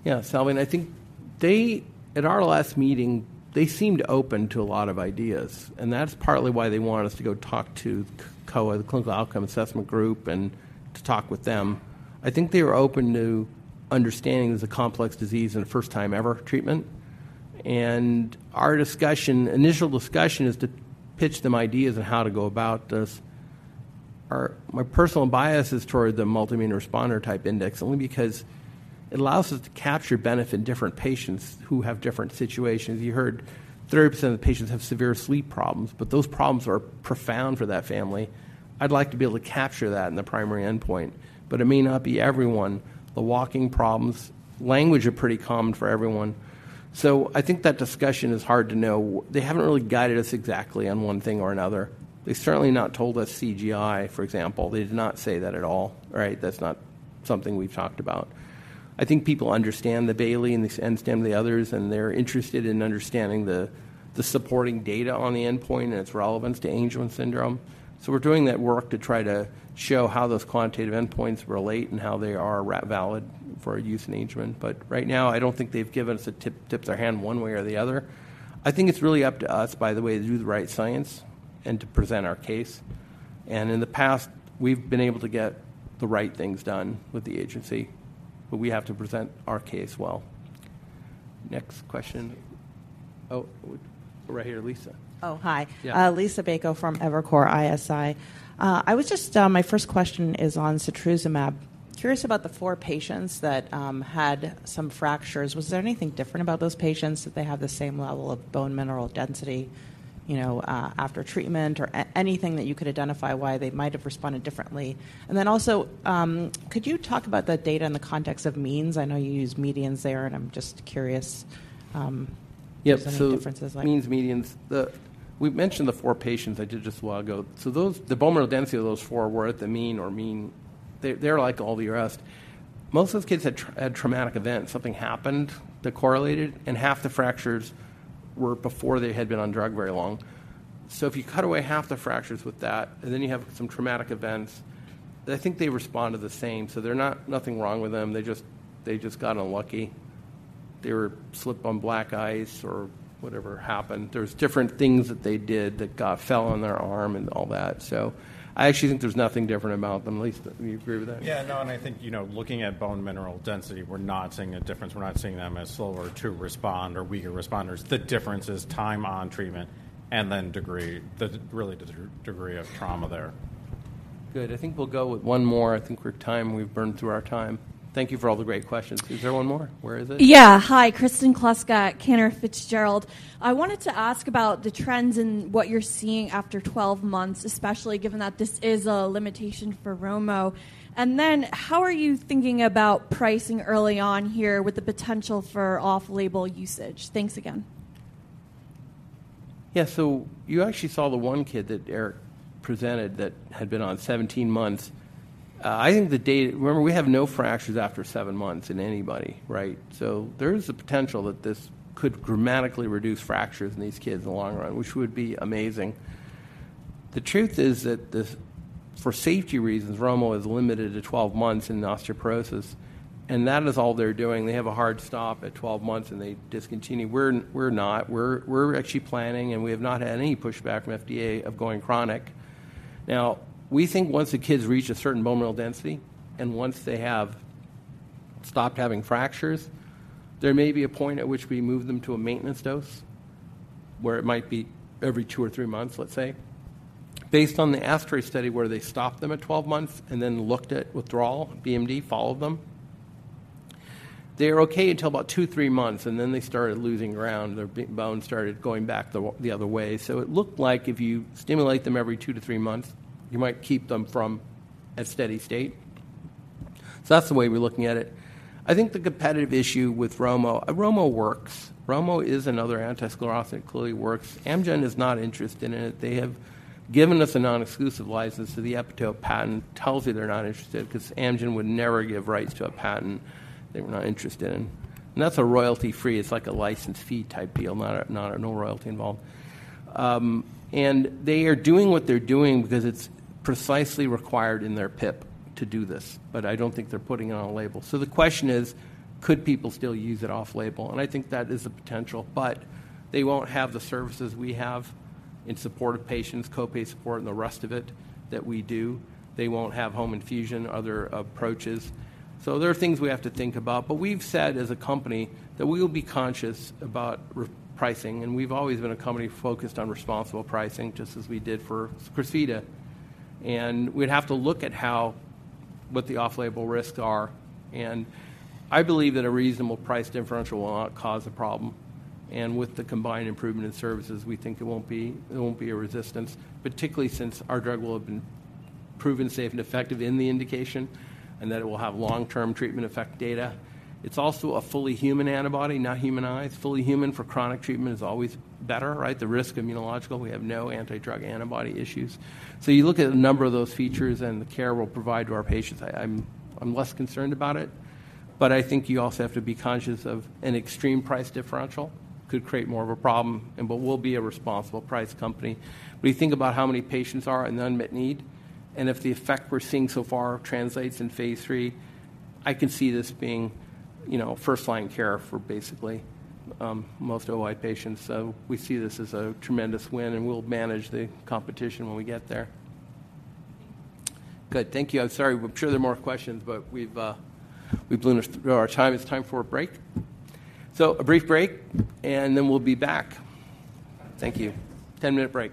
Yeah, Salveen, I think they, at our last meeting, they seemed open to a lot of ideas, and that's partly why they wanted us to go talk to COA, the Clinical Outcome Assessment group, and to talk with them. I think they were open to understanding it's a complex disease and a first-time-ever treatment. Our discussion, initial discussion, is to pitch them ideas on how to go about this. Our, my personal bias is toward the multi-domain responder index, only because it allows us to capture benefit in different patients who have different situations. You heard 30% of the patients have severe sleep problems, but those problems are profound for that family. I'd like to be able to capture that in the primary endpoint, but it may not be everyone. The walking problems, language are pretty common for everyone. So I think that discussion is hard to know. They haven't really guided us exactly on one thing or another. They've certainly not told us CGI, for example. They did not say that at all, right? That's not something we've talked about. I think people understand the Bayley and they understand the others, and they're interested in understanding the supporting data on the endpoint and its relevance to Angelman syndrome. So we're doing that work to try to show how those quantitative endpoints relate and how they are validated for use in Angelman, but right now, I don't think they've given us a tip, tipped their hand one way or the other. I think it's really up to us, by the way, to do the right science and to present our case, and in the past, we've been able to get the right things done with the agency, but we have to present our case well. Next question. Oh, right here, Liisa. Oh, hi. Yeah. Liisa Bayko from Evercore ISI. I was just. My first question is on Setrusumab. Curious about the four patients that had some fractures. Was there anything different about those patients, that they had the same level of bone mineral density, you know, after treatment or anything that you could identify why they might have responded differently? And then also, could you talk about the data in the context of means? I know you used medians there, and I'm just curious, if there's any differences. Yeah, so means, medians. We've mentioned the four patients I did just a while ago. So those, the bone mineral density of those four were at the mean or mean. They, they're like all the rest. Most of those kids had traumatic events. Something happened that correlated, and half the fractures were before they had been on drug very long. So if you cut away half the fractures with that, and then you have some traumatic events, I think they respond to the same. So they're not nothing wrong with them. They just, they just got unlucky. They were slip on black ice or whatever happened. There's different things that they did that got fell on their arm and all that. So I actually think there's nothing different about them. Liisa, do you agree with that? Yeah, no, and I think, you know, looking at bone mineral density, we're not seeing a difference. We're not seeing them as slower to respond or weaker responders. The difference is time on treatment and then degree, really the degree of trauma there. Good. I think we'll go with one more. I think we're time. We've burned through our time. Thank you for all the great questions. Is there one more? Where is it? Yeah. Hi, Kristen Kluska at Cantor Fitzgerald. I wanted to ask about the trends and what you're seeing after 12 months, especially given that this is a limitation for Romo. And then how are you thinking about pricing early on here with the potential for off-label usage? Thanks again. Yeah. So you actually saw the one kid that Eric presented that had been on 17 months. I think the data. Remember, we have no fractures after seven months in anybody, right? So there is a potential that this could dramatically reduce fractures in these kids in the long run, which would be amazing. The truth is that this, for safety reasons, Romo is limited to 12 months in osteoporosis, and that is all they're doing. They have a hard stop at 12 months, and they discontinue. We're, we're not. We're, we're actually planning, and we have not had any pushback from FDA of going chronic. Now, we think once the kids reach a certain bone mineral density, and once they have stopped having fractures, there may be a point at which we move them to a maintenance dose, where it might be every two or three months, let's say. Based on the ASTRO study, where they stopped them at 12 months and then looked at withdrawal, BMD followed them. They were okay until about two to three months, and then they started losing ground. Their bones started going back the other way. So it looked like if you stimulate them every two to three months, you might keep them from a steady state. So that's the way we're looking at it. I think the competitive issue with Romo, Romo works. Romo is another anti-sclerostin, it clearly works. Amgen is not interested in it. They have given us a non-exclusive license to the epitope patent. Tells you they're not interested because Amgen would never give rights to a patent they were not interested in. And that's a royalty-free. It's like a license fee type deal, not a no royalty involved. And they are doing what they're doing because it's precisely required in their PIP to do this, but I don't think they're putting it on a label. So the question is: could people still use it off-label? And I think that is a potential, but they won't have the services we have in support of patients, co-pay support, and the rest of it that we do. They won't have home infusion, other approaches. So there are things we have to think about. But we've said as a company that we will be conscious about repricing, and we've always been a company focused on responsible pricing, just as we did for Crysvita. And we'd have to look at how, what the off-label risks are, and I believe that a reasonable price differential will not cause a problem. And with the combined improvement in services, we think it won't be, it won't be a resistance, particularly since our drug will have been proven safe and effective in the indication, and that it will have long-term treatment effect data. It's also a fully human antibody, not humanized. Fully human for chronic treatment is always better, right? The immunological risk, we have no anti-drug antibody issues. So you look at a number of those features and the care we'll provide to our patients, I'm less concerned about it. But I think you also have to be conscious of an extreme price differential, could create more of a problem, and but we'll be a responsible price company. We think about how many patients are in unmet need, and if the effect we're seeing so far translates in phase III, I can see this being, you know, first-line care for basically, most OI patients. So we see this as a tremendous win, and we'll manage the competition when we get there. Good. Thank you. I'm sorry. I'm sure there are more questions, but we've, we've blown our time. It's time for a break. So a brief break, and then we'll be back. Thank you. 10-minute break.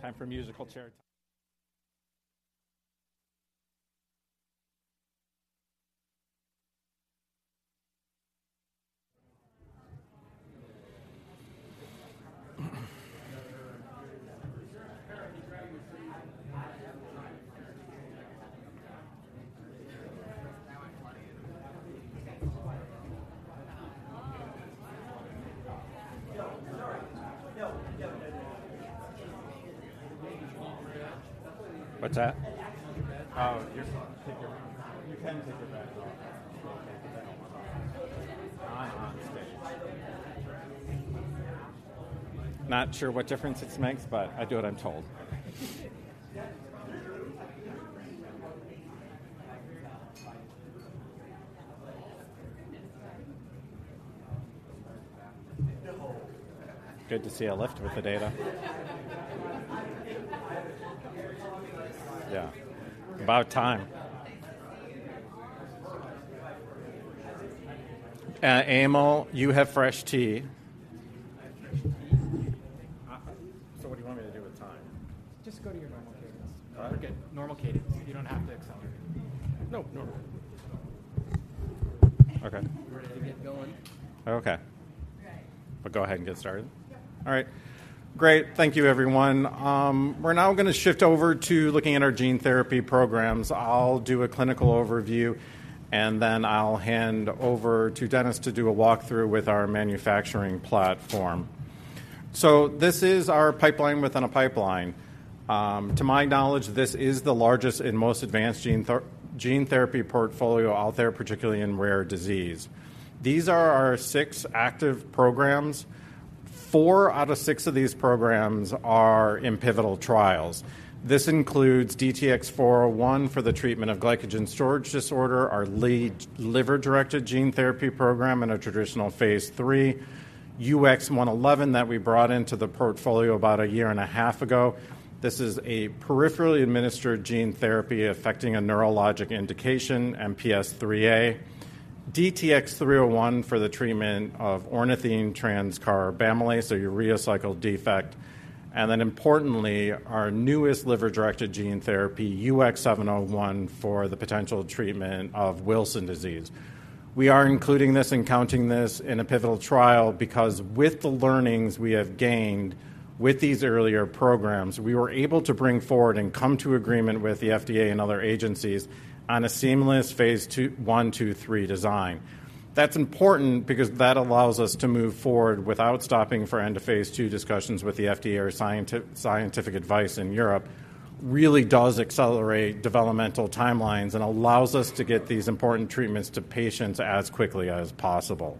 Time for musical chair. What's that? You can take your bag off the stage. Not sure what difference it makes, but I do what I'm told. Yeah. Good to see a lift with the data. Yeah, about time. Emil, you have fresh tea. I have fresh tea. So what do you want me to do with time? Just go to your normal cadence. All right. Normal cadence. You don't have to accelerate. Nope, normal. Okay. You ready to get going? Okay. I'll go ahead and get started. Yeah. All right, great. Thank you, everyone. We're now gonna shift over to looking at our gene therapy programs. I'll do a clinical overview, and then I'll hand over to Dennis to do a walkthrough with our manufacturing platform. So this is our pipeline within a pipeline. To my knowledge, this is the largest and most advanced gene therapy portfolio out there, particularly in rare disease. These are our six active programs. four out of six of these programs are in pivotal trials. This includes DTX401 for the treatment of glycogen storage disorder, our lead liver-directed gene therapy program in a traditional phase III. UX111 that we brought into the portfolio about a year and a half ago. This is a peripherally administered gene therapy affecting a neurologic indication, MPS IIIA. DTX301 for the treatment of ornithine transcarbamylase or urea cycle defect, and then importantly, our newest liver-directed gene therapy, UX701, for the potential treatment of Wilson disease. We are including this and counting this in a pivotal trial because with the learnings we have gained with these earlier programs, we were able to bring forward and come to agreement with the FDA and other agencies on a seamless phase II/III design. That's important because that allows us to move forward without stopping for end-of-phase II discussions with the FDA or scientific advice in Europe. Really does accelerate developmental timelines and allows us to get these important treatments to patients as quickly as possible.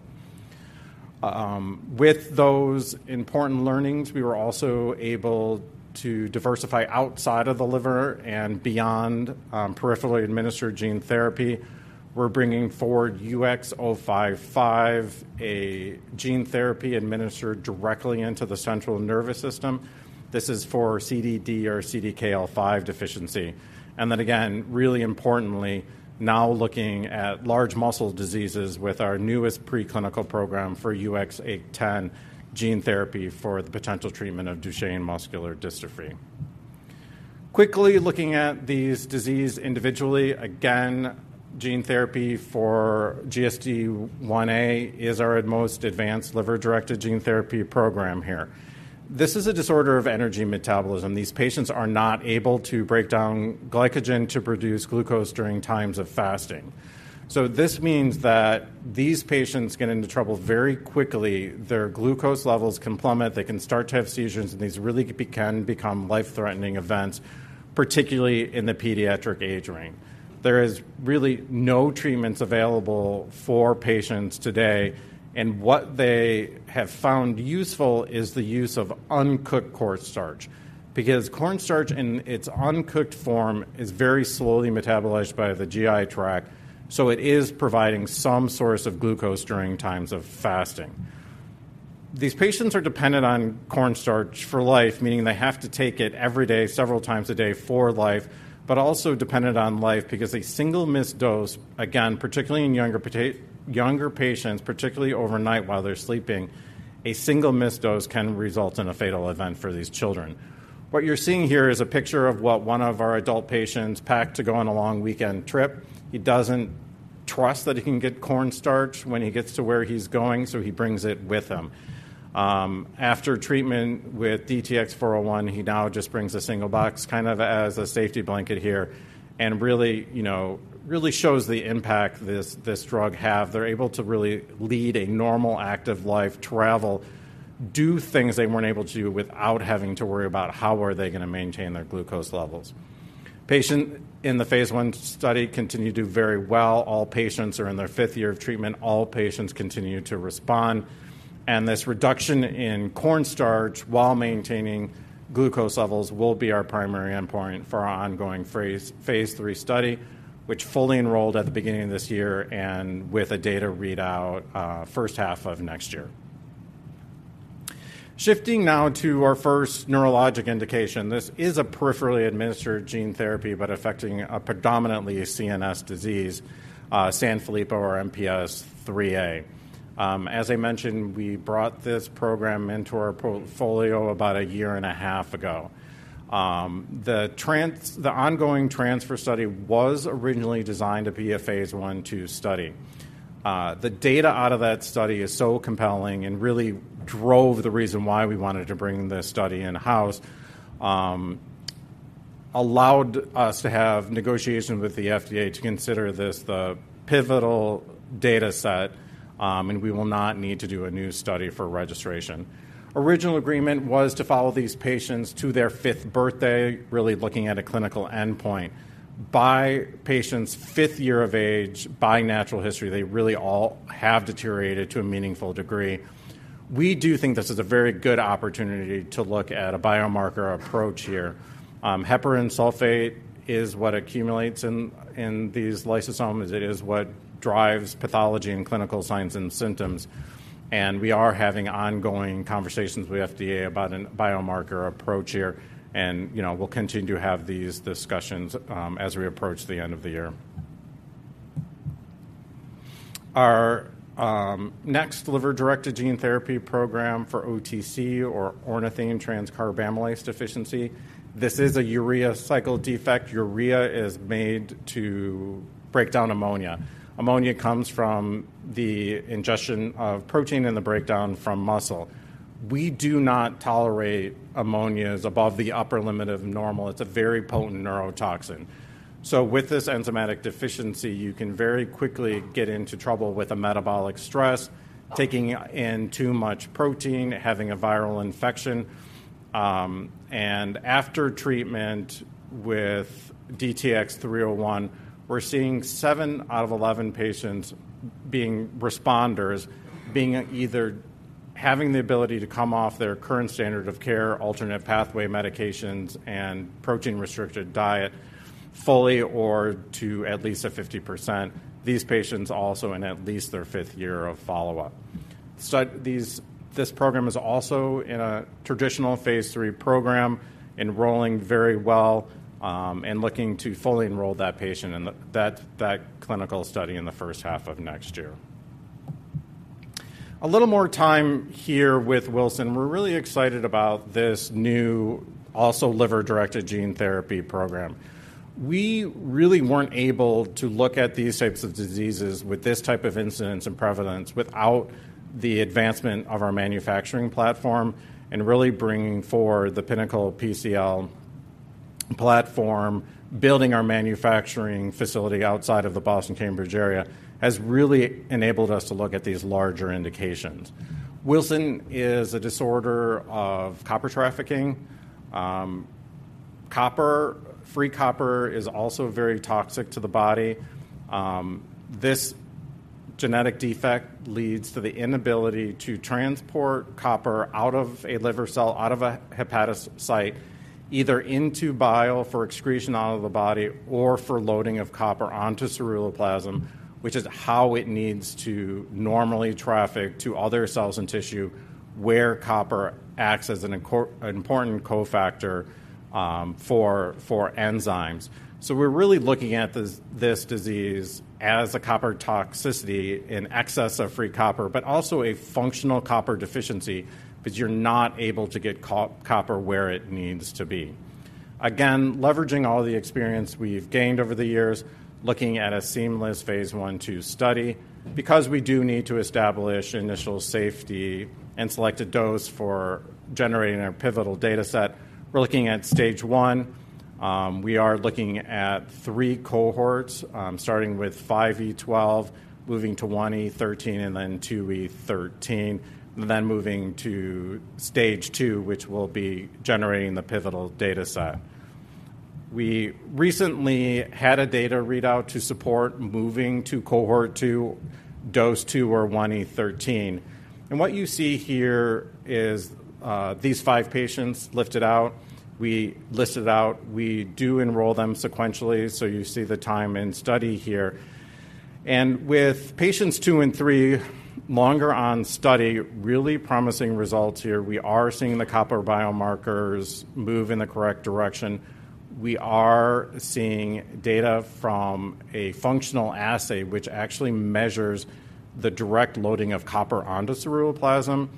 With those important learnings, we were also able to diversify outside of the liver and beyond, peripherally administered gene therapy. We're bringing forward UX055, a gene therapy administered directly into the central nervous system. This is for CDD or CDKL5 deficiency. And then again, really importantly, now looking at large muscle diseases with our newest preclinical program for UX810, gene therapy for the potential treatment of Duchenne muscular dystrophy. Quickly looking at these diseases individually, again, gene therapy for GSD Ia is our most advanced liver-directed gene therapy program here. This is a disorder of energy metabolism. These patients are not able to break down glycogen to produce glucose during times of fasting. So this means that these patients get into trouble very quickly. Their glucose levels can plummet, they can start to have seizures, and these really can become life-threatening events, particularly in the pediatric age range. There is really no treatments available for patients today, and what they have found useful is the use of uncooked cornstarch, because cornstarch in its uncooked form is very slowly metabolized by the GI tract, so it is providing some source of glucose during times of fasting. These patients are dependent on cornstarch for life, meaning they have to take it every day, several times a day for life, but also dependent on life because a single missed dose, again, particularly in younger patients, particularly overnight while they're sleeping, a single missed dose can result in a fatal event for these children. What you're seeing here is a picture of what one of our adult patients packed to go on a long weekend trip. He doesn't trust that he can get cornstarch when he gets to where he's going, so he brings it with him. After treatment with DTX401, he now just brings a single box, kind of as a safety blanket here, and really, you know, really shows the impact this, this drug have. They're able to really lead a normal, active life, travel, do things they weren't able to do without having to worry about how are they gonna maintain their glucose levels. Patient in the phase one study continue to do very well. All patients are in their fifth year of treatment. All patients continue to respond, and this reduction in cornstarch while maintaining glucose levels will be our primary endpoint for our ongoing phase III study, which fully enrolled at the beginning of this year and with a data readout, first half of next year. Shifting now to our first neurologic indication, this is a peripherally administered gene therapy, but affecting a predominantly CNS disease, Sanfilippo or MPS IIIA. As I mentioned, we brought this program into our portfolio about a year and a half ago. The ongoing transfer study was originally designed to be a phase I/II study. The data out of that study is so compelling and really drove the reason why we wanted to bring this study in-house, allowed us to have negotiations with the FDA to consider this the pivotal data set, and we will not need to do a new study for registration. Original agreement was to follow these patients to their fifth birthday, really looking at a clinical endpoint. By patients' fifth year of age, by natural history, they really all have deteriorated to a meaningful degree. We do think this is a very good opportunity to look at a biomarker approach here. Heparan sulfate is what accumulates in these lysosomes. It is what drives pathology and clinical signs and symptoms, and we are having ongoing conversations with FDA about a biomarker approach here, and, you know, we'll continue to have these discussions as we approach the end of the year. Our next liver-directed gene therapy program for OTC or ornithine transcarbamylase deficiency, this is a urea cycle defect. Urea is made to break down ammonia. Ammonia comes from the ingestion of protein and the breakdown from muscle. We do not tolerate ammonias above the upper limit of normal. It's a very potent neurotoxin. So with this enzymatic deficiency, you can very quickly get into trouble with a metabolic stress, taking in too much protein, having a viral infection, and after treatment with DTX301, we're seeing seven out of 11 patients being responders, being either having the ability to come off their current standard of care, alternate pathway medications, and protein-restricted diet fully or to at least a 50%. These patients also in at least their fifth year of follow-up. So these this program is also in a traditional phase III program, enrolling very well, and looking to fully enroll that patient in that clinical study in the first half of next year. A little more time here with Wilson. We're really excited about this new, also liver-directed gene therapy program. We really weren't able to look at these types of diseases with this type of incidence and prevalence without the advancement of our manufacturing platform and really bringing forward the Pinnacle PCL platform. Building our manufacturing facility outside of the Boston-Cambridge area has really enabled us to look at these larger indications. Wilson is a disorder of copper trafficking. Copper, free copper is also very toxic to the body. This genetic defect leads to the inability to transport copper out of a liver cell, out of a hepatocyte, either into bile for excretion out of the body or for loading of copper onto ceruloplasmin, which is how it needs to normally traffic to other cells and tissue, where copper acts as an important cofactor for enzymes. So we're really looking at this, this disease as a copper toxicity in excess of free copper, but also a functional copper deficiency because you're not able to get co-copper where it needs to be, again, leveraging all the experience we've gained over the years, looking at a seamless phase I/II study. Because we do need to establish initial safety and select a dose for generating our pivotal data set, we're looking at Stage I. We are looking at three cohorts, starting with 5E12, moving to 1E13, and then 2E13, and then moving to Stage II, which will be generating the pivotal data set. We recently had a data readout to support moving to Cohort II, Dose II or 1E13. And what you see here is, these five patients lifted out. We listed out, we do enroll them sequentially, so you see the time and study here. With Patients two and three, longer on study, really promising results here. We are seeing the copper biomarkers move in the correct direction. We are seeing data from a functional assay, which actually measures the direct loading of copper onto ceruloplasmin.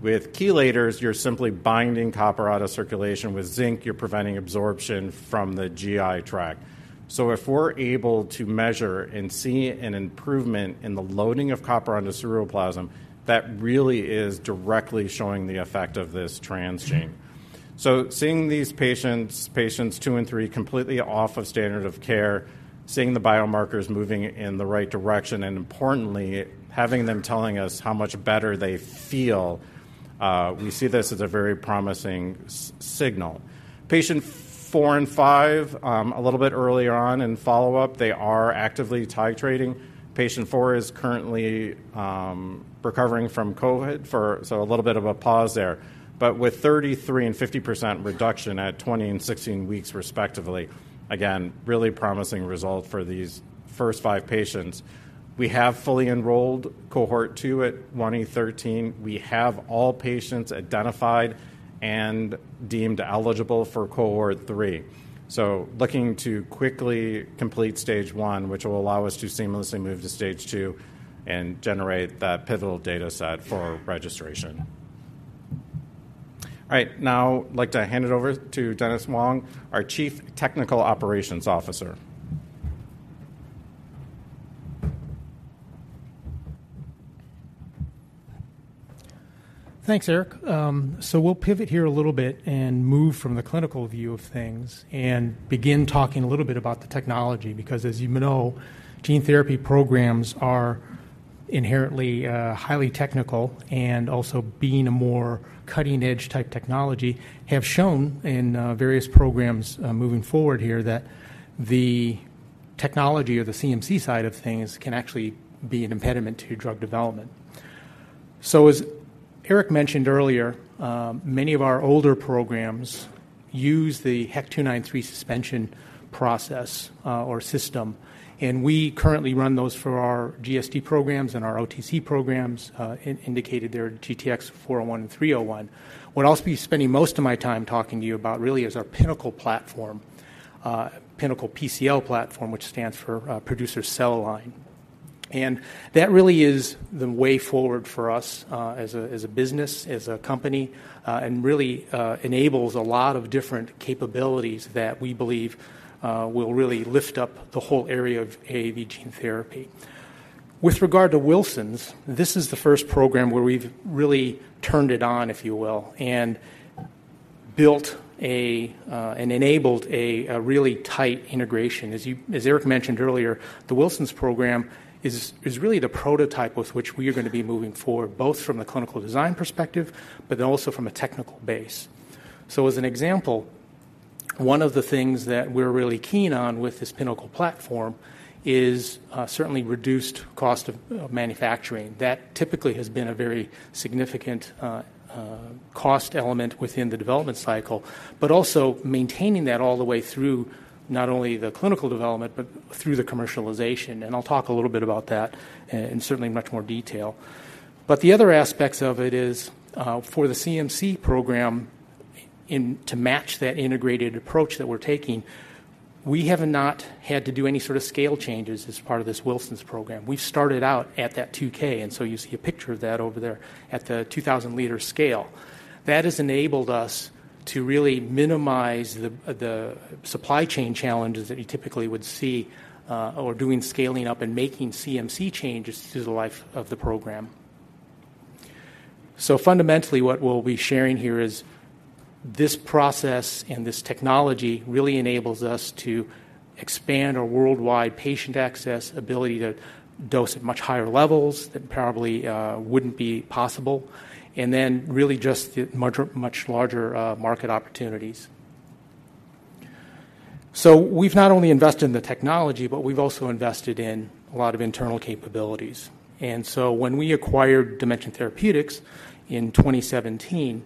With chelators, you're simply binding copper out of circulation. With zinc, you're preventing absorption from the GI tract. So if we're able to measure and see an improvement in the loading of copper onto ceruloplasmin, that really is directly showing the effect of this transgene. So seeing these patients, Patients two and three, completely off of standard of care, seeing the biomarkers moving in the right direction, and importantly, having them telling us how much better they feel, we see this as a very promising signal. Patient four and five, a little bit earlier on in follow-up, they are actively titrating. Patient four is currently recovering from COVID, so a little bit of a pause there. But with 33% and 50% reduction at 20 and 16 weeks respectively, again, really promising result for these first five patients. We have fully enrolled Cohort II at 1E13. We have all patients identified and deemed eligible for Cohort III. So looking to quickly complete Stage I, which will allow us to seamlessly move to Stage II and generate that pivotal data set for registration. All right, now I'd like to hand it over to Dennis Huang, our Chief Technical Operations Officer. Thanks, Eric. So we'll pivot here a little bit and move from the clinical view of things and begin talking a little bit about the technology, because as you know, gene therapy programs are inherently highly technical, and also being a more cutting-edge type technology, have shown in various programs moving forward here that the technology or the CMC side of things can actually be an impediment to drug development. So as Eric mentioned earlier, many of our older programs use the HEK 293 suspension process or system, and we currently run those for our GSD programs and our OTC programs, indicated there, DTX401 and DTX301. What I'll also be spending most of my time talking to you about really is our Pinnacle platform, Pinnacle PCL platform, which stands for Producer Cell Line. That really is the way forward for us, as a, as a business, as a company, and really, enables a lot of different capabilities that we believe, will really lift up the whole area of AAV gene therapy. With regard to Wilson's, this is the first program where we've really turned it on, if you will, and built a, and enabled a, a really tight integration. As you, as Eric mentioned earlier, the Wilson's program is, is really the prototype with which we are going to be moving forward, both from a clinical design perspective, but then also from a technical base. So as an example, one of the things that we're really keen on with this Pinnacle platform is, certainly reduced cost of manufacturing. That typically has been a very significant cost element within the development cycle, but also maintaining that all the way through not only the clinical development, but through the commercialization, and I'll talk a little bit about that in certainly much more detail. But the other aspects of it is, for the CMC program, in, to match that integrated approach that we're taking, we have not had to do any sort of scale changes as part of this Wilson's program. We've started out at that 2K, and so you see a picture of that over there at the 2000-liter scale. That has enabled us to really minimize the supply chain challenges that you typically would see, or doing scaling up and making CMC changes through the life of the program. So fundamentally, what we'll be sharing here is this process and this technology really enables us to expand our worldwide patient access ability to dose at much higher levels that probably wouldn't be possible, and then really just the much, much larger market opportunities. So we've not only invested in the technology, but we've also invested in a lot of internal capabilities. And so when we acquired Dimension Therapeutics in 2017,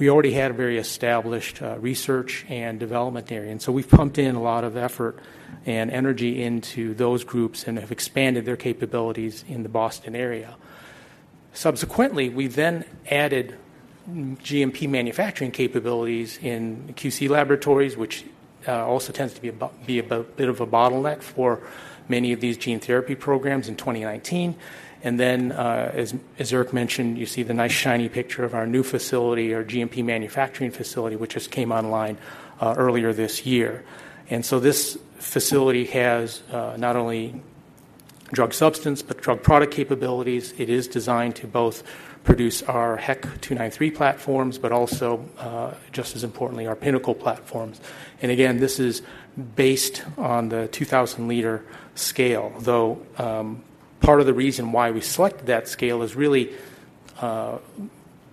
we already had a very established research and development area. And so we've pumped in a lot of effort and energy into those groups and have expanded their capabilities in the Boston area. Subsequently, we then added GMP manufacturing capabilities in QC laboratories, which also tends to be a bit of a bottleneck for many of these gene therapy programs in 2019. And then, as Eric mentioned, you see the nice, shiny picture of our new facility, our GMP manufacturing facility, which just came online earlier this year. So this facility has not only drug substance, but drug product capabilities. It is designed to both produce our HEK 293 platforms, but also, just as importantly, our Pinnacle platforms. And again, this is based on the 2,000-liter scale, though, part of the reason why we selected that scale is really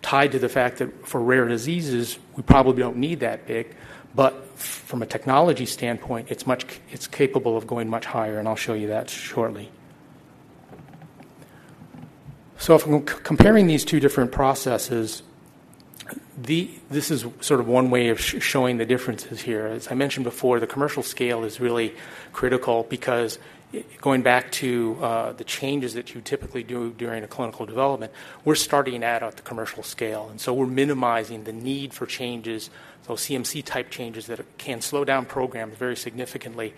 tied to the fact that for rare diseases, we probably don't need that big. But from a technology standpoint, it's much, it's capable of going much higher, and I'll show you that shortly. So if we're comparing these two different processes, this is sort of one way of showing the differences here. As I mentioned before, the commercial scale is really critical because going back to the changes that you typically do during a clinical development, we're starting out at the commercial scale, and so we're minimizing the need for changes, those CMC-type changes that can slow down programs very significantly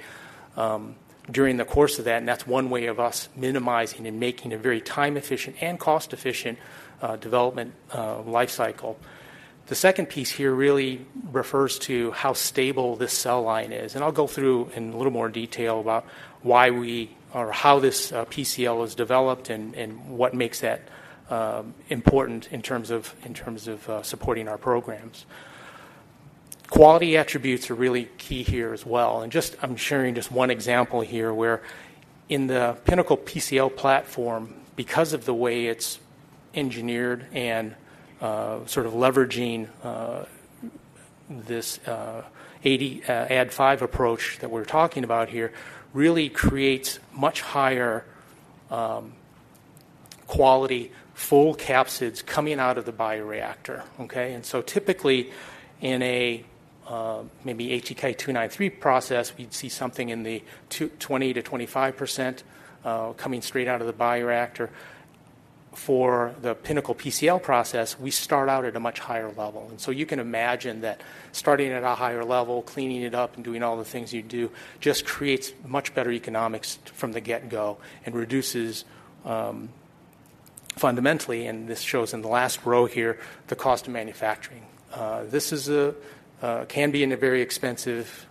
during the course of that, and that's one way of us minimizing and making a very time-efficient and cost-efficient development life cycle. The second piece here really refers to how stable this cell line is, and I'll go through in a little more detail about why we or how this PCL is developed and what makes that important in terms of supporting our programs. Quality attributes are really key here as well, and just, I'm sharing just one example here where in the Pinnacle PCL platform, because of the way it's engineered and, sort of leveraging, this Ad5 approach that we're talking about here, really creates much higher, quality, full capsids coming out of the bioreactor. Okay? And so typically in a, maybe HEK 293 process, we'd see something in the 20%-25% coming straight out of the bioreactor. For the Pinnacle PCL process, we start out at a much higher level. And so you can imagine that starting at a higher level, cleaning it up, and doing all the things you do just creates much better economics from the get-go and reduces, fundamentally, and this shows in the last row here, the cost of manufacturing. This can be a very expensive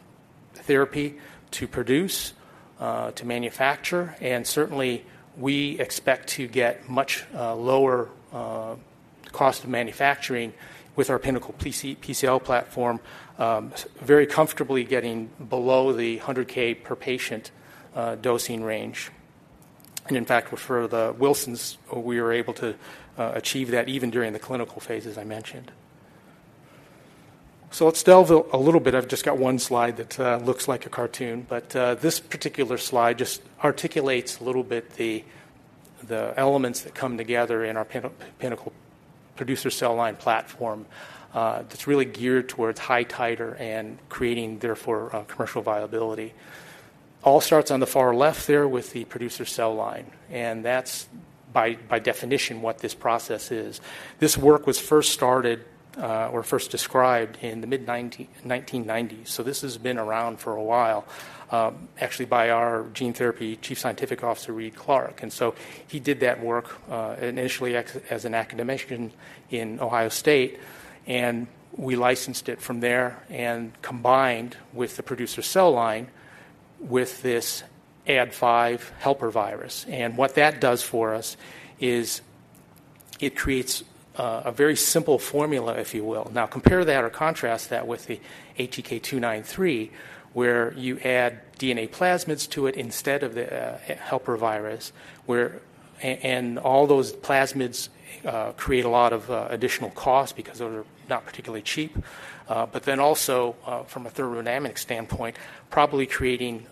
therapy to produce, to manufacture, and certainly we expect to get much lower cost of manufacturing with our Pinnacle PCL platform, very comfortably getting below the $100K per patient dosing range. And in fact, for the Wilson's, we were able to achieve that even during the clinical phases I mentioned. So let's delve a little bit. I've just got one slide that looks like a cartoon, but this particular slide just articulates a little bit the elements that come together in our Pinnacle producer cell line platform, that's really geared towards high titer and creating, therefore, commercial viability. All starts on the far left there with the producer cell line, and that's by definition what this process is. This work was first started, or first described in the mid-1990s, so this has been around for a while, actually by our gene therapy chief scientific officer, Reed Clark. And so he did that work, initially as an academician in Ohio State, and we licensed it from there and combined with the producer cell line with this Ad5 helper virus. And what that does for us is it creates a, a very simple formula, if you will. Now, compare that or contrast that with the HEK 293, where you add DNA plasmids to it instead of the, helper virus, where. And all those plasmids create a lot of additional costs because those are not particularly cheap, but then also from a thermodynamic standpoint, probably creating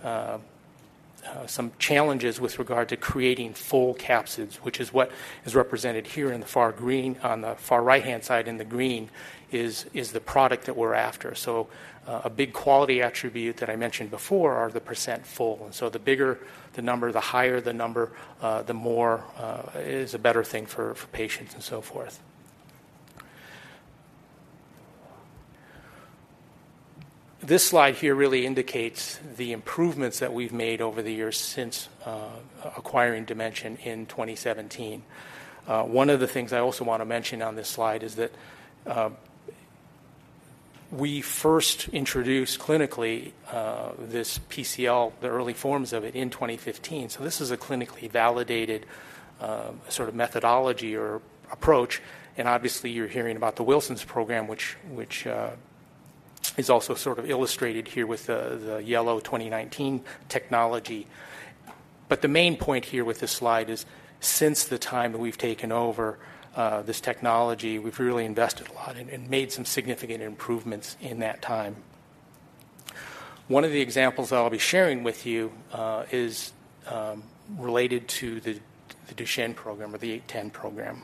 some challenges with regard to creating full capsids, which is what is represented here in the far green. On the far right-hand side in the green is, is the product that we're after. So, a big quality attribute that I mentioned before are the percent full, and so the bigger the number, the higher the number, the more it is a better thing for patients and so forth. This slide here really indicates the improvements that we've made over the years since acquiring Dimension in 2017. One of the things I also want to mention on this slide is that, we first introduced clinically, this PCL, the early forms of it, in 2015, so this is a clinically validated, sort of methodology or approach. And obviously, you're hearing about the Wilson's program, which is also sort of illustrated here with the yellow 2019 technology. But the main point here with this slide is, since the time that we've taken over, this technology, we've really invested a lot and made some significant improvements in that time. One of the examples that I'll be sharing with you is related to the Duchenne program or the 8/10 program.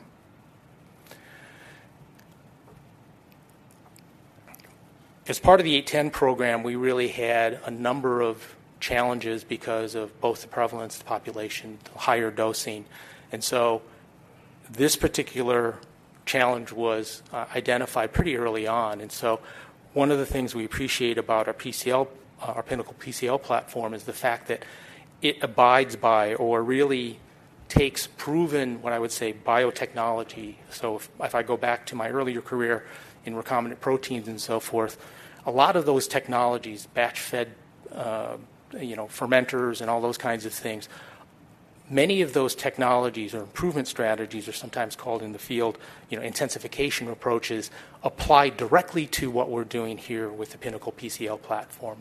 As part of the 8/10 program, we really had a number of challenges because of both the prevalence, the population, higher dosing. This particular challenge was identified pretty early on. One of the things we appreciate about our PCL, our Pinnacle PCL platform, is the fact that it abides by or really takes proven, what I would say, biotechnology. So if I go back to my earlier career in recombinant proteins and so forth, a lot of those technologies, batch fed, you know, fermenters and all those kinds of things, many of those technologies or improvement strategies are sometimes called in the field, you know, intensification approaches, apply directly to what we're doing here with the Pinnacle PCL platform.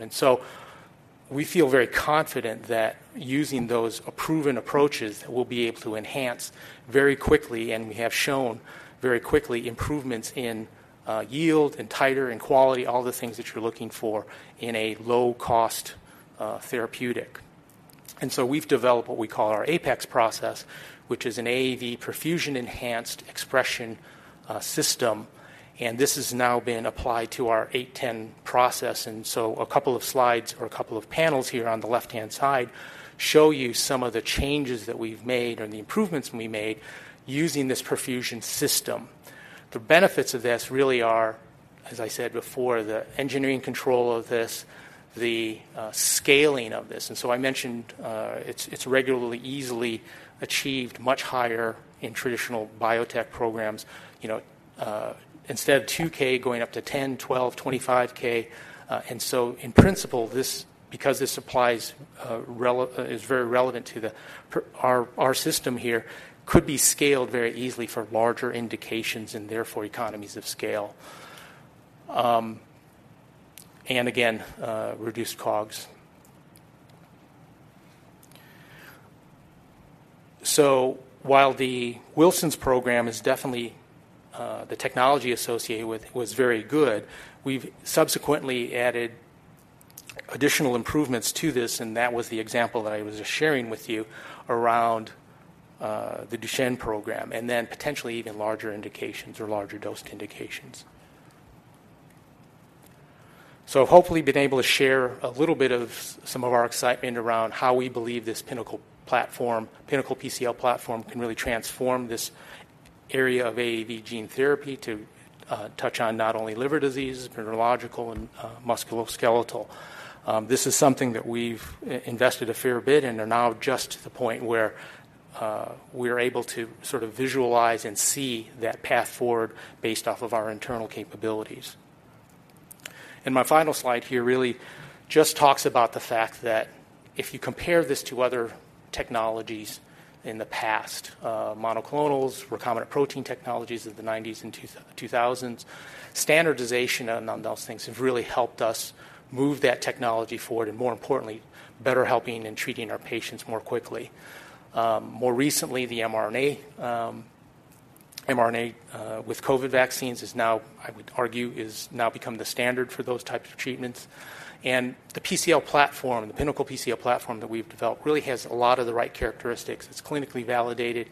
We feel very confident that using those proven approaches, we'll be able to enhance very quickly, and we have shown very quickly, improvements in yield and titer and quality, all the things that you're looking for in a low-cost therapeutic. So we've developed what we call our APEX process, which is an AAV profusion-enhanced expression system, and this has now been applied to our 810 process. So a couple of slides or a couple of panels here on the left-hand side show you some of the changes that we've made and the improvements we made using this profusion system. The benefits of this really are, as I said before, the engineering control of this, the scaling of this. So I mentioned, it's regularly, easily achieved, much higher in traditional biotech programs, you know, instead of 2K going up to 10, 12, 25K. So in principle, this, because this applies, is very relevant to our system here, could be scaled very easily for larger indications and therefore, economies of scale. And again, reduced COGS. So while the Wilson's program is definitely, the technology associated with was very good, we've subsequently added additional improvements to this, and that was the example that I was just sharing with you around, the Duchenne program, and then potentially even larger indications or larger dosed indications. So hopefully, been able to share a little bit of some of our excitement around how we believe this Pinnacle PCL platform can really transform this area of AAV gene therapy to, touch on not only liver disease, neurological and, musculoskeletal. This is something that we've invested a fair bit and are now just to the point where, we're able to sort of visualize and see that path forward based off of our internal capabilities. My final slide here really just talks about the fact that if you compare this to other technologies in the past, monoclonals, recombinant protein technologies of the 1990s and 2000s, standardization on those things have really helped us move that technology forward, and more importantly, better helping and treating our patients more quickly. More recently, the mRNA with COVID vaccines is now, I would argue, become the standard for those types of treatments. The Pinnacle PCL platform that we've developed really has a lot of the right characteristics. It's clinically validated.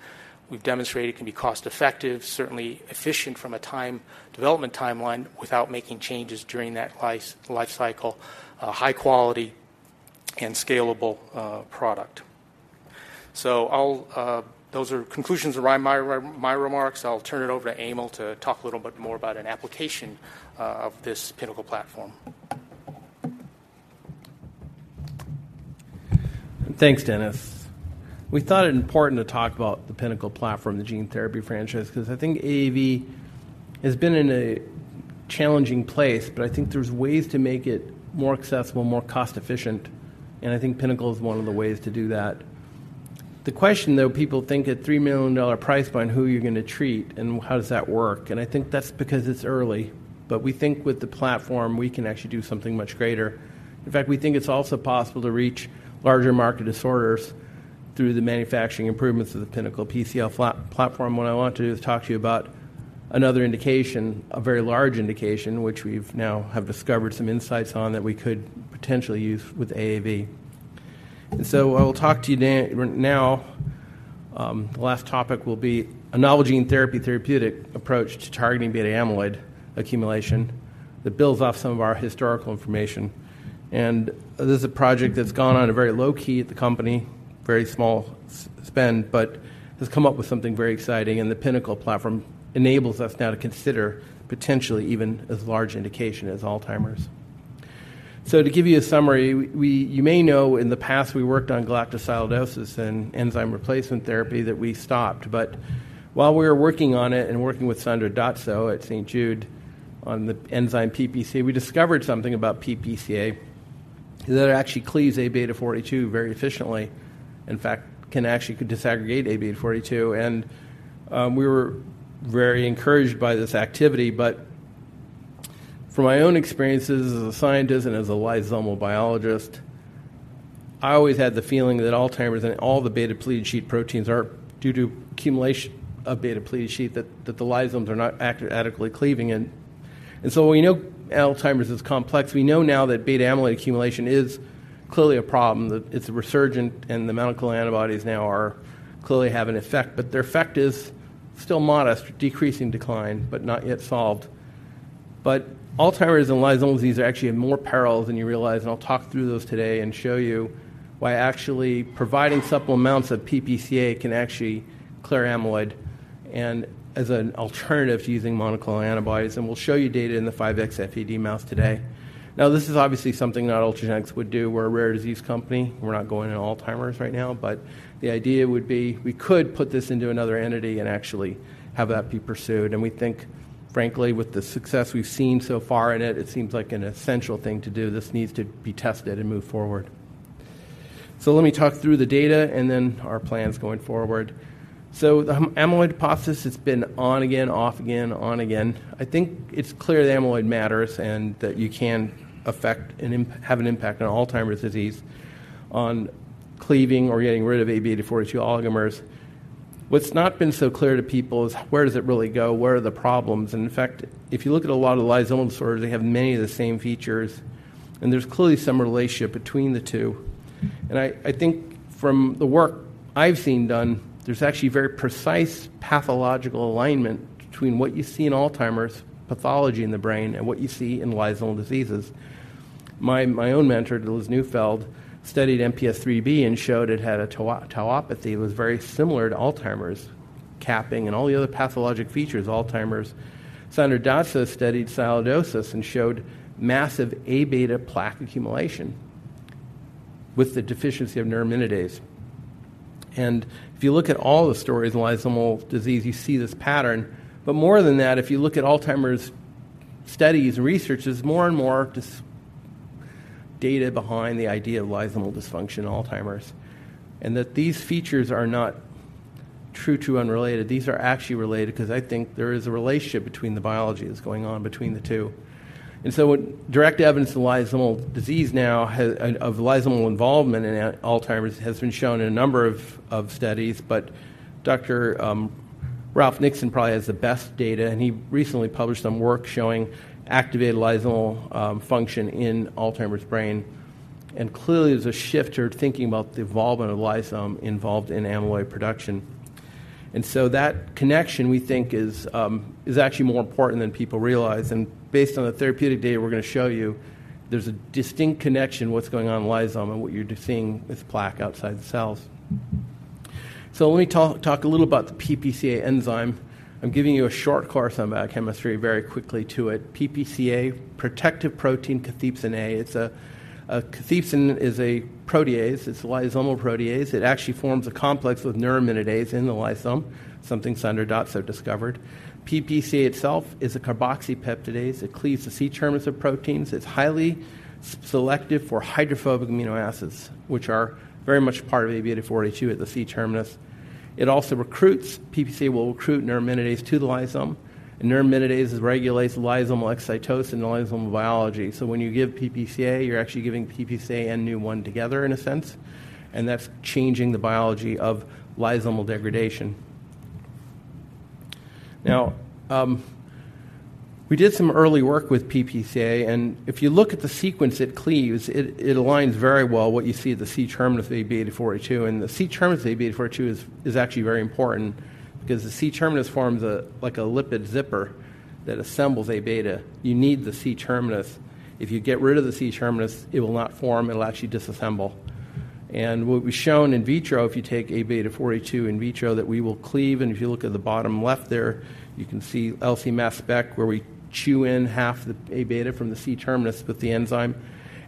We've demonstrated it can be cost-effective, certainly efficient from a time-development timeline, without making changes during that life cycle, high quality and scalable product. So those are conclusions around my remarks. I'll turn it over to Emil to talk a little bit more about an application of this Pinnacle platform. Thanks, Dennis. We thought it important to talk about the Pinnacle platform, the gene therapy franchise, cause I think AAV has been in a challenging place, but I think there's ways to make it more accessible, more cost-efficient, and I think Pinnacle is one of the ways to do that. The question, though, people think at $3 million price point, who you're gonna treat, and how does that work? And I think that's because it's early. But we think with the platform, we can actually do something much greater. In fact, we think it's also possible to reach larger market disorders through the manufacturing improvements of the Pinnacle PCL platform. What I want to do is talk to you about another indication, a very large indication, which we've now have discovered some insights on that we could potentially use with AAV. I will talk to you now, the last topic will be a novel gene therapy therapeutic approach to targeting beta amyloid accumulation that builds off some of our historical information. And this is a project that's gone on a very low key at the company, very small spend, but has come up with something very exciting, and the pinnacle platform enables us now to consider potentially even as large indication as Alzheimer's. So to give you a summary, we, you may know in the past we worked on galactosidosis and enzyme replacement therapy that we stopped. But while we were working on it and working with Sandra D'Azzo at St. Jude on the enzyme PPCA, we discovered something about PPCA, that it actually cleaves Aβ42 very efficiently, in fact, can actually disaggregate Aβ42, and we were very encouraged by this activity. But from my own experiences as a scientist and as a lysosomal biologist, I always had the feeling that Alzheimer's and all the beta pleated sheet proteins are due to accumulation of beta pleated sheet, that the lysosomes are not adequately cleaving it. And so we know Alzheimer's is complex. We know now that beta amyloid accumulation is clearly a problem, that it's resurgent, and the monoclonal antibodies now are clearly have an effect. But their effect is still modest, decreasing decline, but not yet solved. But Alzheimer's and lysosomal disease are actually in more peril than you realize, and I'll talk through those today and show you why actually providing supple amounts of PPCA can actually clear amyloid, and as an alternative to using monoclonal antibodies, and we'll show you data in the 5XFAD mouse today. Now, this is obviously something that Ultragenyx would do. We're a rare disease company. We're not going into Alzheimer's right now, but the idea would be, we could put this into another entity and actually have that be pursued. And we think, frankly, with the success we've seen so far in it, it seems like an essential thing to do. This needs to be tested and moved forward. So let me talk through the data and then our plans going forward. So the amyloid hypothesis has been on again, off again, on again. I think it's clear that amyloid matters and that you can affect and have an impact on Alzheimer's disease, on cleaving or getting rid of Aβ42 oligomers. What's not been so clear to people is: Where does it really go? Where are the problems? And in fact, if you look at a lot of the lysosomal disorders, they have many of the same features, and there's clearly some relationship between the two. And I think from the work I've seen done, there's actually a very precise pathological alignment between what you see in Alzheimer's pathology in the brain and what you see in lysosomal diseases. My own mentor, Lewis Neufeld, studied MPS IIIB and showed it had a tau tauopathy, was very similar to Alzheimer's, capping and all the other pathologic features of Alzheimer's. Sandra D'Azzo studied Sialidosis and showed massive Aβ plaque accumulation with the deficiency of neuraminidase. And if you look at all the stories of lysosomal disease, you see this pattern. But more than that, if you look at Alzheimer's studies and researches, more and more just data behind the idea of lysosomal dysfunction in Alzheimer's, and that these features are not true to unrelated. These are actually related because I think there is a relationship between the biology that's going on between the two. And so what direct evidence of lysosomal disease now has of lysosomal involvement in Alzheimer's has been shown in a number of studies, but Dr. Ralph Nixon probably has the best data, and he recently published some work showing activated lysosomal function in Alzheimer's brain. And clearly, there's a shift toward thinking about the involvement of lysosome involved in amyloid production. And so that connection, we think, is actually more important than people realize. And based on the therapeutic data we're gonna show you, there's a distinct connection, what's going on in lysosome and what you're just seeing with plaque outside the cells. So let me talk a little about the PPCA enzyme. I'm giving you a short course on biochemistry very quickly to it. PPCA, protective protein cathepsin A. It's a cathepsin is a protease. It's a lysosomal protease. It actually forms a complex with neuraminidase in the lysosome, something Sandra D'Azzo discovered. PPCA itself is a carboxypeptidase. It cleaves the C terminus of proteins. It's highly selective for hydrophobic amino acids, which are very much part of Aβ42 at the C terminus. It also recruits. PPCA will recruit neuraminidase to the lysosome, and neuraminidase regulates lysosomal exocytosis and lysosomal biology. So when you give PPCA, you're actually giving PPCA and NEU1 together in a sense, and that's changing the biology of lysosomal degradation. Now, we did some early work with PPCA, and if you look at the sequence it cleaves, it aligns very well what you see at the C terminus of Aβ42. And the C terminus of Aβ42 is actually very important because the C terminus forms a, like a lipid zipper that assembles Aβ. You need the C terminus. If you get rid of the C terminus, it will not form, it'll actually disassemble. And what we've shown in vitro, if you take Aβ42 in vitro, that we will cleave. And if you look at the bottom left there, you can see LC-mass spec, where we chew in half the Aβ from the C terminus with the enzyme.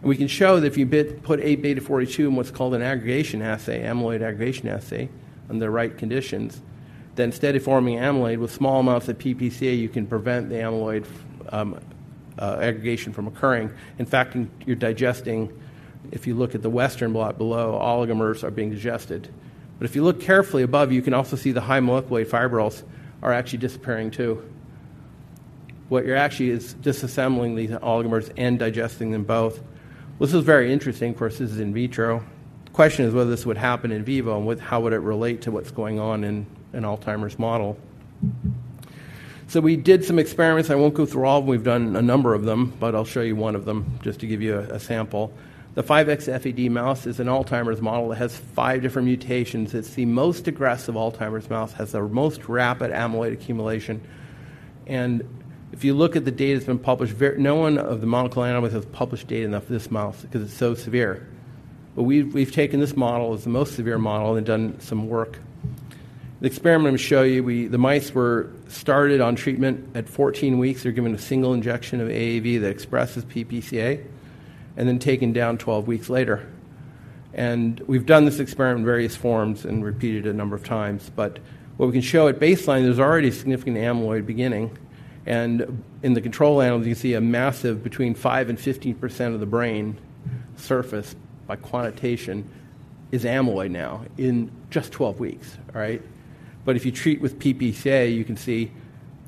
We can show that if you put A beta 42 in what's called an aggregation assay, amyloid aggregation assay, under the right conditions, then instead of forming amyloid with small amounts of PPCA, you can prevent the amyloid aggregation from occurring. In fact, you're digesting, if you look at the Western blot below, oligomers are being digested. But if you look carefully above, you can also see the high molecular weight fibrils are actually disappearing, too. What you're actually is disassembling these oligomers and digesting them both. This is very interesting for us. This is in vitro. The question is whether this would happen in vivo and how would it relate to what's going on in an Alzheimer's model. We did some experiments. I won't go through all of them. We've done a number of them, but I'll show you one of them just to give you a sample. The 5xFAD mouse is an Alzheimer's model that has five different mutations. It's the most aggressive Alzheimer's mouse, has the most rapid amyloid accumulation. And if you look at the data that's been published, no one of the monoclonal antibodies has published data enough for this mouse because it's so severe. But we've taken this model as the most severe model and done some work. The experiment I'm gonna show you, the mice were started on treatment at 14 weeks. They're given a single injection of AAV that expresses PPCA and then taken down 12 weeks later. And we've done this experiment in various forms and repeated it a number of times, but what we can show at baseline, there's already significant amyloid beginning. In the control animals, you see a massive between 5%-15% of the brain surface by quantitation is amyloid now in just 12 weeks. All right? But if you treat with PPCA, you can see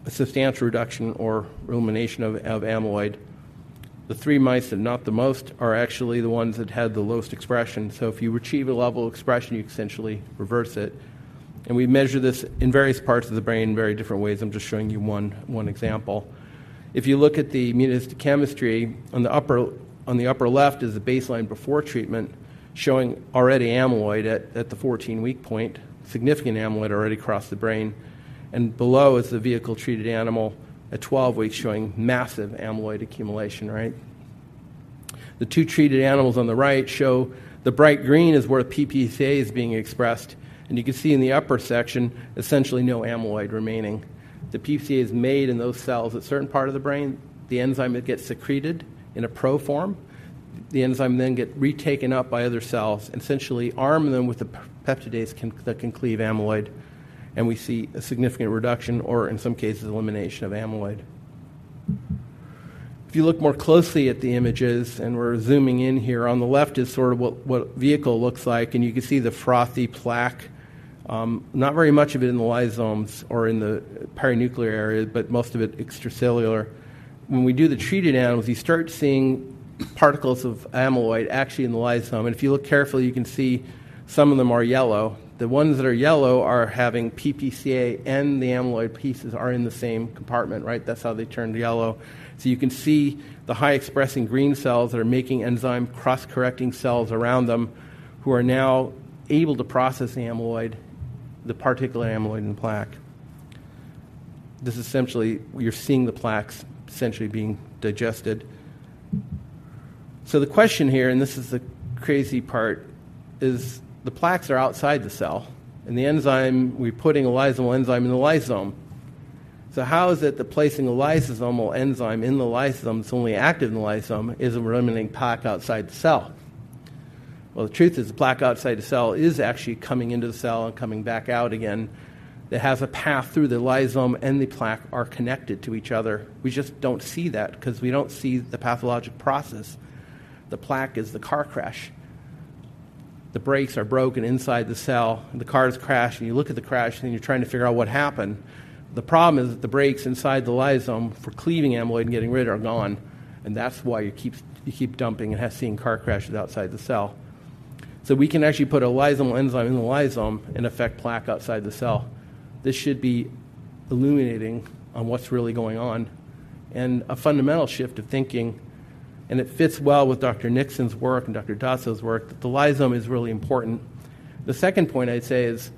a substantial reduction or elimination of amyloid. The three mice that not the most are actually the ones that had the lowest expression. So if you achieve a level of expression, you essentially reverse it. And we measure this in various parts of the brain in very different ways. I'm just showing you one example. If you look at the immunochemistry, on the upper left is the baseline before treatment, showing already amyloid at the 14-week point, significant amyloid already across the brain, and below is the vehicle-treated animal at 12 weeks, showing massive amyloid accumulation, right? The two treated animals on the right show the bright green is where PPCA is being expressed, and you can see in the upper section, essentially no amyloid remaining. The PPCA is made in those cells. At certain part of the brain, the enzyme, it gets secreted in a pro form. The enzyme then get retaken up by other cells and essentially arm them with the peptidase that can cleave amyloid, and we see a significant reduction, or in some cases, elimination of amyloid. If you look more closely at the images, and we're zooming in here, on the left is sort of what vehicle looks like, and you can see the frothy plaque, not very much of it in the lysosomes or in the perinuclear area, but most of it extracellular. When we do the treated animals, you start seeing particles of amyloid actually in the lysosome. If you look carefully, you can see some of them are yellow. The ones that are yellow are having PPCA, and the amyloid pieces are in the same compartment, right? That's how they turned yellow. You can see the high-expressing green cells that are making enzyme cross-correcting cells around them, who are now able to process the amyloid, the particulate amyloid and plaque. This is essentially, you're seeing the plaques essentially being digested. The question here, and this is the crazy part, is the plaques are outside the cell, and the enzyme, we're putting a lysosomal enzyme in the lysosome. How is it that placing a lysosomal enzyme in the lysosome, it's only active in the lysosome, is removing plaque outside the cell? Well, the truth is, the plaque outside the cell is actually coming into the cell and coming back out again. It has a path through the lysosome, and the plaques are connected to each other. We just don't see that 'cause we don't see the pathologic process. The plaque is the car crash. The brakes are broken inside the cell, and the car is crashed, and you look at the crash, and you're trying to figure out what happened. The problem is that the brakes inside the lysosome for cleaving amyloid and getting rid are gone, and that's why you keep, you keep dumping and have seen car crashes outside the cell. So we can actually put a lysosomal enzyme in the lysosome and affect plaque outside the cell. This should be illuminating on what's really going on and a fundamental shift of thinking, and it fits well with Dr. Nixon's work and Dr. D'Azzo's work, that the lysosome is really important. The second point I'd say is,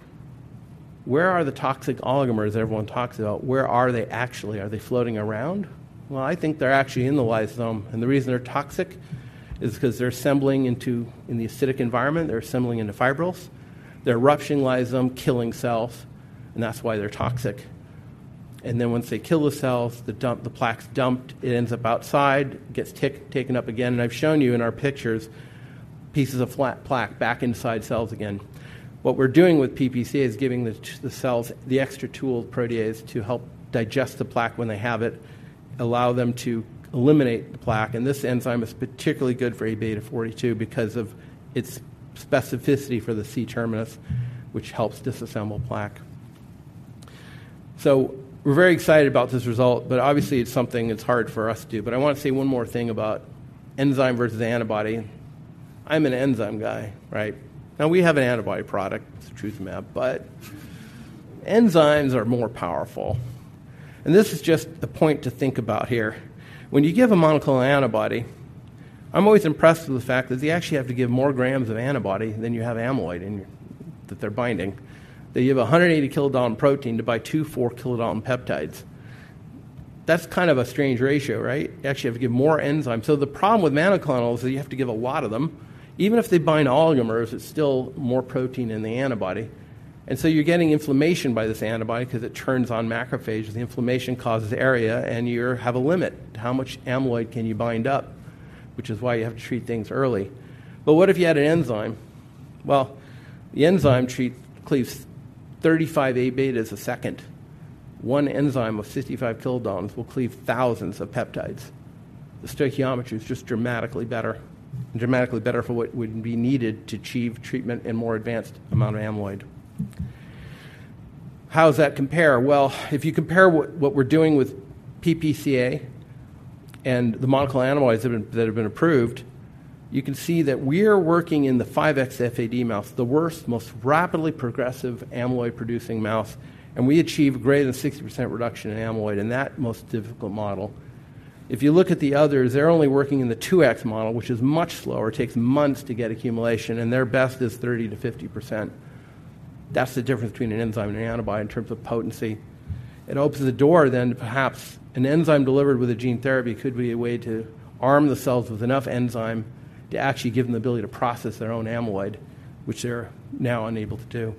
where are the toxic oligomers everyone talks about? Where are they actually? Are they floating around? Well, I think they're actually in the lysosome, and the reason they're toxic is 'cause they're assembling into in the acidic environment, they're assembling into fibrils. They're rupturing lysosome, killing cells, and that's why they're toxic. And then once they kill the cells, the plaque's dumped, it ends up outside, gets taken up again, and I've shown you in our pictures, pieces of plaque back inside cells again. What we're doing with PPCA is giving the cells the extra tool, protease, to help digest the plaque when they have it, allow them to eliminate the plaque, and this enzyme is particularly good for Aβ42 because of its specificity for the C terminus, which helps disassemble plaque. So we're very excited about this result, but obviously, it's something that's hard for us to do. But I wanna say one more thing about enzyme versus antibody. I'm an enzyme guy, right? Now, we have an antibody product, it's Setrusumab, but enzymes are more powerful. And this is just the point to think about here. When you give a monoclonal antibody, I'm always impressed with the fact that you actually have to give more grams of antibody than you have amyloid in your, that they're binding. That you have a 180-kilodalton protein to bind two 4-kilodalton peptides. That's kind of a strange ratio, right? You actually have to give more enzyme. So the problem with monoclonals is you have to give a lot of them. Even if they bind oligomers, it's still more protein in the antibody. And so you're getting inflammation by this antibody because it turns on macrophages. The inflammation causes ARIA, and you have a limit to how much amyloid can you bind up, which is why you have to treat things early. But what if you had an enzyme? Well, the enzyme that cleaves 35 Aβs a second. One enzyme of 55 kilodaltons will cleave thousands of peptides. The stoichiometry is just dramatically better, and dramatically better for what would be needed to achieve treatment in more advanced amount of amyloid. How does that compare? Well, if you compare what we're doing with PPCA and the monoclonal antibodies that have been approved, you can see that we're working in the 5xFAD mouse, the worst, most rapidly progressive amyloid-producing mouse, and we achieve greater than 60% reduction in amyloid in that most difficult model. If you look at the others, they're only working in the 2x model, which is much slower, takes months to get accumulation, and their best is 30%-50%. That's the difference between an enzyme and an antibody in terms of potency. It opens the door then to perhaps an enzyme delivered with a gene therapy could be a way to arm the cells with enough enzyme to actually give them the ability to process their own amyloid, which they're now unable to do.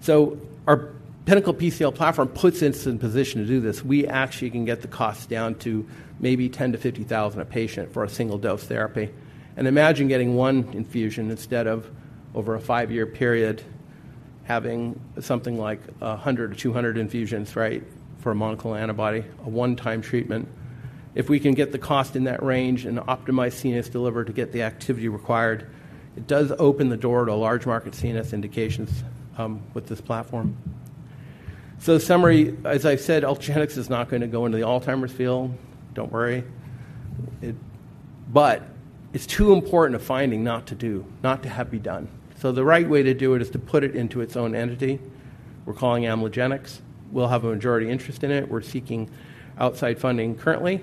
So our Pinnacle PCL platform puts us in position to do this. We actually can get the costs down to maybe $10,000-$50,000 a patient for a single-dose therapy. And imagine getting one infusion instead of over a five year period, having something like 100 or 200 infusions, right, for a monoclonal antibody, a one-time treatment. If we can get the cost in that range and optimize CNS delivery to get the activity required, it does open the door to large market CNS indications with this platform. So summary, as I've said, Ultragenyx is not gonna go into the Alzheimer's field. Don't worry. But it's too important a finding not to do, not to have be done. So the right way to do it is to put it into its own entity. We're calling it Amlogenyx. We'll have a majority interest in it. We're seeking outside funding currently,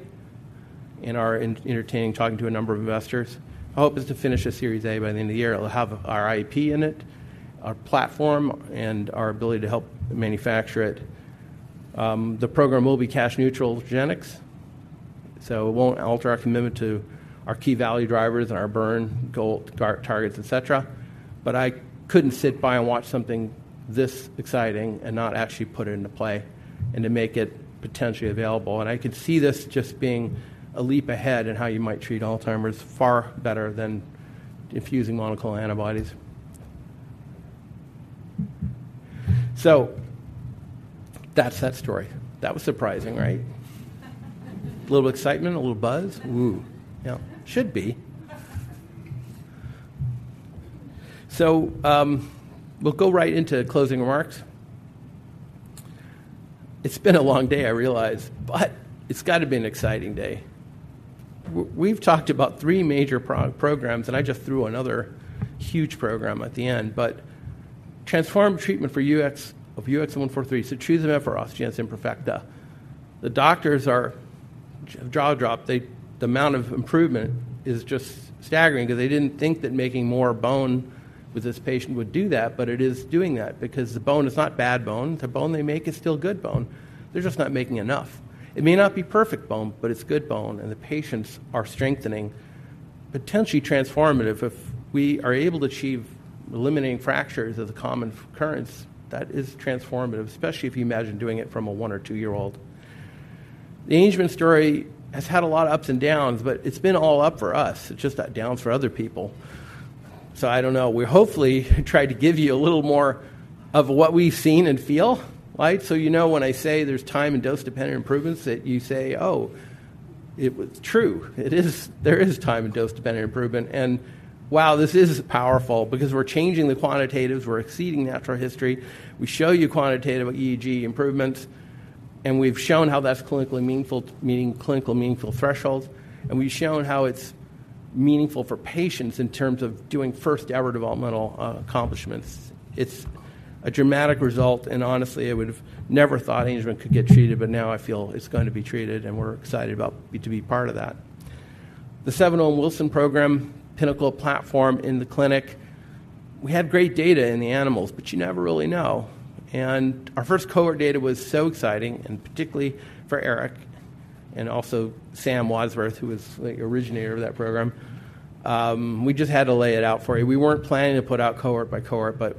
and are entertaining talking to a number of investors. Our hope is to finish a Series A by the end of the year. It'll have our IP in it, our platform, and our ability to help manufacture it. The program will be cash neutral with Amlogenyx, so it won't alter our commitment to our key value drivers and our burn goal, targets, et cetera. But I couldn't sit by and watch something this exciting and not actually put it into play and to make it potentially available. And I could see this just being a leap ahead in how you might treat Alzheimer's, far better than infusing monoclonal antibodies. So that's that story. That was surprising, right? A little excitement, a little buzz? Ooh. Yeah, should be. So, we'll go right into closing remarks. It's been a long day, I realize, but it's gotta be an exciting day. We've talked about three major programs, and I just threw another huge program at the end. But transformed treatment for UX143, so treatment for osteogenesis imperfecta. The doctors' jaws dropped. The amount of improvement is just staggering because they didn't think that making more bone with this patient would do that, but it is doing that because the bone is not bad bone. The bone they make is still good bone. They're just not making enough. It may not be perfect bone, but it's good bone, and the patients are strengthening. Potentially transformative if we are able to achieve eliminating fractures as a common occurrence, that is transformative, especially if you imagine doing it from a 1 or 2-year-old. The Angelman story has had a lot of ups and downs, but it's been all up for us. It's just that down's for other people. So I don't know. We hopefully tried to give you a little more of what we've seen and feel, right? So you know when I say there's time and dose-dependent improvements, that you say, "Oh, it was true. It is- there is time and dose-dependent improvement," and, "Wow, this is powerful." Because we're changing the quantitatives, we're exceeding natural history. We show you quantitative EEG improvements, and we've shown how that's clinically meaningful, meeting clinical meaningful thresholds. And we've shown how it's meaningful for patients in terms of doing first-ever developmental accomplishments. It's a dramatic result, and honestly, I would have never thought Angelman could get treated, but now I feel it's going to be treated, and we're excited about to be part of that. The UX701 Wilson program, Pinnacle platform in the clinic. We had great data in the animals, but you never really know. And our first cohort data was so exciting, and particularly for Eric and also Sam Wadsworth, who was the originator of that program. We just had to lay it out for you. We weren't planning to put out cohort by cohort, but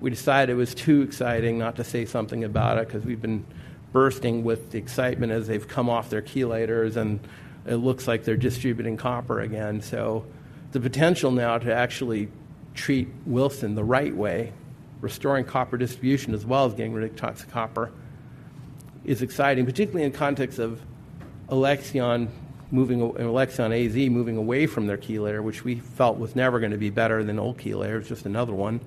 we decided it was too exciting not to say something about it because we've been bursting with the excitement as they've come off their chelators, and it looks like they're distributing copper again. So the potential now to actually treat Wilson the right way, restoring copper distribution as well as getting rid of toxic copper, is exciting, particularly in context of Alexion moving, Alexion AZ moving away from their chelator, which we felt was never gonna be better than old chelator. It's just another one.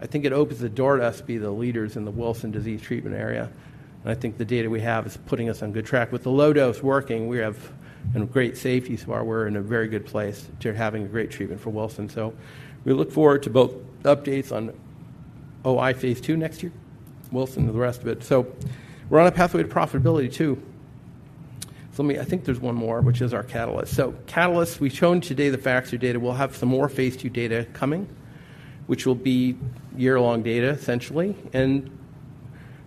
I think it opens the door to us to be the leaders in the Wilson disease treatment area, and I think the data we have is putting us on good track. With the low dose working, we have, you know, great safety so far. We're in a very good place to having a great treatment for Wilson. So we look forward to both updates on OI phase II next year, Wilson, and the rest of it. So we're on a pathway to profitability, too. So let me, I think there's one more, which is our Catalyst. So Catalyst, we've shown today the facts or data. We'll have some more phase II data coming, which will be year-long data, essentially, and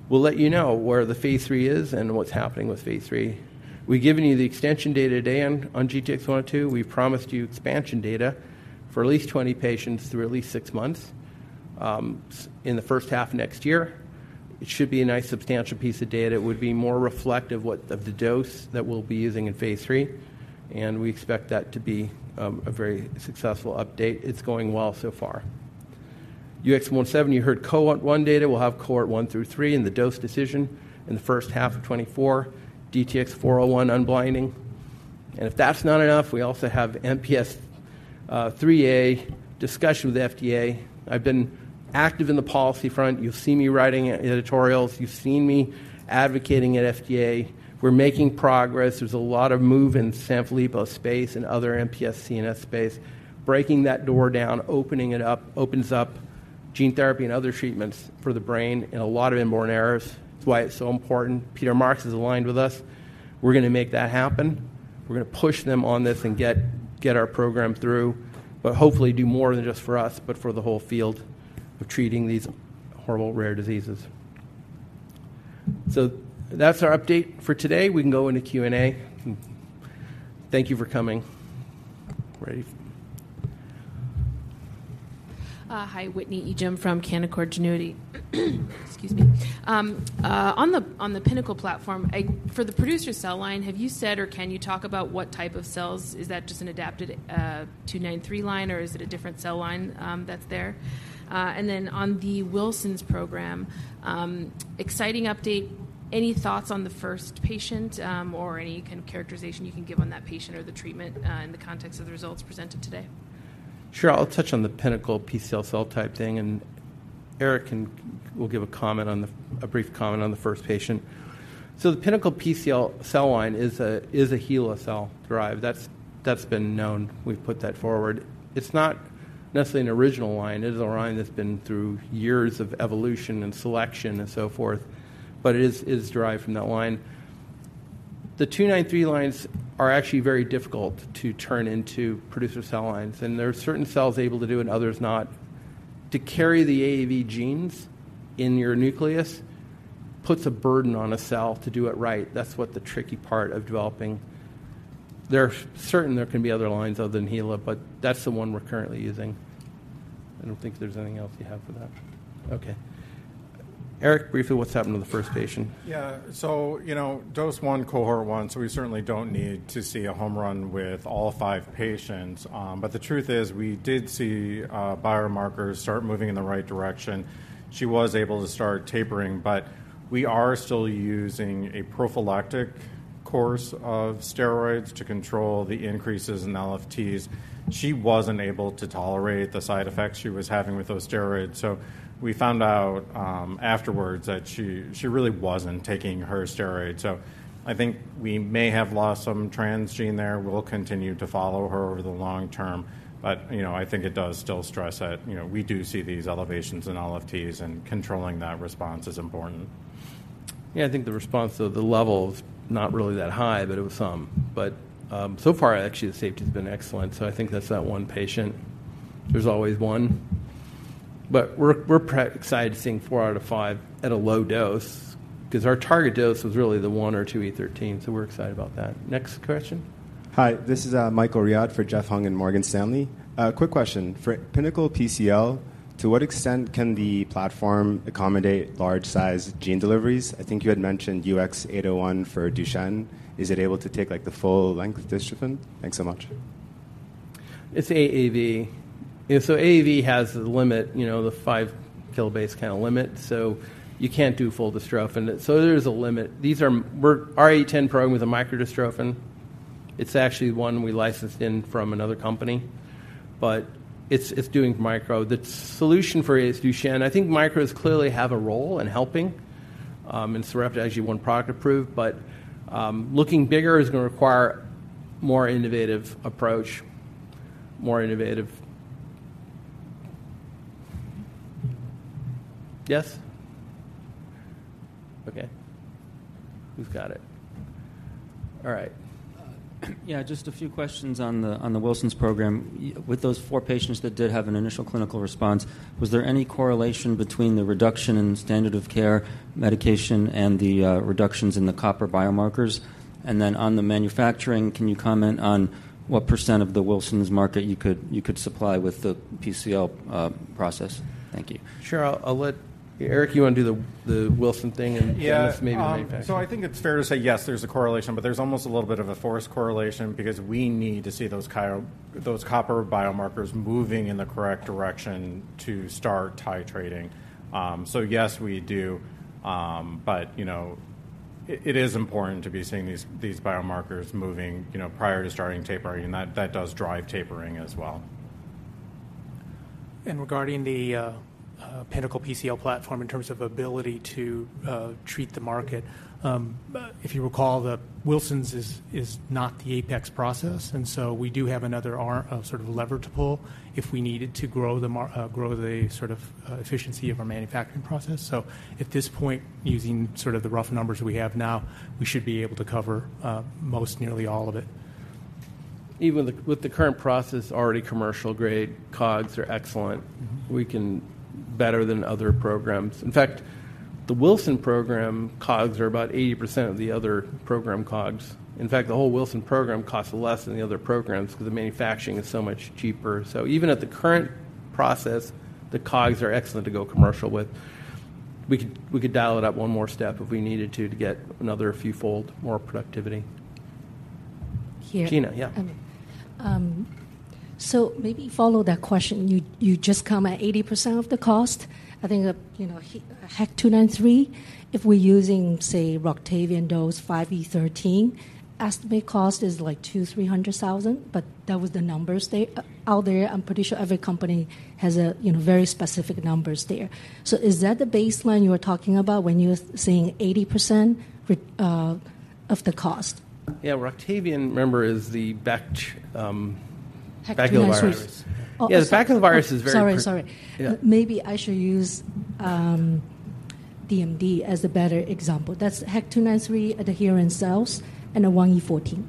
we'll let you know where the phase III is and what's happening with phase III. We've given you the extension data today on GTX-102. We've promised you expansion data for at least 20 patients through at least six months in the first half of next year. It should be a nice, substantial piece of data. It would be more reflective of the dose that we'll be using in phase III, and we expect that to be a very successful update. It's going well so far. UX701, you heard Cohort 1 data. We'll have Cohort 1 through 3 and the dose decision in the first half of 2024, DTX401 unblinding. And if that's not enough, we also have MPS IIIA discussion with the FDA. I've been active in the policy front. You've seen me writing editorials. You've seen me advocating at FDA. We're making progress. There's a lot of move in Sanfilippo space and other MPS-CNS space. Breaking that door down, opening it up, opens up gene therapy and other treatments for the brain in a lot of inborn errors. It's why it's so important. Peter Marks is aligned with us. We're gonna make that happen. We're gonna push them on this and get our program through, but hopefully do more than just for us, but for the whole field of treating these horrible rare diseases. So that's our update for today. We can go into Q&A. Thank you for coming. Ready? Hi, Whitney Ijem from Canaccord Genuity. Excuse me. On the Pinnacle platform, for the producer cell line, have you said or can you talk about what type of cells? Is that just an adapted 293 line, or is it a different cell line that's there? And then on the Wilson's program, exciting update. Any thoughts on the first patient, or any kind of characterization you can give on that patient or the treatment, in the context of the results presented today? Sure, I'll touch on the Pinnacle PCL cell type thing, and Eric will give a brief comment on the first patient. So the Pinnacle PCL cell line is a HeLa cell derived. That's been known. We've put that forward. It's not necessarily an original line. It is a line that's been through years of evolution and selection and so forth, but it is derived from that line. The 293 lines are actually very difficult to turn into producer cell lines, and there are certain cells able to do it and others not. To carry the AAV genes in your nucleus puts a burden on a cell to do it right. That's what the tricky part of developing. There can be other lines other than HeLa, but that's the one we're currently using. I don't think there's anything else you have for that. Okay. Eric, briefly, what's happened to the first patient? Yeah, so, you know, dose one, cohort one, so we certainly don't need to see a home run with all five patients. But the truth is, we did see biomarkers start moving in the right direction. She was able to start tapering, but we are still using a prophylactic course of steroids to control the increases in LFTs. She wasn't able to tolerate the side effects she was having with those steroids, so we found out afterwards that she really wasn't taking her steroids. So I think we may have lost some transgene there. We'll continue to follow her over the long term, but, you know, I think it does still stress that, you know, we do see these elevations in LFTs, and controlling that response is important. Yeah, I think the response to the level is not really that high, but it was some. But, so far, actually, the safety has been excellent, so I think that's that one patient. There's always one, but we're excited to seeing four out of five at a low dose because our target dose was really the one or two E13, so we're excited about that. Next question? Hi, this is Michael Riad for Jeff Hung in Morgan Stanley. Quick question for Pinnacle PCL, to what extent can the platform accommodate large-size gene deliveries? I think you had mentioned UX810 for Duchenne. Is it able to take, like, the full length dystrophin? Thanks so much. It's AAV. Yeah, so AAV has the limit, you know, the 5 kilobase kind of limit, so you can't do full dystrophin. So there is a limit. We're our program with a micro dystrophin, it's actually one we licensed in from another company, but it's, it's doing micro. The solution for Duchenne, I think micros clearly have a role in helping, and actually one product approved, but looking bigger is gonna require more innovative approach, more innovative. Yes? Okay. We've got it. All right. Yeah, just a few questions on the, on the Wilson's program. With those four patients that did have an initial clinical response, was there any correlation between the reduction in standard of care, medication, and the reductions in the copper biomarkers? And then on the manufacturing, can you comment on what percent of the Wilson's market you could supply with the PCL process? Thank you. Sure. I'll let Eric, you want to do the Wilson thing and maybe manufacturing. Yeah. So I think it's fair to say, yes, there's a correlation, but there's almost a little bit of a forced correlation because we need to see those copper biomarkers moving in the correct direction to start titrating. So yes, we do, but, you know, it, it is important to be seeing these, these biomarkers moving, you know, prior to starting tapering, and that, that does drive tapering as well. Regarding the Pinnacle PCL platform in terms of ability to treat the market, if you recall, the Wilson's is not the APEX process, and so we do have another arm, sort of lever to pull if we needed to grow the sort of efficiency of our manufacturing process. So at this point, using sort of the rough numbers we have now, we should be able to cover most, nearly all of it. Even with the current process, already commercial grade, COGS are excellent. We can, better than other programs. In fact, the Wilson program COGS are about 80% of the other program COGS. In fact, the whole Wilson program costs less than the other programs because the manufacturing is so much cheaper. So even at the current process, the COGS are excellent to go commercial with. We could dial it up one more step if we needed to, to get another fewfold more productivity. Here. Gena, yeah. So maybe follow that question. You, you just come at 80% of the cost. I think, you know, HEK 293, if we're using, say, Roctavian dose 5 × 10^13, estimate cost is like $200,000-$300,000, but that was the numbers stated out there. I'm pretty sure every company has a, you know, very specific numbers there. So is that the baseline you are talking about when you're saying 80% of the cost? Yeah, Roctavian, remember, is the bac. HEK293 baculovirus..Yeah, the baculovirus is very- Sorry, sorry. Yeah. Maybe I should use DMD as a better example. That's HEK 293 adherent cells and 1E14.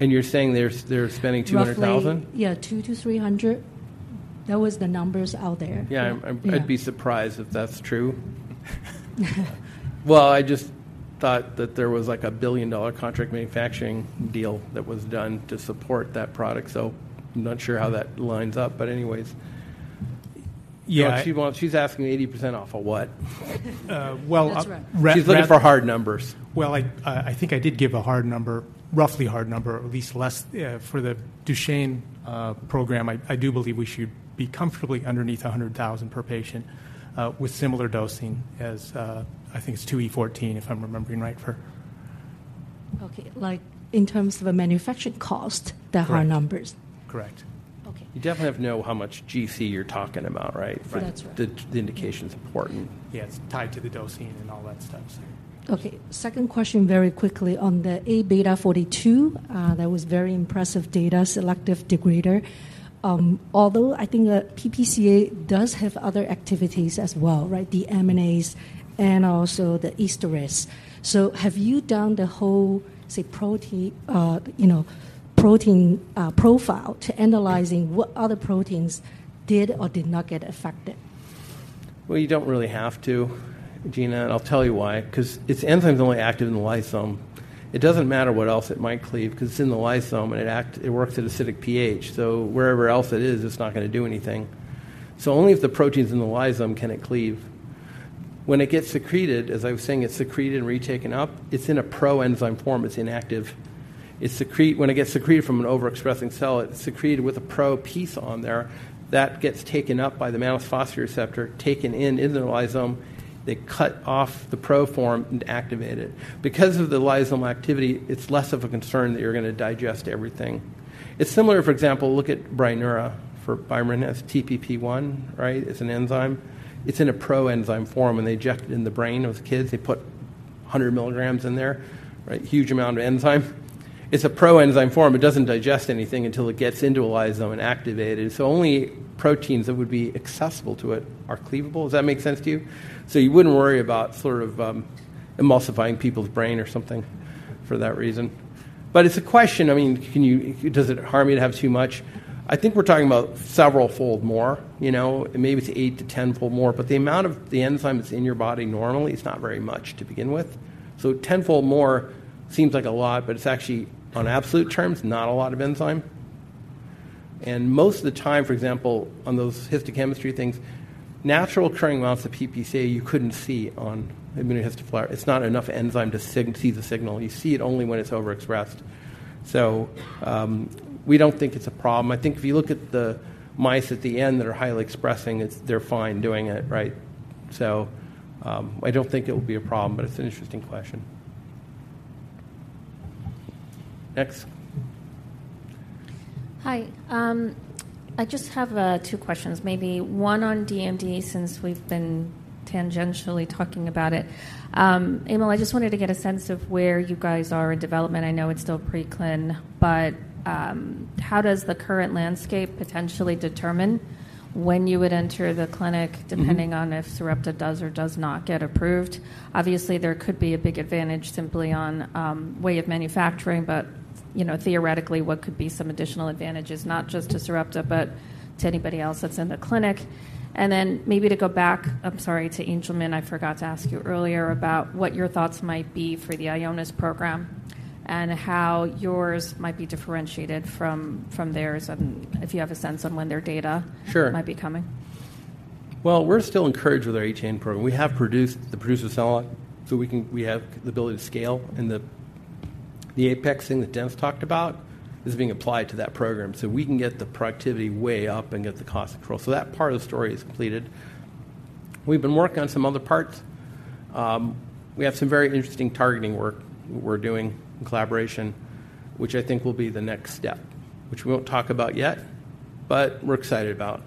You're saying they're spending $200,000? Roughly. Yeah, 200-300. That was the numbers out there. Yeah, I'm. Yeah I'd be surprised if that's true. Well, I just thought that there was, like, a billion-dollar contract manufacturing deal that was done to support that product, so I'm not sure how that lines up. But anyways. Yeah. She's asking 80% off of what? Well. She's looking for hard numbers. Well, I think I did give a hard number, roughly hard number, at least less, for the Duchenne program. I, I do believe we should be comfortably underneath $100,000 per patient, with similar dosing as, I think it's 2E14, if I'm remembering right for- Okay, like in terms of a manufacturing cost, there are numbers? Correct. Okay. You definitely have to know how much GC you're talking about, right? That's right. The indication is important. Yeah, it's tied to the dosing and all that stuff, so. Okay. Second question, very quickly, on the Aβ42, that was very impressive data, selective degrader. Although I think that PPCA does have other activities as well, right? The MNAs and also the esterase. So have you done the whole, say, protein, you know, profile to analyzing what other proteins did or did not get affected? Well, you don't really have to, Gena, and I'll tell you why. 'Cause its enzyme's only active in the lysosome. It doesn't matter what else it might cleave, 'cause it's in the lysosome, and it works at acidic pH. So wherever else it is, it's not gonna do anything. So only if the protein's in the lysosome can it cleave. When it gets secreted, as I was saying, it's secreted and retaken up, it's in a proenzyme form, it's inactive. When it gets secreted from an overexpressing cell, it's secreted with a pro piece on there. That gets taken up by the mannose phosphate receptor, taken in in the lysosome. They cut off the pro form and activate it. Because of the lysosomal activity, it's less of a concern that you're gonna digest everything. It's similar, for example, look at Brineura for BioMarin as TPP1, right? It's an enzyme. It's in a proenzyme form, and they inject it in the brain of kids. They put 100 ml in there, right? Huge amount of enzyme. It's a proenzyme form. It doesn't digest anything until it gets into a lysosome and activated. So only proteins that would be accessible to it are cleavable. Does that make sense to you? So you wouldn't worry about sort of, emulsifying people's brain or something for that reason. But it's a question. I mean, can you, does it harm you to have too much? I think we're talking about several fold more, you know. Maybe it's eight to 10-fold more, but the amount of the enzyme that's in your body normally is not very much to begin with. So 10-fold more seems like a lot, but it's actually, on absolute terms, not a lot of enzyme. Most of the time, for example, on those histochemistry things, naturally occurring amounts of PPCA, you couldn't see on immunofluorescence. It's not enough enzyme to see the signal. You see it only when it's overexpressed. So, we don't think it's a problem. I think if you look at the mice at the end that are highly expressing, they're fine doing it, right? So, I don't think it will be a problem, but it's an interesting question. Next. Hi. I just have two questions, maybe one on DMD, since we've been tangentially talking about it. Emil, I just wanted to get a sense of where you guys are in development. I know it's still preclinical, but how does the current landscape potentially determine when you would enter the clinic? Depending on if Sarepta does or does not get approved? Obviously, there could be a big advantage simply on, way of manufacturing, but, you know, theoretically, what could be some additional advantages, not just to Sarepta, but to anybody else that's in the clinic? And then maybe to go back, I'm sorry, to Angelman, I forgot to ask you earlier about what your thoughts might be for the Ionis program and how yours might be differentiated from, from theirs, and if you have a sense on when their data. Sure. Might be coming. Well, we're still encouraged with our Etienne program. We have produced the producer cell, so we can, we have the ability to scale, and the APEX thing that Dennis talked about is being applied to that program. So we can get the productivity way up and get the cost control. So that part of the story is completed. We've been working on some other parts. We have some very interesting targeting work we're doing in collaboration, which I think will be the next step, which we won't talk about yet, but we're excited about.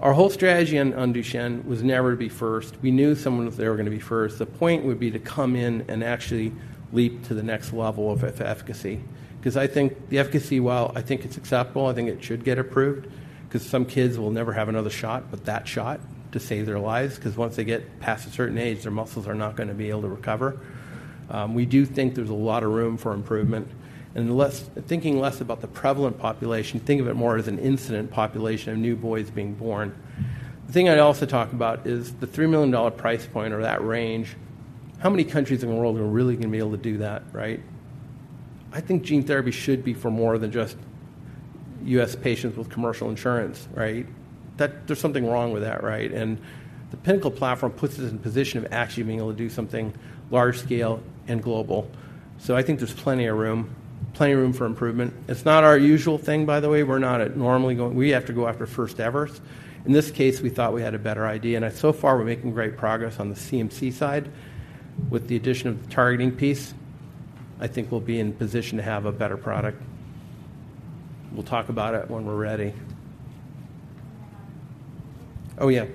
Our whole strategy on Duchenne was never to be first. We knew someone was, they were gonna be first. The point would be to come in and actually leap to the next level of efficacy. 'Cause I think the efficacy, while I think it's acceptable, I think it should get approved, 'cause some kids will never have another shot, but that shot to save their lives, 'cause once they get past a certain age, their muscles are not gonna be able to recover. We do think there's a lot of room for improvement. And thinking less about the prevalent population, think of it more as an incident population of new boys being born. The thing I'd also talk about is the $3 million price point or that range, how many countries in the world are really gonna be able to do that, right? I think gene therapy should be for more than just U.S. patients with commercial insurance, right? That there's something wrong with that, right? The Pinnacle platform puts us in a position of actually being able to do something large scale and global. So I think there's plenty of room, plenty of room for improvement. It's not our usual thing, by the way. We're not normally going. We have to go after first-evers. In this case, we thought we had a better idea, and so far, we're making great progress on the CMC side. With the addition of the targeting piece, I think we'll be in position to have a better product. We'll talk about it when we're ready. Oh, yeah,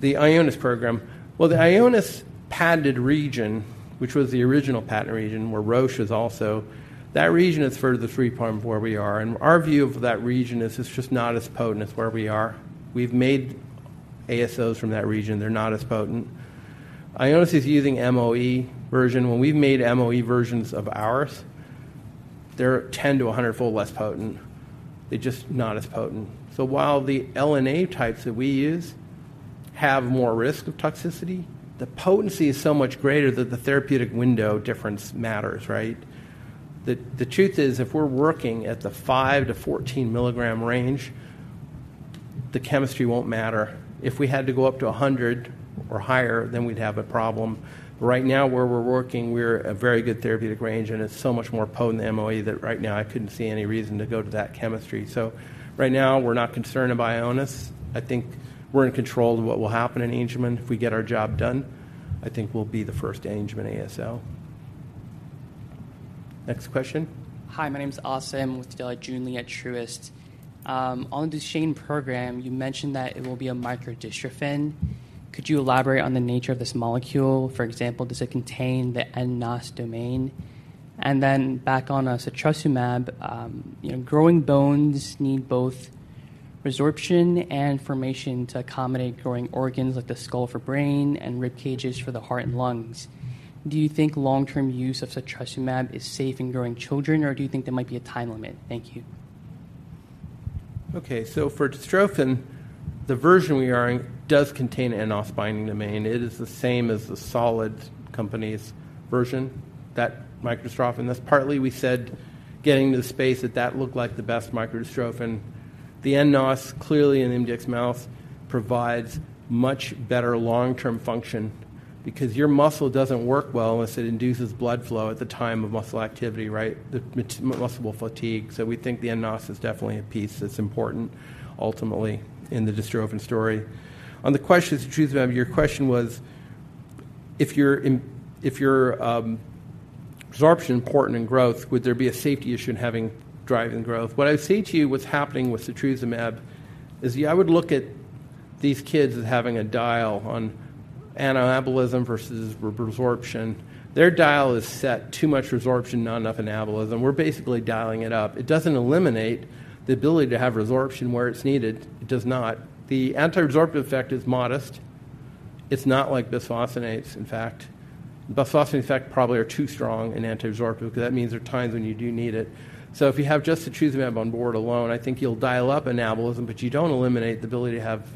the Ionis program. Well, the Ionis patented region, which was the original patented region, where Roche is also, that region is further the three point where we are, and our view of that region is it's just not as potent as where we are. We've made ASOs from that region, they're not as potent. Ionis is using MOE version. When we've made MOE versions of ours, they're 10 to 100-fold less potent. They're just not as potent. So while the LNA types that we use have more risk of toxicity, the potency is so much greater that the therapeutic window difference matters, right? The truth is, if we're working at the 5 ml to 14 ml range, the chemistry won't matter. If we had to go up to 100 or higher, then we'd have a problem. Right now, where we're working, we're a very good therapeutic range, and it's so much more potent than MOE that right now I couldn't see any reason to go to that chemistry. So right now, we're not concerned about Ionis. I think we're in control of what will happen in Angelman. If we get our job done, I think we'll be the first Angelman ASO. Next question. Hi, my name is Austin. I'm with Joon Lee at Truist. On the Duchenne program, you mentioned that it will be a microdystrophin. Could you elaborate on the nature of this molecule? For example, does it contain the nNOS domain? And then back on Setrusumab, you know, growing bones need both resorption and formation to accommodate growing organs like the skull for brain and rib cages for the heart and lungs. Do you think long-term use of Setrusumab is safe in growing children, or do you think there might be a time limit? Thank you. Okay, so for dystrophin, the version we are in does contain an nNOS binding domain. It is the same as the Solid Biosciences' version, that microdystrophin. That's partly we said, getting to the space that that looked like the best microdystrophin. The nNOS, clearly in MDX mouse, provides much better long-term function because your muscle doesn't work well unless it induces blood flow at the time of muscle activity, right? ultimately in the dystrophin story. On the question, to choose, your question was, if your resorption important in growth, would there be a safety issue in having driving growth? What I'd say to you, what's happening with the Setrusumab is I would look at these kids as having a dial on anabolism versus resorption. Their dial is set too much resorption, not enough anabolism. We're basically dialing it up. It doesn't eliminate the ability to have resorption where it's needed. It does not. The anti-resorption effect is modest. It's not like bisphosphonates, in fact. Bisphosphonates, in fact, probably are too strong in anti-resorption because that means there are times when you do need it. So if you have just the Setrusumab on board alone, I think you'll dial up anabolism, but you don't eliminate the ability to have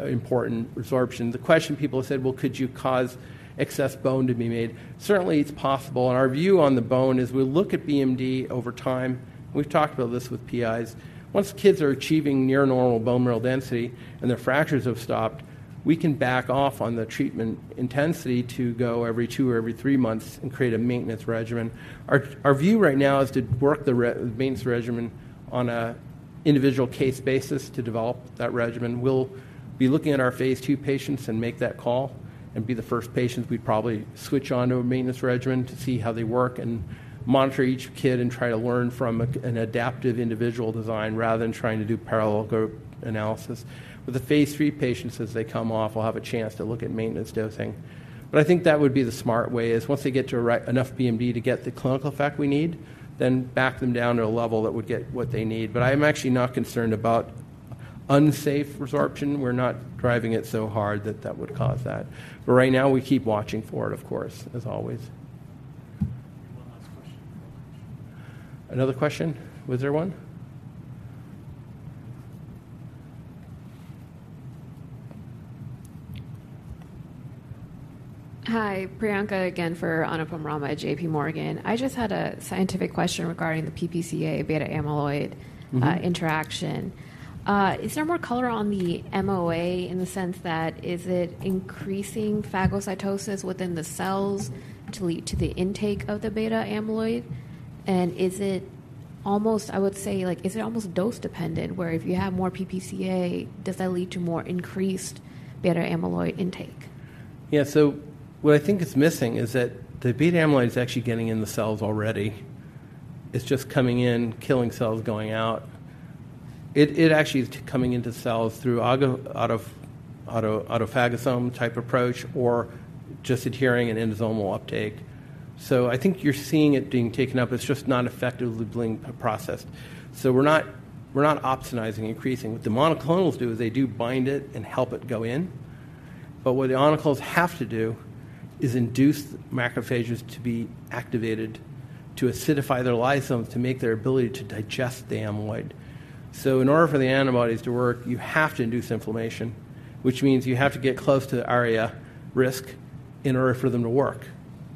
important resorption. The question people have said, "Well, could you cause excess bone to be made?" Certainly, it's possible, and our view on the bone is we look at BMD over time. We've talked about this with PIs. Once kids are achieving near normal bone mineral density and their fractures have stopped, we can back off on the treatment intensity to go every two or every three months and create a maintenance regimen. Our view right now is to work the maintenance regimen on an individual case basis to develop that regimen. We'll be looking at our phase II patients and make that call, and be the first patients we'd probably switch on to a maintenance regimen to see how they work and monitor each kid and try to learn from an adaptive individual design rather than trying to do parallel group analysis. With the phase III patients, as they come off, we'll have a chance to look at maintenance dosing. But I think that would be the smart way, is once they get to enough BMD to get the clinical effect we need, then back them down to a level that would get what they need. But I'm actually not concerned about unsafe resorption. We're not driving it so hard that that would cause that. But right now, we keep watching for it, of course, as always. Another question? Was there one? Hi, Priyanka again for Anupam Rama at JPMorgan. I just had a scientific question regarding the PPCA beta amyloid interaction. Is there more color on the MOA in the sense that is it increasing phagocytosis within the cells to lead to the intake of the beta amyloid? And is it almost, I would say, like, is it almost dose-dependent, where if you have more PPCA, does that lead to more increased beta amyloid intake? Yeah, so what I think is missing is that the beta amyloid is actually getting in the cells already. It's just coming in, killing cells, going out. It actually is coming into cells through autophagosome type approach or just adhering an endosomal uptake. So I think you're seeing it being taken up. It's just not effectively being processed. So we're not, we're not opsonizing, increasing. What the monoclonals do is they do bind it and help it go in. But what the monoclonals have to do is induce macrophages to be activated, to acidify their lysosomes, to make their ability to digest the amyloid. So in order for the antibodies to work, you have to induce inflammation, which means you have to get close to the area risk in order for them to work.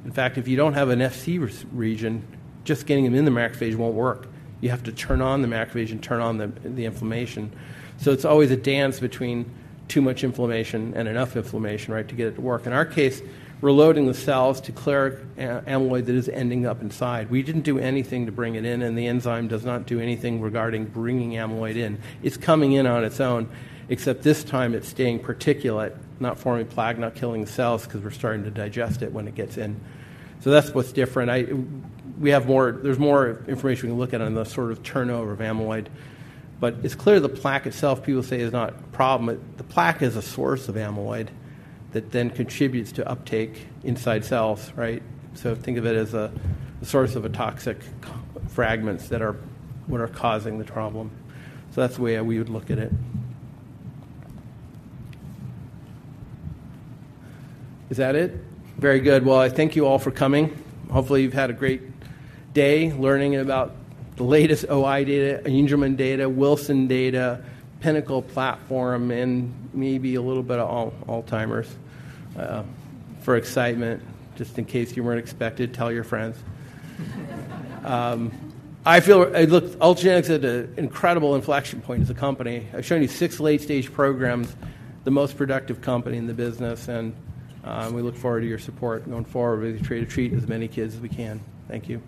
In fact, if you don't have an FC region, just getting them in the macrophage won't work. You have to turn on the macrophage and turn on the, the inflammation. So it's always a dance between too much inflammation and enough inflammation, right, to get it to work. In our case, we're loading the cells to clear amyloid that is ending up inside. We didn't do anything to bring it in, and the enzyme does not do anything regarding bringing amyloid in. It's coming in on its own, except this time it's staying particulate, not forming plaque, not killing the cells, 'cause we're starting to digest it when it gets in. So that's what's different. There's more information we can look at on the sort of turnover of amyloid, but it's clear the plaque itself, people say, is not problem. The plaque is a source of amyloid that then contributes to uptake inside cells, right? So think of it as a source of a toxic co-fragments that are, what are causing the problem. So that's the way we would look at it. Is that it? Very good. Well, I thank you all for coming. Hopefully, you've had a great day learning about the latest OI data, Angelman data, Wilson data, pinnacle platform, and maybe a little bit of Alzheimer's, for excitement. Just in case you weren't expecting, tell your friends. I feel, look, Ultragenyx is at an incredible inflection point as a company. I've shown you six late-stage programs, the most productive company in the business, and, we look forward to your support going forward. We try to treat as many kids as we can. Thank you.